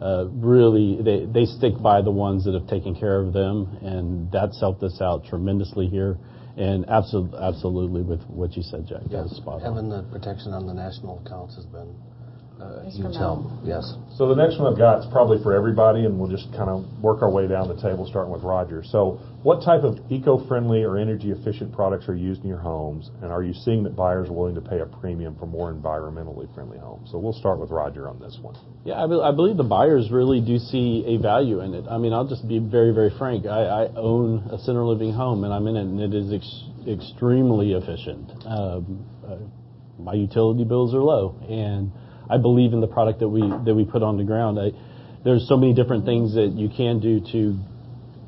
A: Really, they stick by the ones that have taken care of them, and that's helped us out tremendously here. And absolutely with what you said, Jack, that was spot on. Yeah. Having the protection on the national accounts has been huge help. Yes. So the next one I've got is probably for everybody, and we'll just kind of work our way down the table, starting with Roger. So what type of eco-friendly or energy-efficient products are used in your homes? And are you seeing that buyers are willing to pay a premium for more environmentally friendly homes? So we'll start with Roger on this one. Yeah. I believe the buyers really do see a value in it. I mean, I'll just be very, very frank. I own a center-living home, and I'm in it, and it is extremely efficient. My utility bills are low, and I believe in the product that we put on the ground. There's so many different things that you can do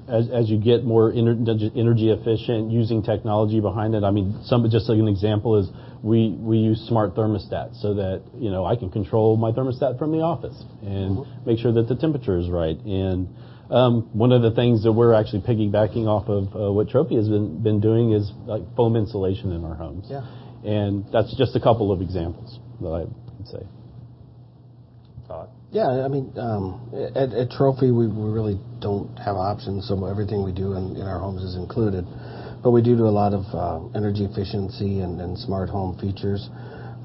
A: as you get more energy-efficient using technology behind it. I mean, just an example is we use smart thermostats so that I can control my thermostat from the office and make sure that the temperature is right. And one of the things that we're actually piggybacking off of what Trophy has been doing is foam insulation in our homes. And that's just a couple of examples that I could say. Todd? Yeah. I mean, at Trophy, we really don't have options. So everything we do in our homes is included. But we do do a lot of energy efficiency and smart home features.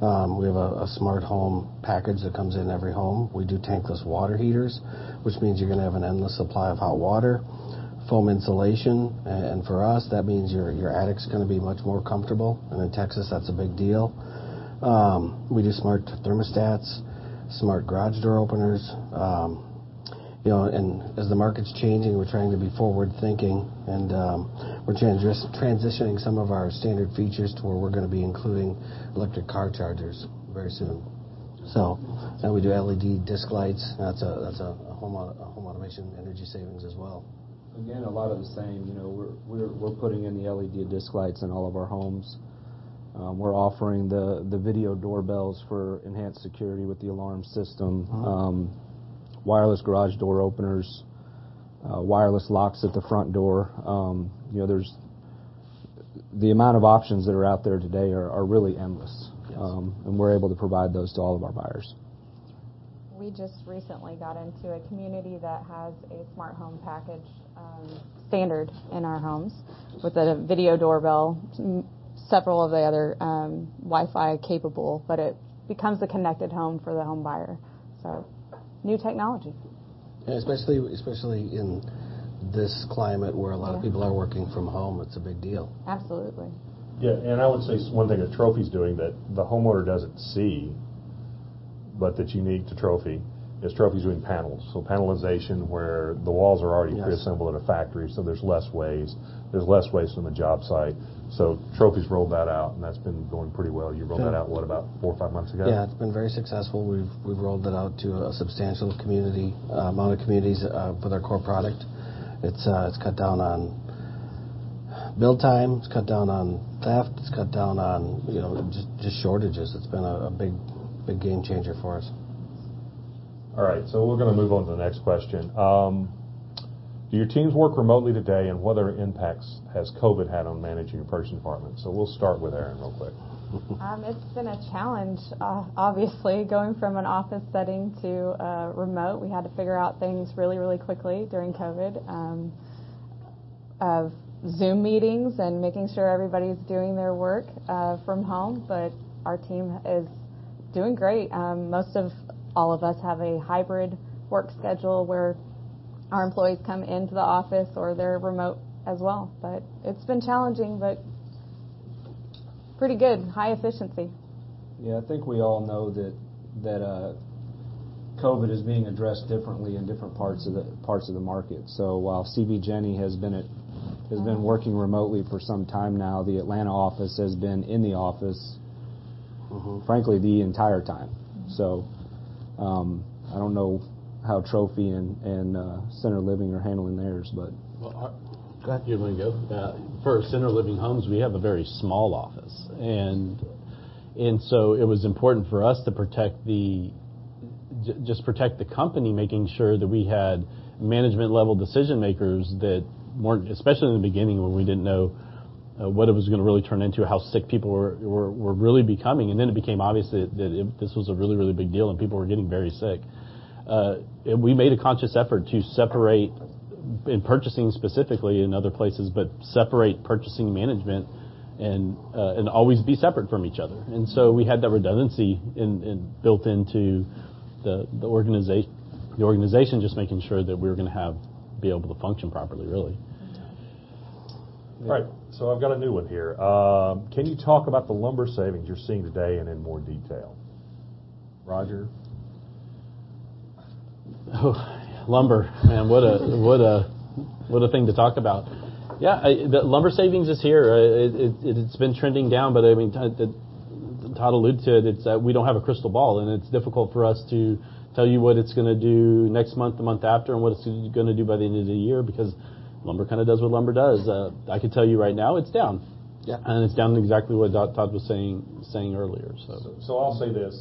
A: We have a smart home package that comes in every home. We do tankless water heaters, which means you're going to have an endless supply of hot water, foam insulation. And for us, that means your attic's going to be much more comfortable. And in Texas, that's a big deal. We do smart thermostats, smart garage door openers. And as the market's changing, we're trying to be forward-thinking, and we're transitioning some of our standard features to where we're going to be including electric car chargers very soon. So we do LED disc lights. That's a home automation energy savings as well. Again, a lot of the same. We're putting in the LED disc lights in all of our homes. We're offering the video doorbells for enhanced security with the alarm system, wireless garage door openers, wireless locks at the front door. The amount of options that are out there today are really endless. And we're able to provide those to all of our buyers. We just recently got into a community that has a smart home package standard in our homes with a video doorbell, several of the other Wi-Fi capable, but it becomes a connected home for the home buyer. So new technology. Yeah. Especially in this climate where a lot of people are working from home, it's a big deal. Absolutely. Yeah. And I would say one thing that Trophy's doing that the homeowner doesn't see but that's unique to Trophy is Trophy's doing panels. So panelization where the walls are already pre-assembled at a factory, so there's less waste. There's less waste on the job site. So Trophy's rolled that out, and that's been going pretty well. You rolled that out what, about four or five months ago? Yeah. It's been very successful. We've rolled it out to a substantial amount of communities with our core product. It's cut down on build time. It's cut down on theft. It's cut down on just shortages. It's been a big game changer for us. All right. So we're going to move on to the next question. Do your teams work remotely today, and what other impacts has COVID had on managing your purchasing department? So we'll start with Erin real quick. It's been a challenge, obviously, going from an office setting to remote. We had to figure out things really, really quickly during COVID of Zoom meetings and making sure everybody's doing their work from home. But our team is doing great. Most of all of us have a hybrid work schedule where our employees come into the office or they're remote as well. But it's been challenging, but pretty good. High efficiency. Yeah. I think we all know that COVID is being addressed differently in different parts of the market. So while CB Jenny has been working remotely for some time now, the Atlanta office has been in the office, frankly, the entire time. So I don't know how Trophy and Center Living are handling theirs, but. Well, go ahead. You're going to go. For Center Living Homes, we have a very small office. And so it was important for us to just protect the company, making sure that we had management-level decision-makers that weren't, especially in the beginning when we didn't know what it was going to really turn into, how sick people were really becoming. And then it became obvious that this was a really, really big deal and people were getting very sick. And we made a conscious effort to separate in purchasing specifically in other places, but separate purchasing management and always be separate from each other. And so we had that redundancy built into the organization, just making sure that we were going to be able to function properly, really. All right. So I've got a new one here. Can you talk about the lumber savings you're seeing today and in more detail? Roger? Oh, lumber. Man, what a thing to talk about. Yeah. The lumber savings is here. It's been trending down. But I mean, Todd alluded to it. We don't have a crystal ball, and it's difficult for us to tell you what it's going to do next month, the month after, and what it's going to do by the end of the year because lumber kind of does what lumber does. I could tell you right now it's down. And it's down exactly what Todd was saying earlier, so. So I'll say this.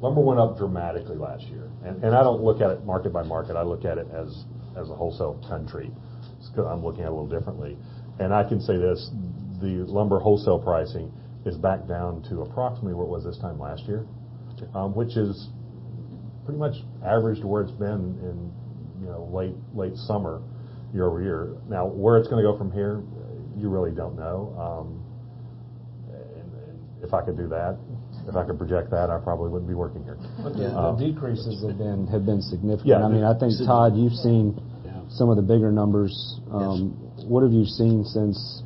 A: Lumber went up dramatically last year. And I don't look at it market by market. I look at it as a wholesale country. I'm looking at it a little differently. And I can say this. The lumber wholesale pricing is back down to approximately where it was this time last year, which is pretty much averaged to where it's been in late summer year over year. Now, where it's going to go from here, you really don't know. And if I could do that, if I could project that, I probably wouldn't be working here. The decreases have been significant. I mean, I think, Todd, you've seen some of the bigger numbers. What have you seen since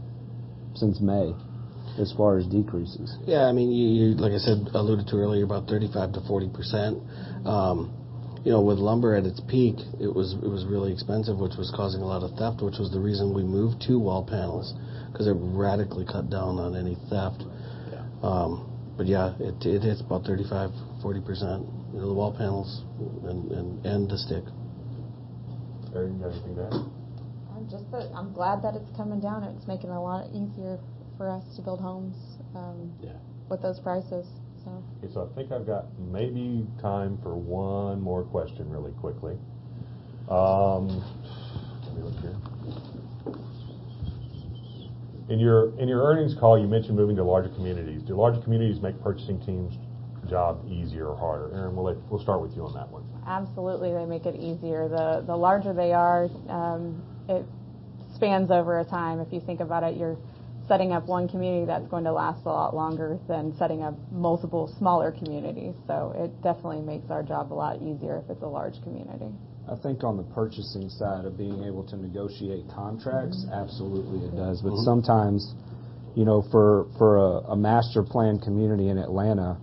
A: May as far as decreases? Yeah. I mean, like I said, alluded to earlier, about 35%-40%. With lumber at its peak, it was really expensive, which was causing a lot of theft, which was the reason we moved to wall panels because it radically cut down on any theft. But yeah, it hits about 35, 40 percent of the wall panels and the stick. Erin, you got anything to add?
K: I'm glad that it's coming down. It's making it a lot easier for us to build homes with those prices, so. Okay. So I think I've got maybe time for one more question really quickly. Let me look here. In your earnings call, you mentioned moving to larger communities. Do larger communities make purchasing teams' job easier or harder? Erin, we'll start with you on that one. Absolutely. They make it easier. The larger they are, it spans over a time.
D: If you think about it, you're setting up one community that's going to last a lot longer than setting up multiple smaller communities. So it definitely makes our job a lot easier if it's a large community. I think on the purchasing side of being able to negotiate contracts, absolutely it does. But sometimes, for a master plan community in Atlanta,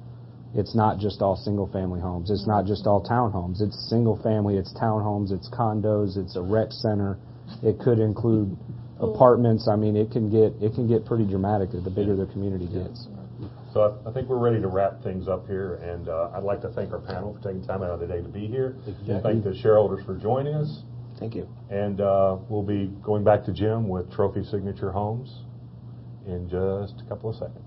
D: it's not just all single-family homes. It's not just all townhomes. It's single-family. It's townhomes. It's condos. It's a rec center. It could include apartments. I mean, it can get pretty dramatic the bigger the community gets. So I think we're ready to wrap things up here. And I'd like to thank our panel for taking time out of their day to be here. Thank the shareholders for joining us. Thank you. And we'll be going back to Jim with Trophy Signature Homes in just a couple of seconds.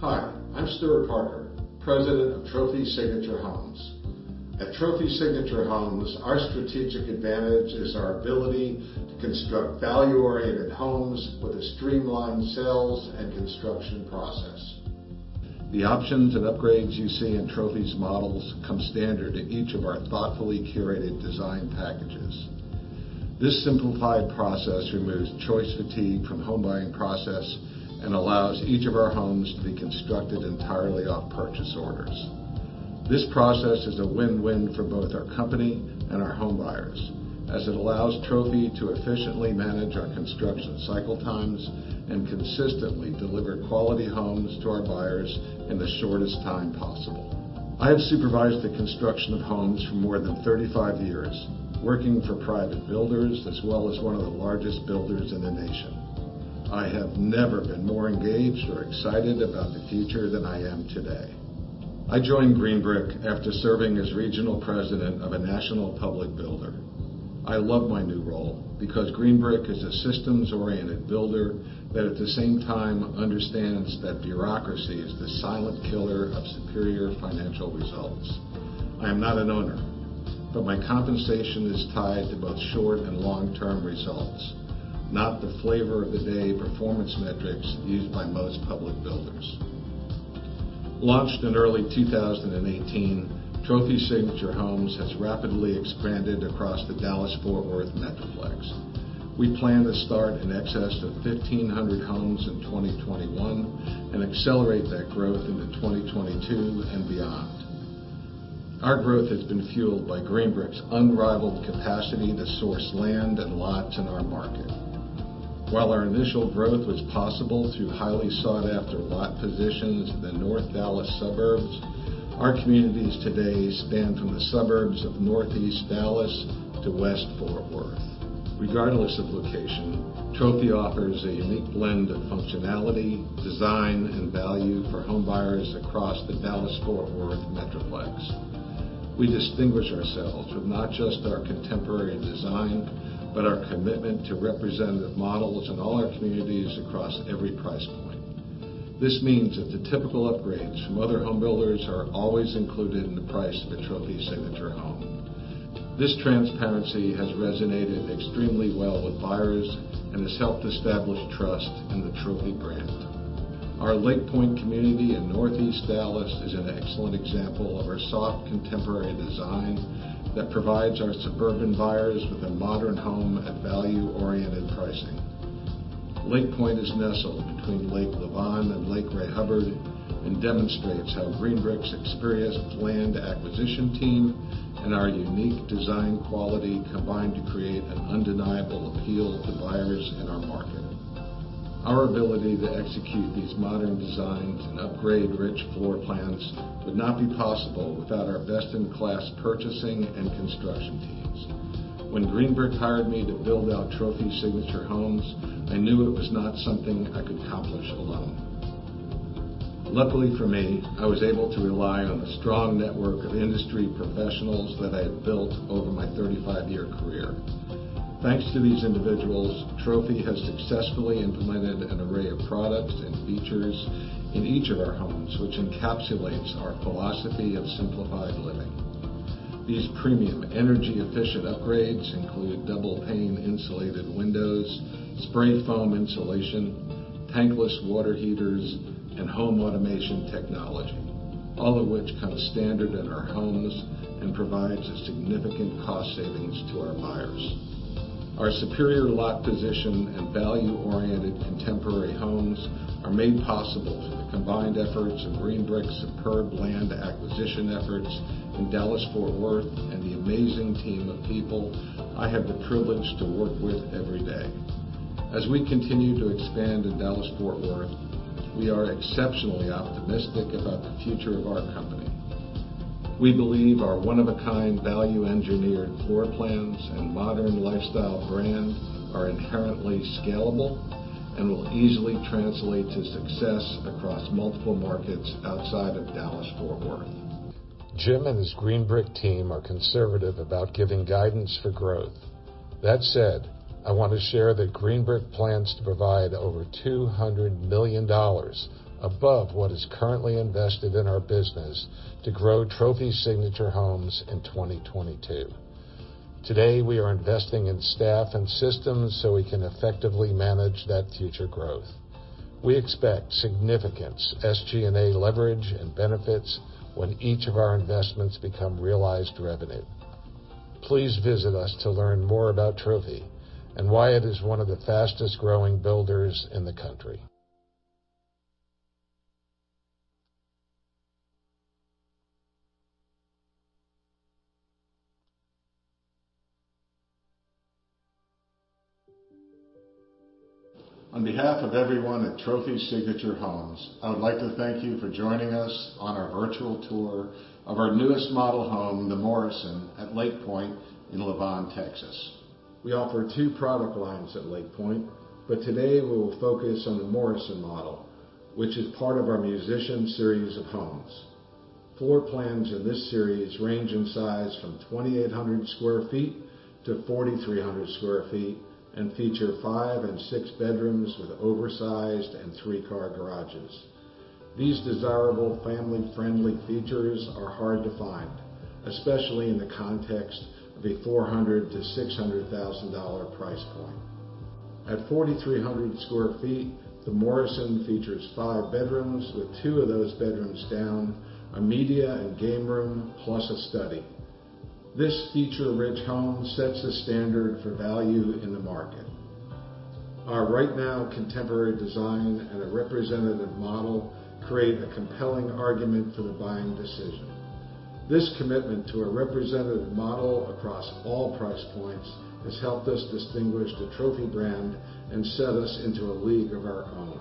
M: Hi. I'm Stuart Parker, president of Trophy Signature Homes. At Trophy Signature Homes, our strategic advantage is our ability to construct value-oriented homes with a streamlined sales and construction process. The options and upgrades you see in Trophy's models come standard to each of our thoughtfully curated design packages. This simplified process removes choice fatigue from the home buying process and allows each of our homes to be constructed entirely off purchase orders. This process is a win-win for both our company and our home buyers, as it allows Trophy to efficiently manage our construction cycle times and consistently deliver quality homes to our buyers in the shortest time possible. I have supervised the construction of homes for more than 35 years, working for private builders as well as one of the largest builders in the nation. I have never been more engaged or excited about the future than I am today. I joined Greenbrick after serving as regional president of a national public builder. I love my new role because Greenbrick is a systems-oriented builder that at the same time understands that bureaucracy is the silent killer of superior financial results. I am not an owner, but my compensation is tied to both short and long-term results, not the flavor-of-the-day performance metrics used by most public builders. Launched in early 2018, Trophy Signature Homes has rapidly expanded across the Dallas-Fort Worth Metroplex. We plan to start an excess of 1,500 homes in 2021 and accelerate that growth into 2022 and beyond. Our growth has been fueled by Greenbrick's unrivaled capacity to source land and lots in our market. While our initial growth was possible through highly sought-after lot positions in the North Dallas suburbs, our communities today span from the suburbs of Northeast Dallas to West Fort Worth. Regardless of location, Trophy offers a unique blend of functionality, design, and value for home buyers across the Dallas-Fort Worth Metroplex. We distinguish ourselves with not just our contemporary design, but our commitment to representative models in all our communities across every price point. This means that the typical upgrades from other home builders are always included in the price of a Trophy Signature Home. This transparency has resonated extremely well with buyers and has helped establish trust in the Trophy brand. Our Lake Point community in Northeast Dallas is an excellent example of our soft, contemporary design that provides our suburban buyers with a modern home at value-oriented pricing. Lake Point is nestled between Lake Lavon and Lake Ray Hubbard and demonstrates how Greenbrick's experienced land acquisition team and our unique design quality combine to create an undeniable appeal to buyers in our market. Our ability to execute these modern designs and upgrade rich floor plans would not be possible without our best-in-class purchasing and construction teams. When Greenbrick hired me to build out Trophy Signature Homes, I knew it was not something I could accomplish alone. Luckily for me, I was able to rely on a strong network of industry professionals that I had built over my 35-year career. Thanks to these individuals, Trophy has successfully implemented an array of products and features in each of our homes, which encapsulates our philosophy of simplified living. These premium energy-efficient upgrades include double-pane insulated windows, spray foam insulation, tankless water heaters, and home automation technology, all of which come standard in our homes and provide a significant cost savings to our buyers. Our superior lot position and value-oriented contemporary homes are made possible for the combined efforts of Greenbrick's superb land acquisition efforts in Dallas-Fort Worth and the amazing team of people I have the privilege to work with every day. As we continue to expand in Dallas-Fort Worth, we are exceptionally optimistic about the future of our company. We believe our one-of-a-kind value-engineered floor plans and modern lifestyle brand are inherently scalable and will easily translate to success across multiple markets outside of Dallas-Fort Worth. Jim and his Greenbrick team are conservative about giving guidance for growth. That said, I want to share that Greenbrick plans to provide over $200 million above what is currently invested in our business to grow Trophy Signature Homes in 2022. Today, we are investing in staff and systems so we can effectively manage that future growth. We expect significant SG&A leverage and benefits when each of our investments become realized revenue. Please visit us to learn more about Trophy and why it is one of the fastest-growing builders in the country.
D: On behalf of everyone at Trophy Signature Homes, I would like to thank you for joining us on our virtual tour of our newest model home, the Morrison, at Lake Point in Lavon, Texas. We offer two product lines at Lake Point, but today we will focus on the Morrison model, which is part of our Musician series of homes. Floor plans in this series range in size from 2,800 square feet to 4,300 square feet and feature five and six bedrooms with oversized and three-car garages. These desirable family-friendly features are hard to find, especially in the context of a $400,000 to $600,000 price point. At 4,300 square feet, the Morrison features five bedrooms with two of those bedrooms down, a media and game room, plus a study. This feature-rich home sets the standard for value in the market. Our right-now contemporary design and a representative model create a compelling argument for the buying decision. This commitment to a representative model across all price points has helped us distinguish the Trophy brand and set us into a league of our own.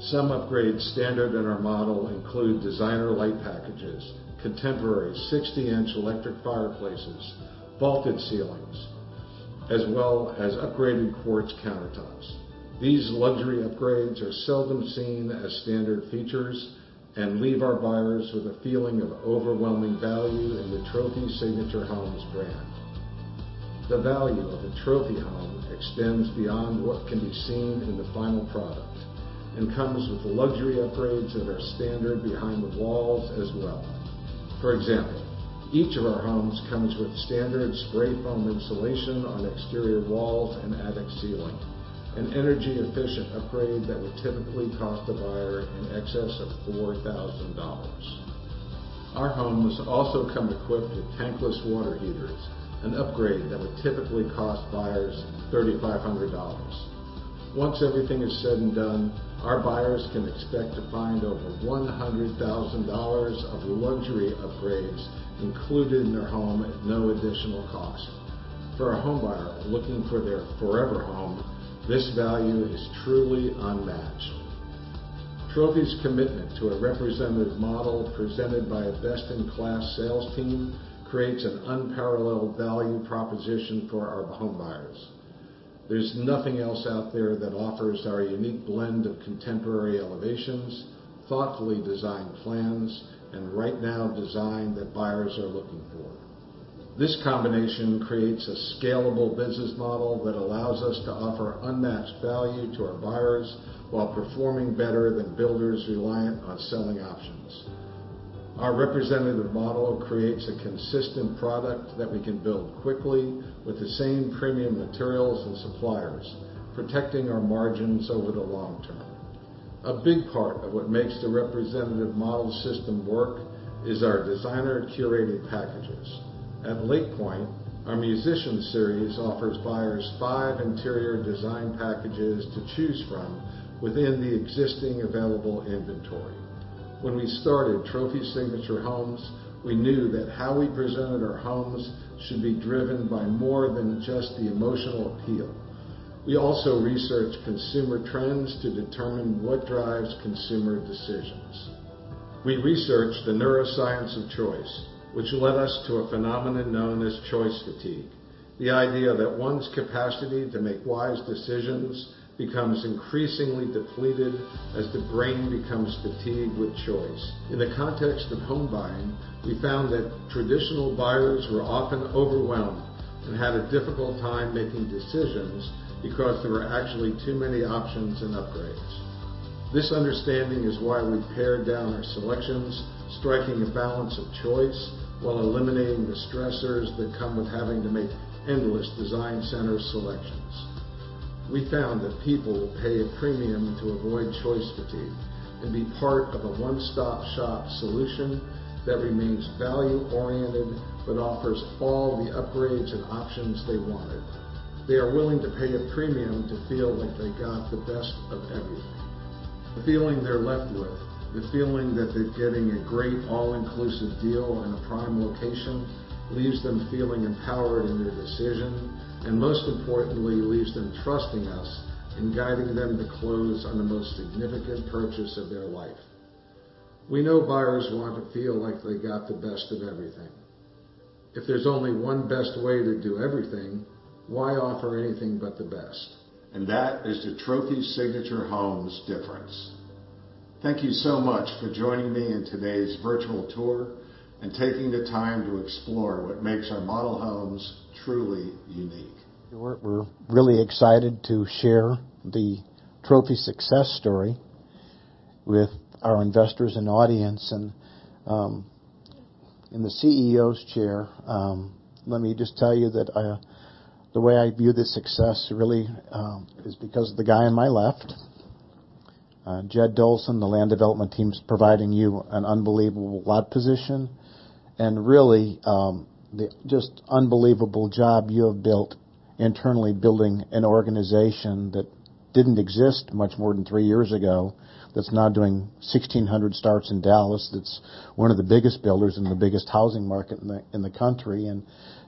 D: Some upgrades standard in our model include designer light packages, contemporary 60-inch electric fireplaces, vaulted ceilings, as well as upgraded quartz countertops. These luxury upgrades are seldom seen as standard features and leave our buyers with a feeling of overwhelming value in the Trophy Signature Homes brand. The value of a Trophy home extends beyond what can be seen in the final product and comes with luxury upgrades that are standard behind the walls as well. For example, each of our homes comes with standard spray foam insulation on exterior walls and attic ceiling, an energy-efficient upgrade that would typically cost a buyer in excess of $4,000. Our homes also come equipped with tankless water heaters, an upgrade that would typically cost buyers $3,500. Once everything is said and done, our buyers can expect to find over $100,000 of luxury upgrades included in their home at no additional cost. For a home buyer looking for their forever home, this value is truly unmatched. Trophy's commitment to a representative model presented by a best-in-class sales team creates an unparalleled value proposition for our home buyers. There's nothing else out there that offers our unique blend of contemporary elevations, thoughtfully designed plans, and right-now design that buyers are looking for. This combination creates a scalable business model that allows us to offer unmatched value to our buyers while performing better than builders reliant on selling options. Our representative model creates a consistent product that we can build quickly with the same premium materials and suppliers, protecting our margins over the long term. A big part of what makes the representative model system work is our designer-curated packages. At Lake Point, our Musician series offers buyers five interior design packages to choose from within the existing available inventory. When we started Trophy Signature Homes, we knew that how we presented our homes should be driven by more than just the emotional appeal. We also researched consumer trends to determine what drives consumer decisions. We researched the neuroscience of choice, which led us to a phenomenon known as choice fatigue, the idea that one's capacity to make wise decisions becomes increasingly depleted as the brain becomes fatigued with choice. In the context of home buying, we found that traditional buyers were often overwhelmed and had a difficult time making decisions because there were actually too many options and upgrades. This understanding is why we pared down our selections, striking a balance of choice while eliminating the stressors that come with having to make endless design center selections. We found that people will pay a premium to avoid choice fatigue and be part of a one-stop-shop solution that remains value-oriented but offers all the upgrades and options they wanted. They are willing to pay a premium to feel like they got the best of everything. The feeling they're left with, the feeling that they're getting a great all-inclusive deal in a prime location, leaves them feeling empowered in their decision and, most importantly, leaves them trusting us in guiding them to close on the most significant purchase of their life. We know buyers want to feel like they got the best of everything. If there's only one best way to do everything, why offer anything but the best? And that is the Trophy Signature Homes difference.
A: Thank you so much for joining me in today's virtual tour and taking the time to explore what makes our model homes truly unique. We're really excited to share the Trophy success story with our investors and audience. And in the CEO's chair, let me just tell you that the way I view the success really is because of the guy on my left, Jed Dolson, the land development team, is providing you an unbelievable lot position and really just unbelievable job you have built internally, building an organization that didn't exist much more than three years ago that's now doing 1,600 starts in Dallas, that's one of the biggest builders and the biggest housing market in the country. And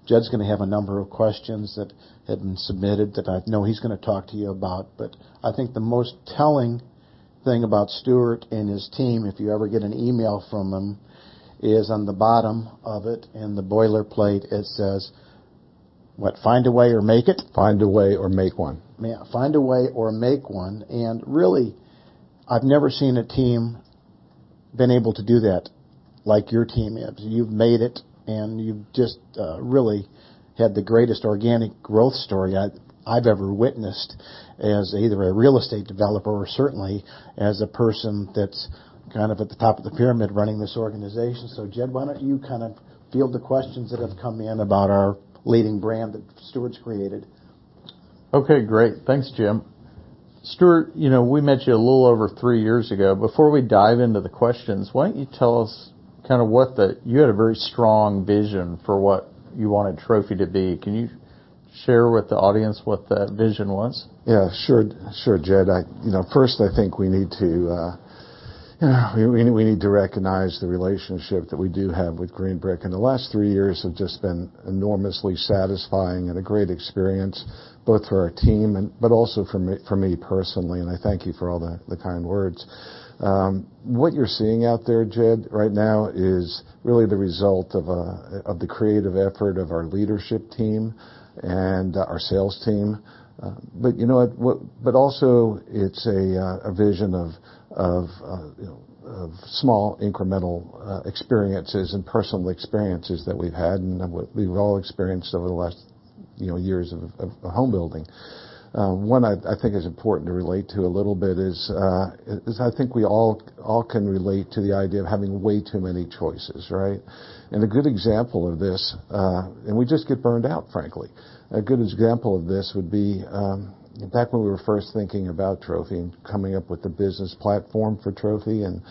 A: Jed's going to have a number of questions that have been submitted that I know he's going to talk to you about. But I think the most telling thing about Stuart and his team, if you ever get an email from them, is on the bottom of it in the boilerplate, it says, "What? Find a way or make it?" Find a way or make one. Find a way or make one. And really, I've never seen a team been able to do that like your team is. You've made it, and you've just really had the greatest organic growth story I've ever witnessed as either a real estate developer or certainly as a person that's kind of at the top of the pyramid running this organization. So Jed, why don't you kind of field the questions that have come in about our leading brand that Stuart's created? Okay. Great. Thanks, Jim. Stuart, we met you a little over three years ago. Before we dive into the questions, why don't you tell us kind of what the—you had a very strong vision for what you wanted Trophy to be. Can you share with the audience what that vision was? Yeah. Sure. Sure, Jed. First, I think we need to—we need to recognize the relationship that we do have with Greenbrick. And the last three years have just been enormously satisfying and a great experience, both for our team but also for me personally. And I thank you for all the kind words. What you're seeing out there, Jed, right now is really the result of the creative effort of our leadership team and our sales team. But also, it's a vision of small incremental experiences and personal experiences that we've had and what we've all experienced over the last years of home building. One, I think, is important to relate to a little bit is I think we all can relate to the idea of having way too many choices, right? And a good example of this—and we just get burned out, frankly. A good example of this would be back when we were first thinking about Trophy and coming up with the business platform for Trophy and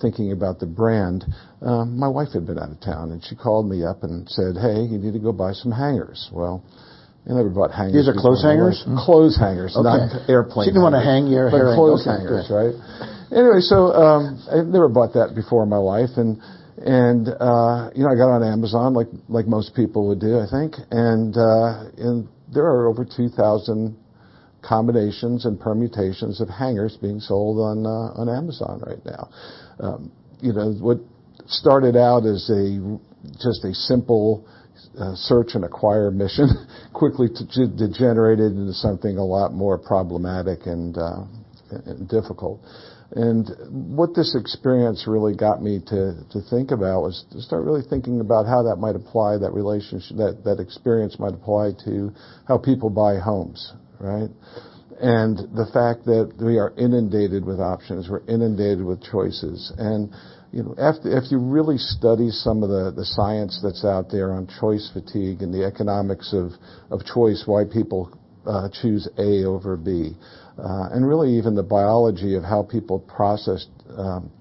A: thinking about the brand. My wife had been out of town, and she called me up and said, "Hey, you need to go buy some hangers." Well, I never bought hangers. These are clothes hangers? Clothes hangers. Not airplane hangers. She didn't want to hang your hair. Clothes hangers, right? Anyway, so I never bought that before in my life. And I got on Amazon like most people would do, I think. And there are over 2,000 combinations and permutations of hangers being sold on Amazon right now. What started out as just a simple search and acquire mission quickly degenerated into something a lot more problematic and difficult. And what this experience really got me to think about was to start really thinking about how that might apply, that experience might apply to how people buy homes, right? And the fact that we are inundated with options, we're inundated with choices. And if you really study some of the science that's out there on choice fatigue and the economics of choice, why people choose A over B, and really even the biology of how people process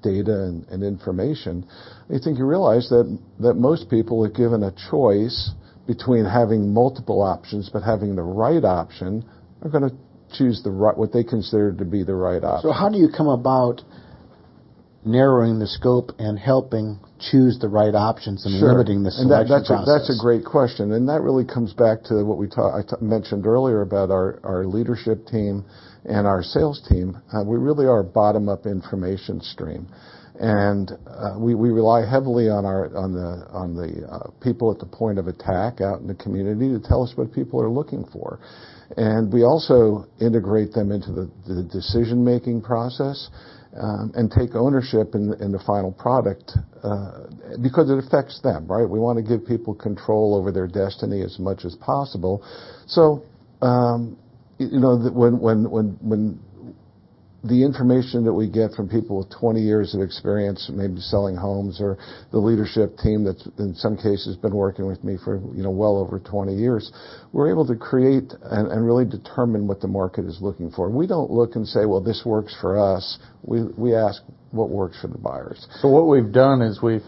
A: data and information, I think you realize that most people, given a choice between having multiple options but having the right option, are going to choose what they consider to be the right option. So how do you come about narrowing the scope and helping choose the right options and limiting the selection process? Sure. And that's a great question. And that really comes back to what we mentioned earlier about our leadership team and our sales team. We really are a bottom-up information stream. And we rely heavily on the people at the point of attack out in the community to tell us what people are looking for. And we also integrate them into the decision-making process and take ownership in the final product because it affects them, right? We want to give people control over their destiny as much as possible. So when the information that we get from people with 20 years of experience, maybe selling homes, or the leadership team that's, in some cases, been working with me for well over 20 years, we're able to create and really determine what the market is looking for. We don't look and say, "Well, this works for us." We ask, "What works for the buyers?" So what we've done is we've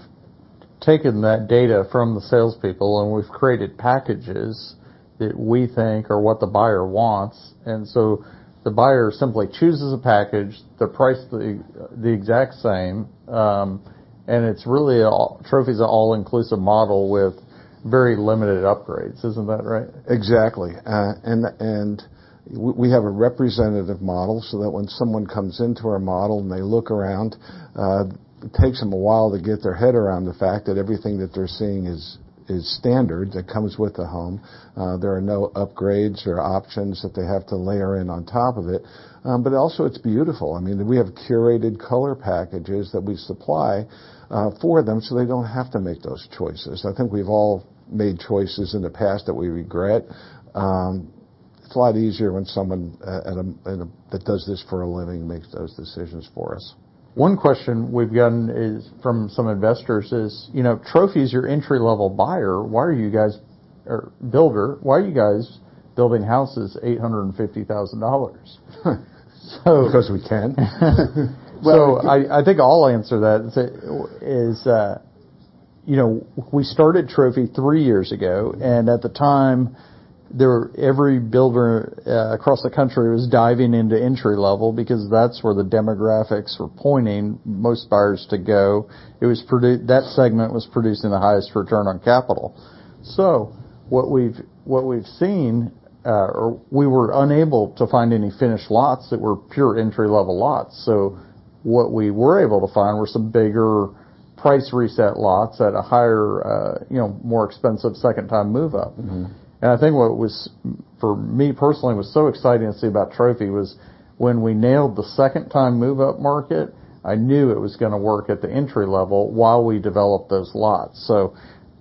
A: taken that data from the salespeople, and we've created packages that we think are what the buyer wants. And so the buyer simply chooses a package. They're priced the exact same. And it's really a Trophy's an all-inclusive model with very limited upgrades. Isn't that right? Exactly. And we have a representative model so that when someone comes into our model and they look around, it takes them a while to get their head around the fact that everything that they're seeing is standard that comes with the home. There are no upgrades or options that they have to layer in on top of it. But also, it's beautiful. I mean, we have curated color packages that we supply for them so they don't have to make those choices. I think we've all made choices in the past that we regret. It's a lot easier when someone that does this for a living makes those decisions for us. One question we've gotten from some investors is, "Trophy's your entry-level buyer. Why are you guys—or builder, why are you guys building houses $850,000?" Because we can. So I think I'll answer that. We started Trophy three years ago. And at the time, every builder across the country was diving into entry-level because that's where the demographics were pointing most buyers to go. That segment was producing the highest return on capital. So what we've seen, we were unable to find any finished lots that were pure entry-level lots. So what we were able to find were some bigger price reset lots at a higher, more expensive second-time move-up. And I think what was, for me personally, so exciting to see about Trophy was when we nailed the second-time move-up market, I knew it was going to work at the entry level while we developed those lots. So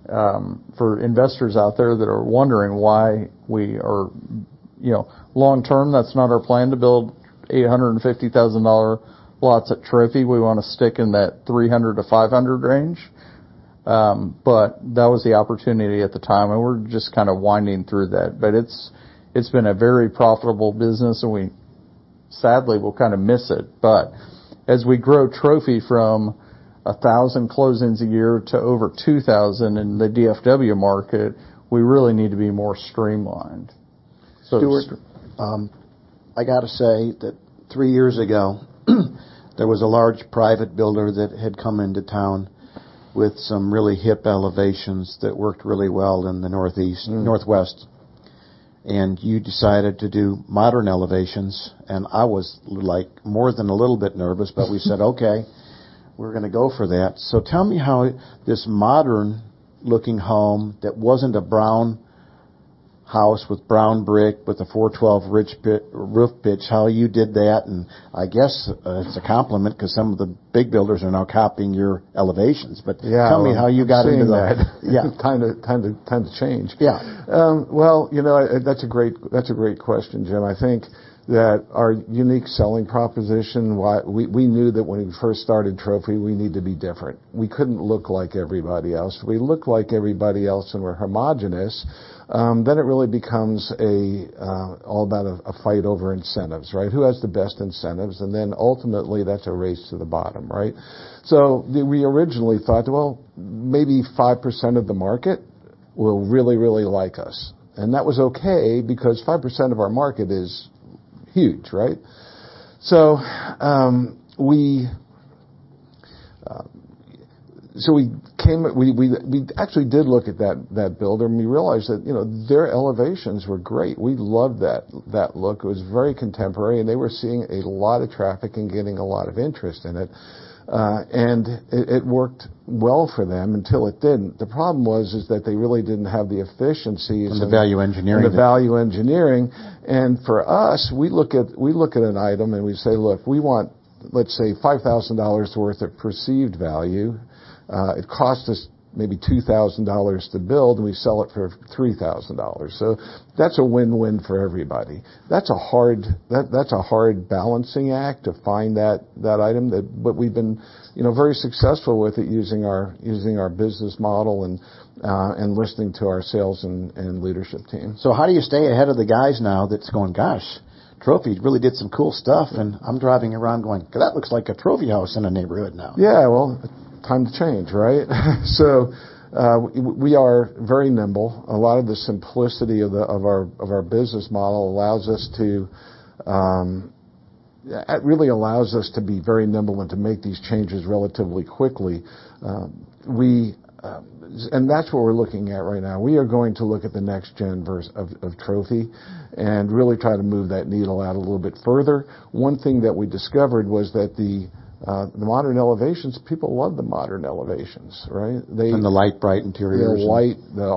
A: for investors out there that are wondering why we are long-term, that's not our plan to build $850,000 lots at Trophy. We want to stick in that 300 to 500 range. But that was the opportunity at the time. And we're just kind of winding through that. But it's been a very profitable business. And sadly, we'll kind of miss it. But as we grow Trophy from 1,000 closings a year to over 2,000 in the DFW market, we really need to be more streamlined. Stuart, I got to say that three years ago, there was a large private builder that had come into town with some really hip elevations that worked really well in the Northeast, Northwest. And you decided to do modern elevations. And I was more than a little bit nervous. But we said, "Okay. We're going to go for that." So tell me how this modern-looking home that wasn't a brown house with brown brick with a 412 ridge roof pitch, how you did that. And I guess it's a compliment because some of the big builders are now copying your elevations. But tell me how you got into that. Yeah. Time to change. Yeah. Well, that's a great question, Jim. I think that our unique selling proposition, we knew that when we first started Trophy, we needed to be different. We couldn't look like everybody else. If we look like everybody else and we're homogenous, then it really becomes all about a fight over incentives, right? Who has the best incentives? And then ultimately, that's a race to the bottom, right? So we originally thought, "Well, maybe 5% of the market will really, really like us." And that was okay because 5% of our market is huge, right? So we actually did look at that builder. And we realized that their elevations were great. We loved that look. It was very contemporary. And they were seeing a lot of traffic and getting a lot of interest in it. And it worked well for them until it didn't. The problem was that they really didn't have the efficiency and the value engineering. And for us, we look at an item and we say, "Look, we want, let's say, $5,000 worth of perceived value. It costs us maybe $2,000 to build. We sell it for $3,000." So that's a win-win for everybody. That's a hard balancing act to find that item. But we've been very successful with it using our business model and listening to our sales and leadership team. So how do you stay ahead of the guys now that's going, "Gosh, Trophy really did some cool stuff. And I'm driving around going, 'That looks like a Trophy house in a neighborhood now'"? Yeah. Well, time to change, right? So we are very nimble. A lot of the simplicity of our business model allows us to really allows us to be very nimble and to make these changes relatively quickly. And that's what we're looking at right now. We are going to look at the next gen of Trophy and really try to move that needle out a little bit further. One thing that we discovered was that the modern elevations, people love the modern elevations, right? And the light, bright interiors. The light, the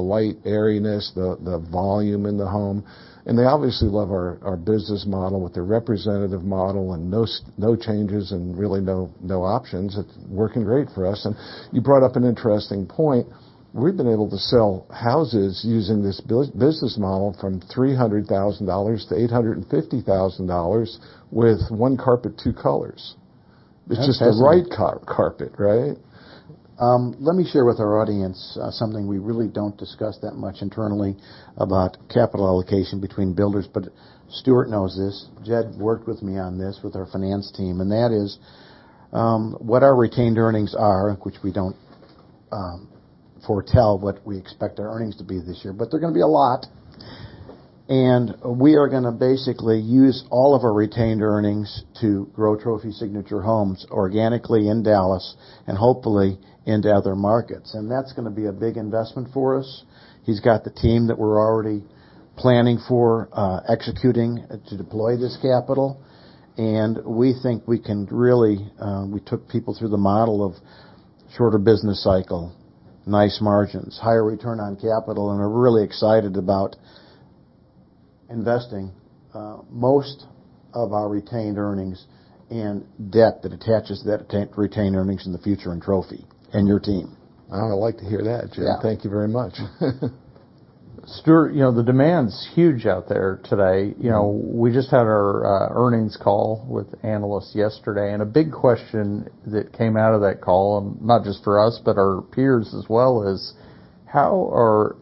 A: light airiness, the volume in the home. And they obviously love our business model with the representative model and no changes and really no options. It's working great for us. And you brought up an interesting point. We've been able to sell houses using this business model from $300,000-$850,000 with one carpet, two colors. It's just the right carpet, right? Let me share with our audience something we really don't discuss that much internally about capital allocation between builders. But Stuart knows this. Jed worked with me on this with our finance team. And that is what our retained earnings are, which we don't foretell what we expect our earnings to be this year. But they're going to be a lot. And we are going to basically use all of our retained earnings to grow Trophy Signature Homes organically in Dallas and hopefully into other markets. And that's going to be a big investment for us. He's got the team that we're already planning for executing to deploy this capital. And we think we can really—we took people through the model of shorter business cycle, nice margins, higher return on capital. And we're really excited about investing most of our retained earnings and debt that attaches to that retained earnings in the future in Trophy and your team. I like to hear that, Jim. Thank you very much. Stuart, the demand's huge out there today. We just had our earnings call with analysts yesterday. And a big question that came out of that call, not just for us but our peers as well, is how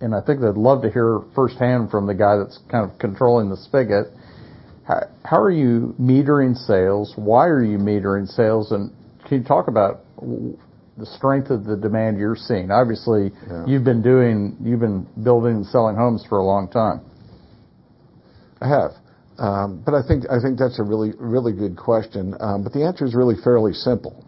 A: are—and I think they'd love to hear firsthand from the guy that's kind of controlling the spigot—how are you metering sales? Why are you metering sales? And can you talk about the strength of the demand you're seeing? Obviously, you've been building and selling homes for a long time. I have. But I think that's a really good question. But the answer is really fairly simple.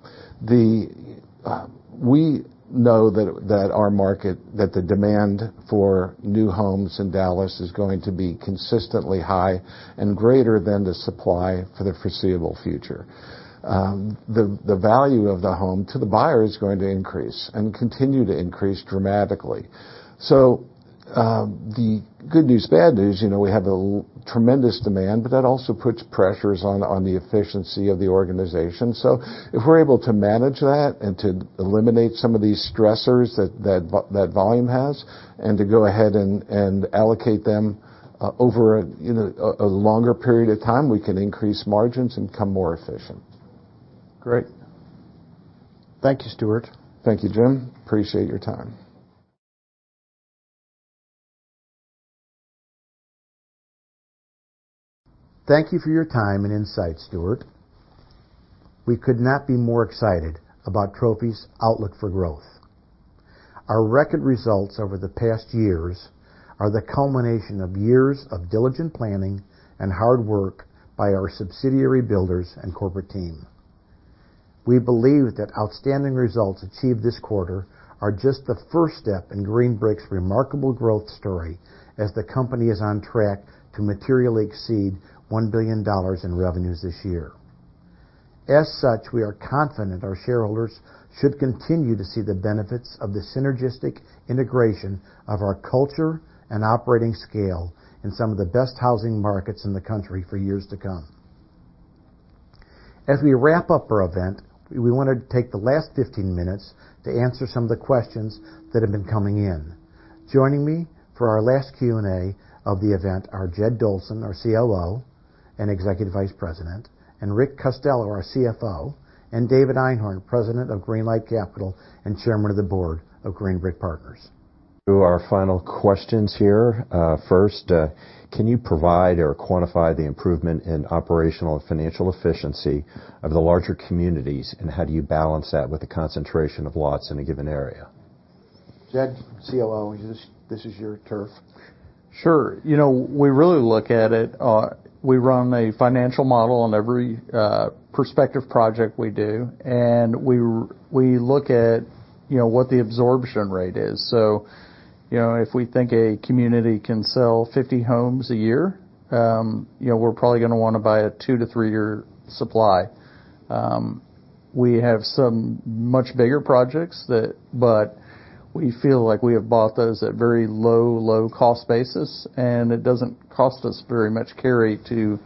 A: We know that our market, that the demand for new homes in Dallas is going to be consistently high and greater than the supply for the foreseeable future. The value of the home to the buyer is going to increase and continue to increase dramatically. So the good news, bad news, we have tremendous demand. But that also puts pressures on the efficiency of the organization. So if we're able to manage that and to eliminate some of these stressors that volume has and to go ahead and allocate them over a longer period of time, we can increase margins and become more efficient. Great. Thank you, Stuart. Thank you, Jim. Appreciate your time. Thank you for your time and insight, Stuart. We could not be more excited about Trophy's outlook for growth. Our record results over the past years are the culmination of years of diligent planning and hard work by our subsidiary builders and corporate team. We believe that outstanding results achieved this quarter are just the first step in Greenbrick's remarkable growth story as the company is on track to materially exceed $1 billion in revenues this year. As such, we are confident our shareholders should continue to see the benefits of the synergistic integration of our culture and operating scale in some of the best housing markets in the country for years to come. As we wrap up our event, we want to take the last 15 minutes to answer some of the questions that have been coming in. Joining me for our last Q&A of the event are Jed Dolson, our COO and executive vice president, and Rick Costello, our CFO, and David Einhorn, president of Greenlight Capital and chairman of the board of Greenbrick Partners. Our final questions here. First, can you provide or quantify the improvement in operational and financial efficiency of the larger communities? And how do you balance that with the concentration of lots in a given area? Jed, COO, this is your turf. Sure. We really look at it. We run a financial model on every prospective project we do. And we look at what the absorption rate is. So if we think a community can sell 50 homes a year, we're probably going to want to buy a two to three-year supply. We have some much bigger projects. But we feel like we have bought those at very low, low-cost basis. And it doesn't cost us very much carry to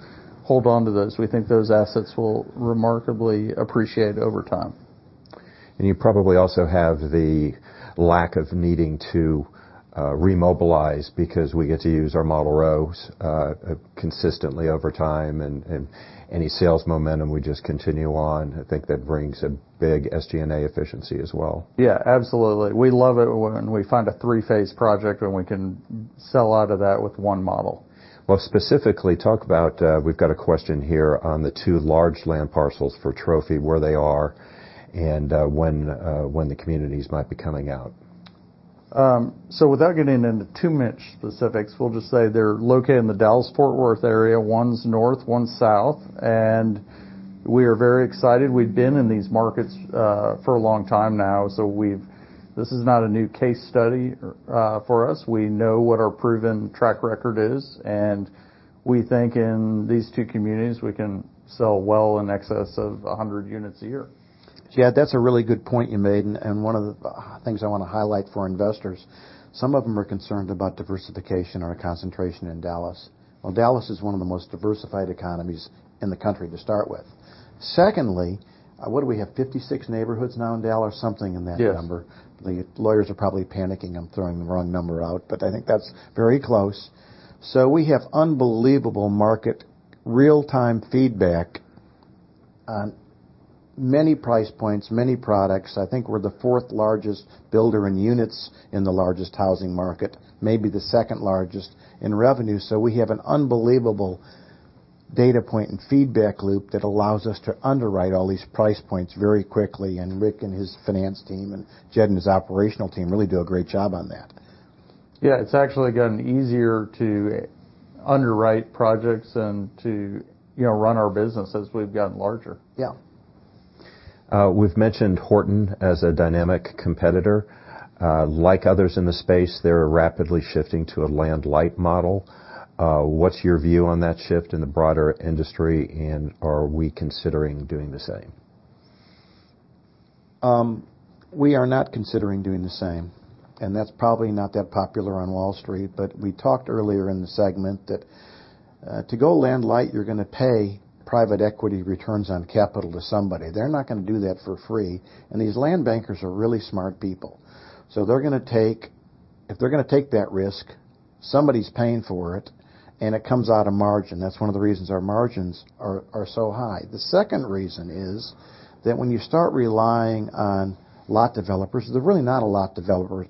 A: hold on to those. We think those assets will remarkably appreciate over time. And you probably also have the lack of needing to remobilize because we get to use our model rows consistently over time. And any sales momentum, we just continue on. I think that brings a big SG&A efficiency as well. Yeah. Absolutely. We love it when we find a three-phase project and we can sell out of that with one model. Well, specifically, talk about we've got a question here on the two large land parcels for Trophy, where they are and when the communities might be coming out. So without getting into too much specifics, we'll just say they're located in the Dallas-Fort Worth area, one's north, one's south. And we are very excited. We've been in these markets for a long time now. So this is not a new case study for us. We know what our proven track record is. And we think in these two communities, we can sell well in excess of 100 units a year. Yeah. That's a really good point you made. And one of the things I want to highlight for investors, some of them are concerned about diversification or concentration in Dallas. Well, Dallas is one of the most diversified economies in the country to start with. Secondly, what do we have? 56 neighborhoods now in Dallas? Something in that number. The lawyers are probably panicking. I'm throwing the wrong number out. But I think that's very close. So we have unbelievable market real-time feedback on many price points, many products. I think we're the fourth largest builder in units in the largest housing market, maybe the second largest in revenue. So we have an unbelievable data point and feedback loop that allows us to underwrite all these price points very quickly. And Rick and his finance team and Jed and his operational team really do a great job on that. Yeah. It's actually gotten easier to underwrite projects and to run our business as we've gotten larger. Yeah. We've mentioned Horton as a dynamic competitor. Like others in the space, they're rapidly shifting to a land-light model. What's your view on that shift in the broader industry? And are we considering doing the same? We are not considering doing the same. And that's probably not that popular on Wall Street. But we talked earlier in the segment that to go land-light, you're going to pay private equity returns on capital to somebody. They're not going to do that for free. And these land bankers are really smart people. So they're going to take—if they're going to take that risk, somebody's paying for it. And it comes out of margin. That's one of the reasons our margins are so high. The second reason is that when you start relying on lot developers, there are really not a lot of developers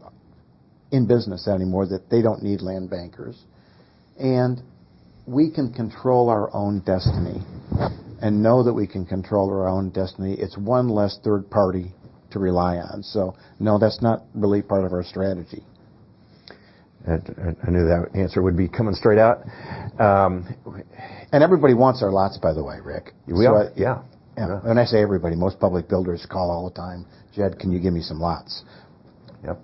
A: in business anymore that they don't need land bankers. And we can control our own destiny and know that we can control our own destiny. It's one less third party to rely on. So no, that's not really part of our strategy. I knew that answer would be coming straight out. And everybody wants our lots, by the way, Rick. Yeah. When I say everybody, most public builders call all the time, "Jed, can you give me some lots?" Yep.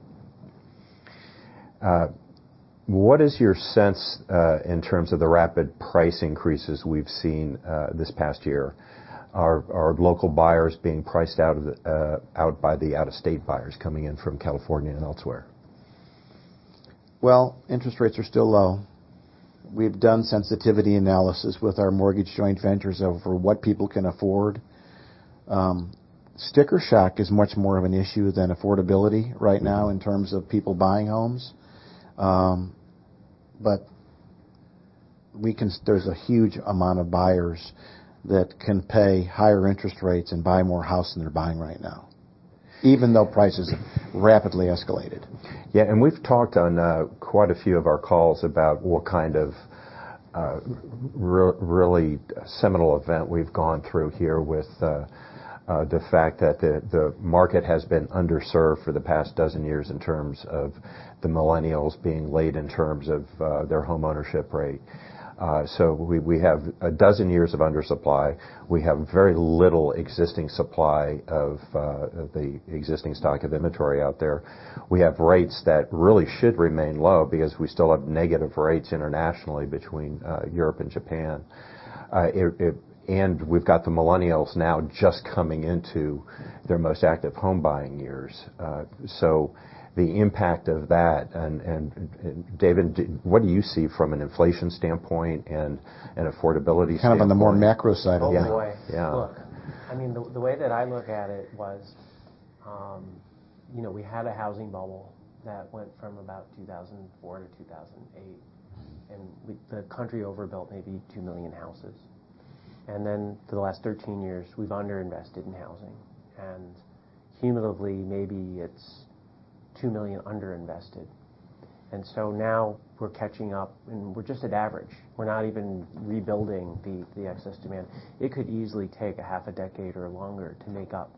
A: What is your sense in terms of the rapid price increases we've seen this past year? Are local buyers being priced out by the out-of-state buyers coming in from California and elsewhere? Well, interest rates are still low. We've done sensitivity analysis with our mortgage joint ventures over what people can afford. Sticker shock is much more of an issue than affordability right now in terms of people buying homes. But there's a huge amount of buyers that can pay higher interest rates and buy more house than they're buying right now, even though prices have rapidly escalated. Yeah. And we've talked on quite a few of our calls about what kind of really seminal event we've gone through here with the fact that the market has been underserved for the past dozen years in terms of the millennials being late in terms of their homeownership rate. So we have a dozen years of undersupply. We have very little existing supply of the existing stock of inventory out there. We have rates that really should remain low because we still have negative rates internationally between Europe and Japan. And we've got the millennials now just coming into their most active home-buying years. So the impact of that—and David, what do you see from an inflation standpoint and an affordability standpoint? Kind of on the more macro side only. Yeah. Look, I mean, the way that I look at it was we had a housing bubble that went from about 2004 to 2008. And the country overbuilt maybe 2 million houses. And then for the last 13 years, we've underinvested in housing. And cumulatively, maybe it's 2 million underinvested. And so now we're catching up. And we're just at average. We're not even rebuilding the excess demand. It could easily take a half a decade or longer to make up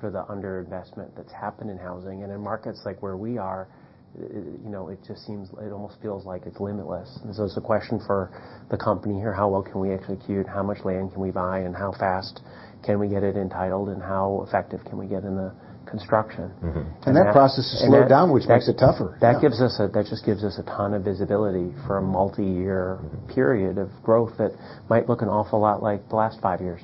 A: for the underinvestment that's happened in housing. And in markets like where we are, it just seems—it almost feels like it's limitless. And so it's a question for the company here, how well can we execute, how much land can we buy, and how fast can we get it entitled, and how effective can we get in the construction? And that process is slowed down, which makes it tougher. That just gives us a ton of visibility for a multi-year period of growth that might look an awful lot like the last five years.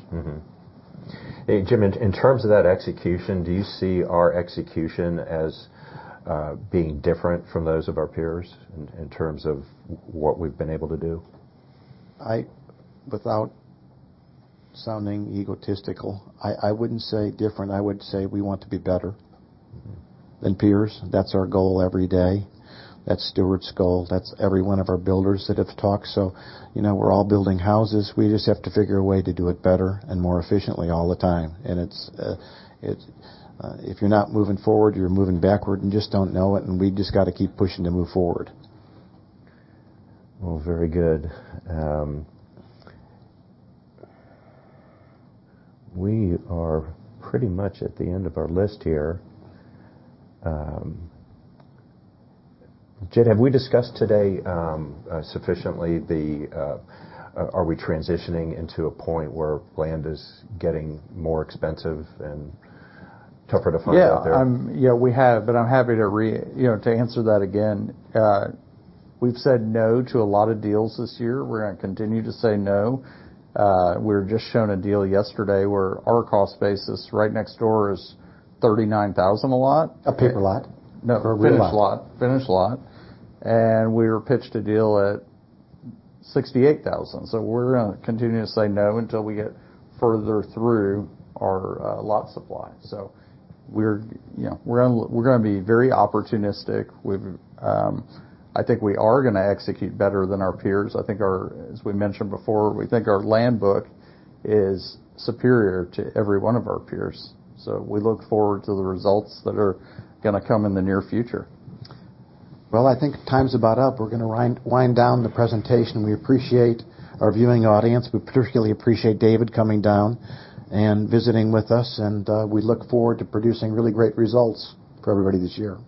A: Hey, Jim, in terms of that execution, do you see our execution as being different from those of our peers in terms of what we've been able to do? Without sounding egotistical, I wouldn't say different. I would say we want to be better than peers. That's our goal every day. That's Stewart's goal. That's every one of our builders that have talked. So we're all building houses. We just have to figure a way to do it better and more efficiently all the time. And if you're not moving forward, you're moving backward and just don't know it. And we just got to keep pushing to move forward. Well, very good. We are pretty much at the end of our list here. Jed, have we discussed today sufficiently the—are we transitioning into a point where land is getting more expensive and tougher to find out there? Yeah. Yeah, we have. But I'm happy to answer that again. We've said no to a lot of deals this year. We're going to continue to say no. We were just shown a deal yesterday where our cost basis right next door is 39,000 a lot. A paper lot? No. Finished lot. Finished lot. And we were pitched a deal at 68,000. So we're going to continue to say no until we get further through our lot supply. So we're going to be very opportunistic. I think we are going to execute better than our peers. I think, as we mentioned before, we think our land book is superior to every one of our peers. So we look forward to the results that are going to come in the near future. Well, I think time's about up. We're going to wind down the presentation. We appreciate our viewing audience. We particularly appreciate David coming down and visiting with us. And we look forward to producing really great results for everybody this year.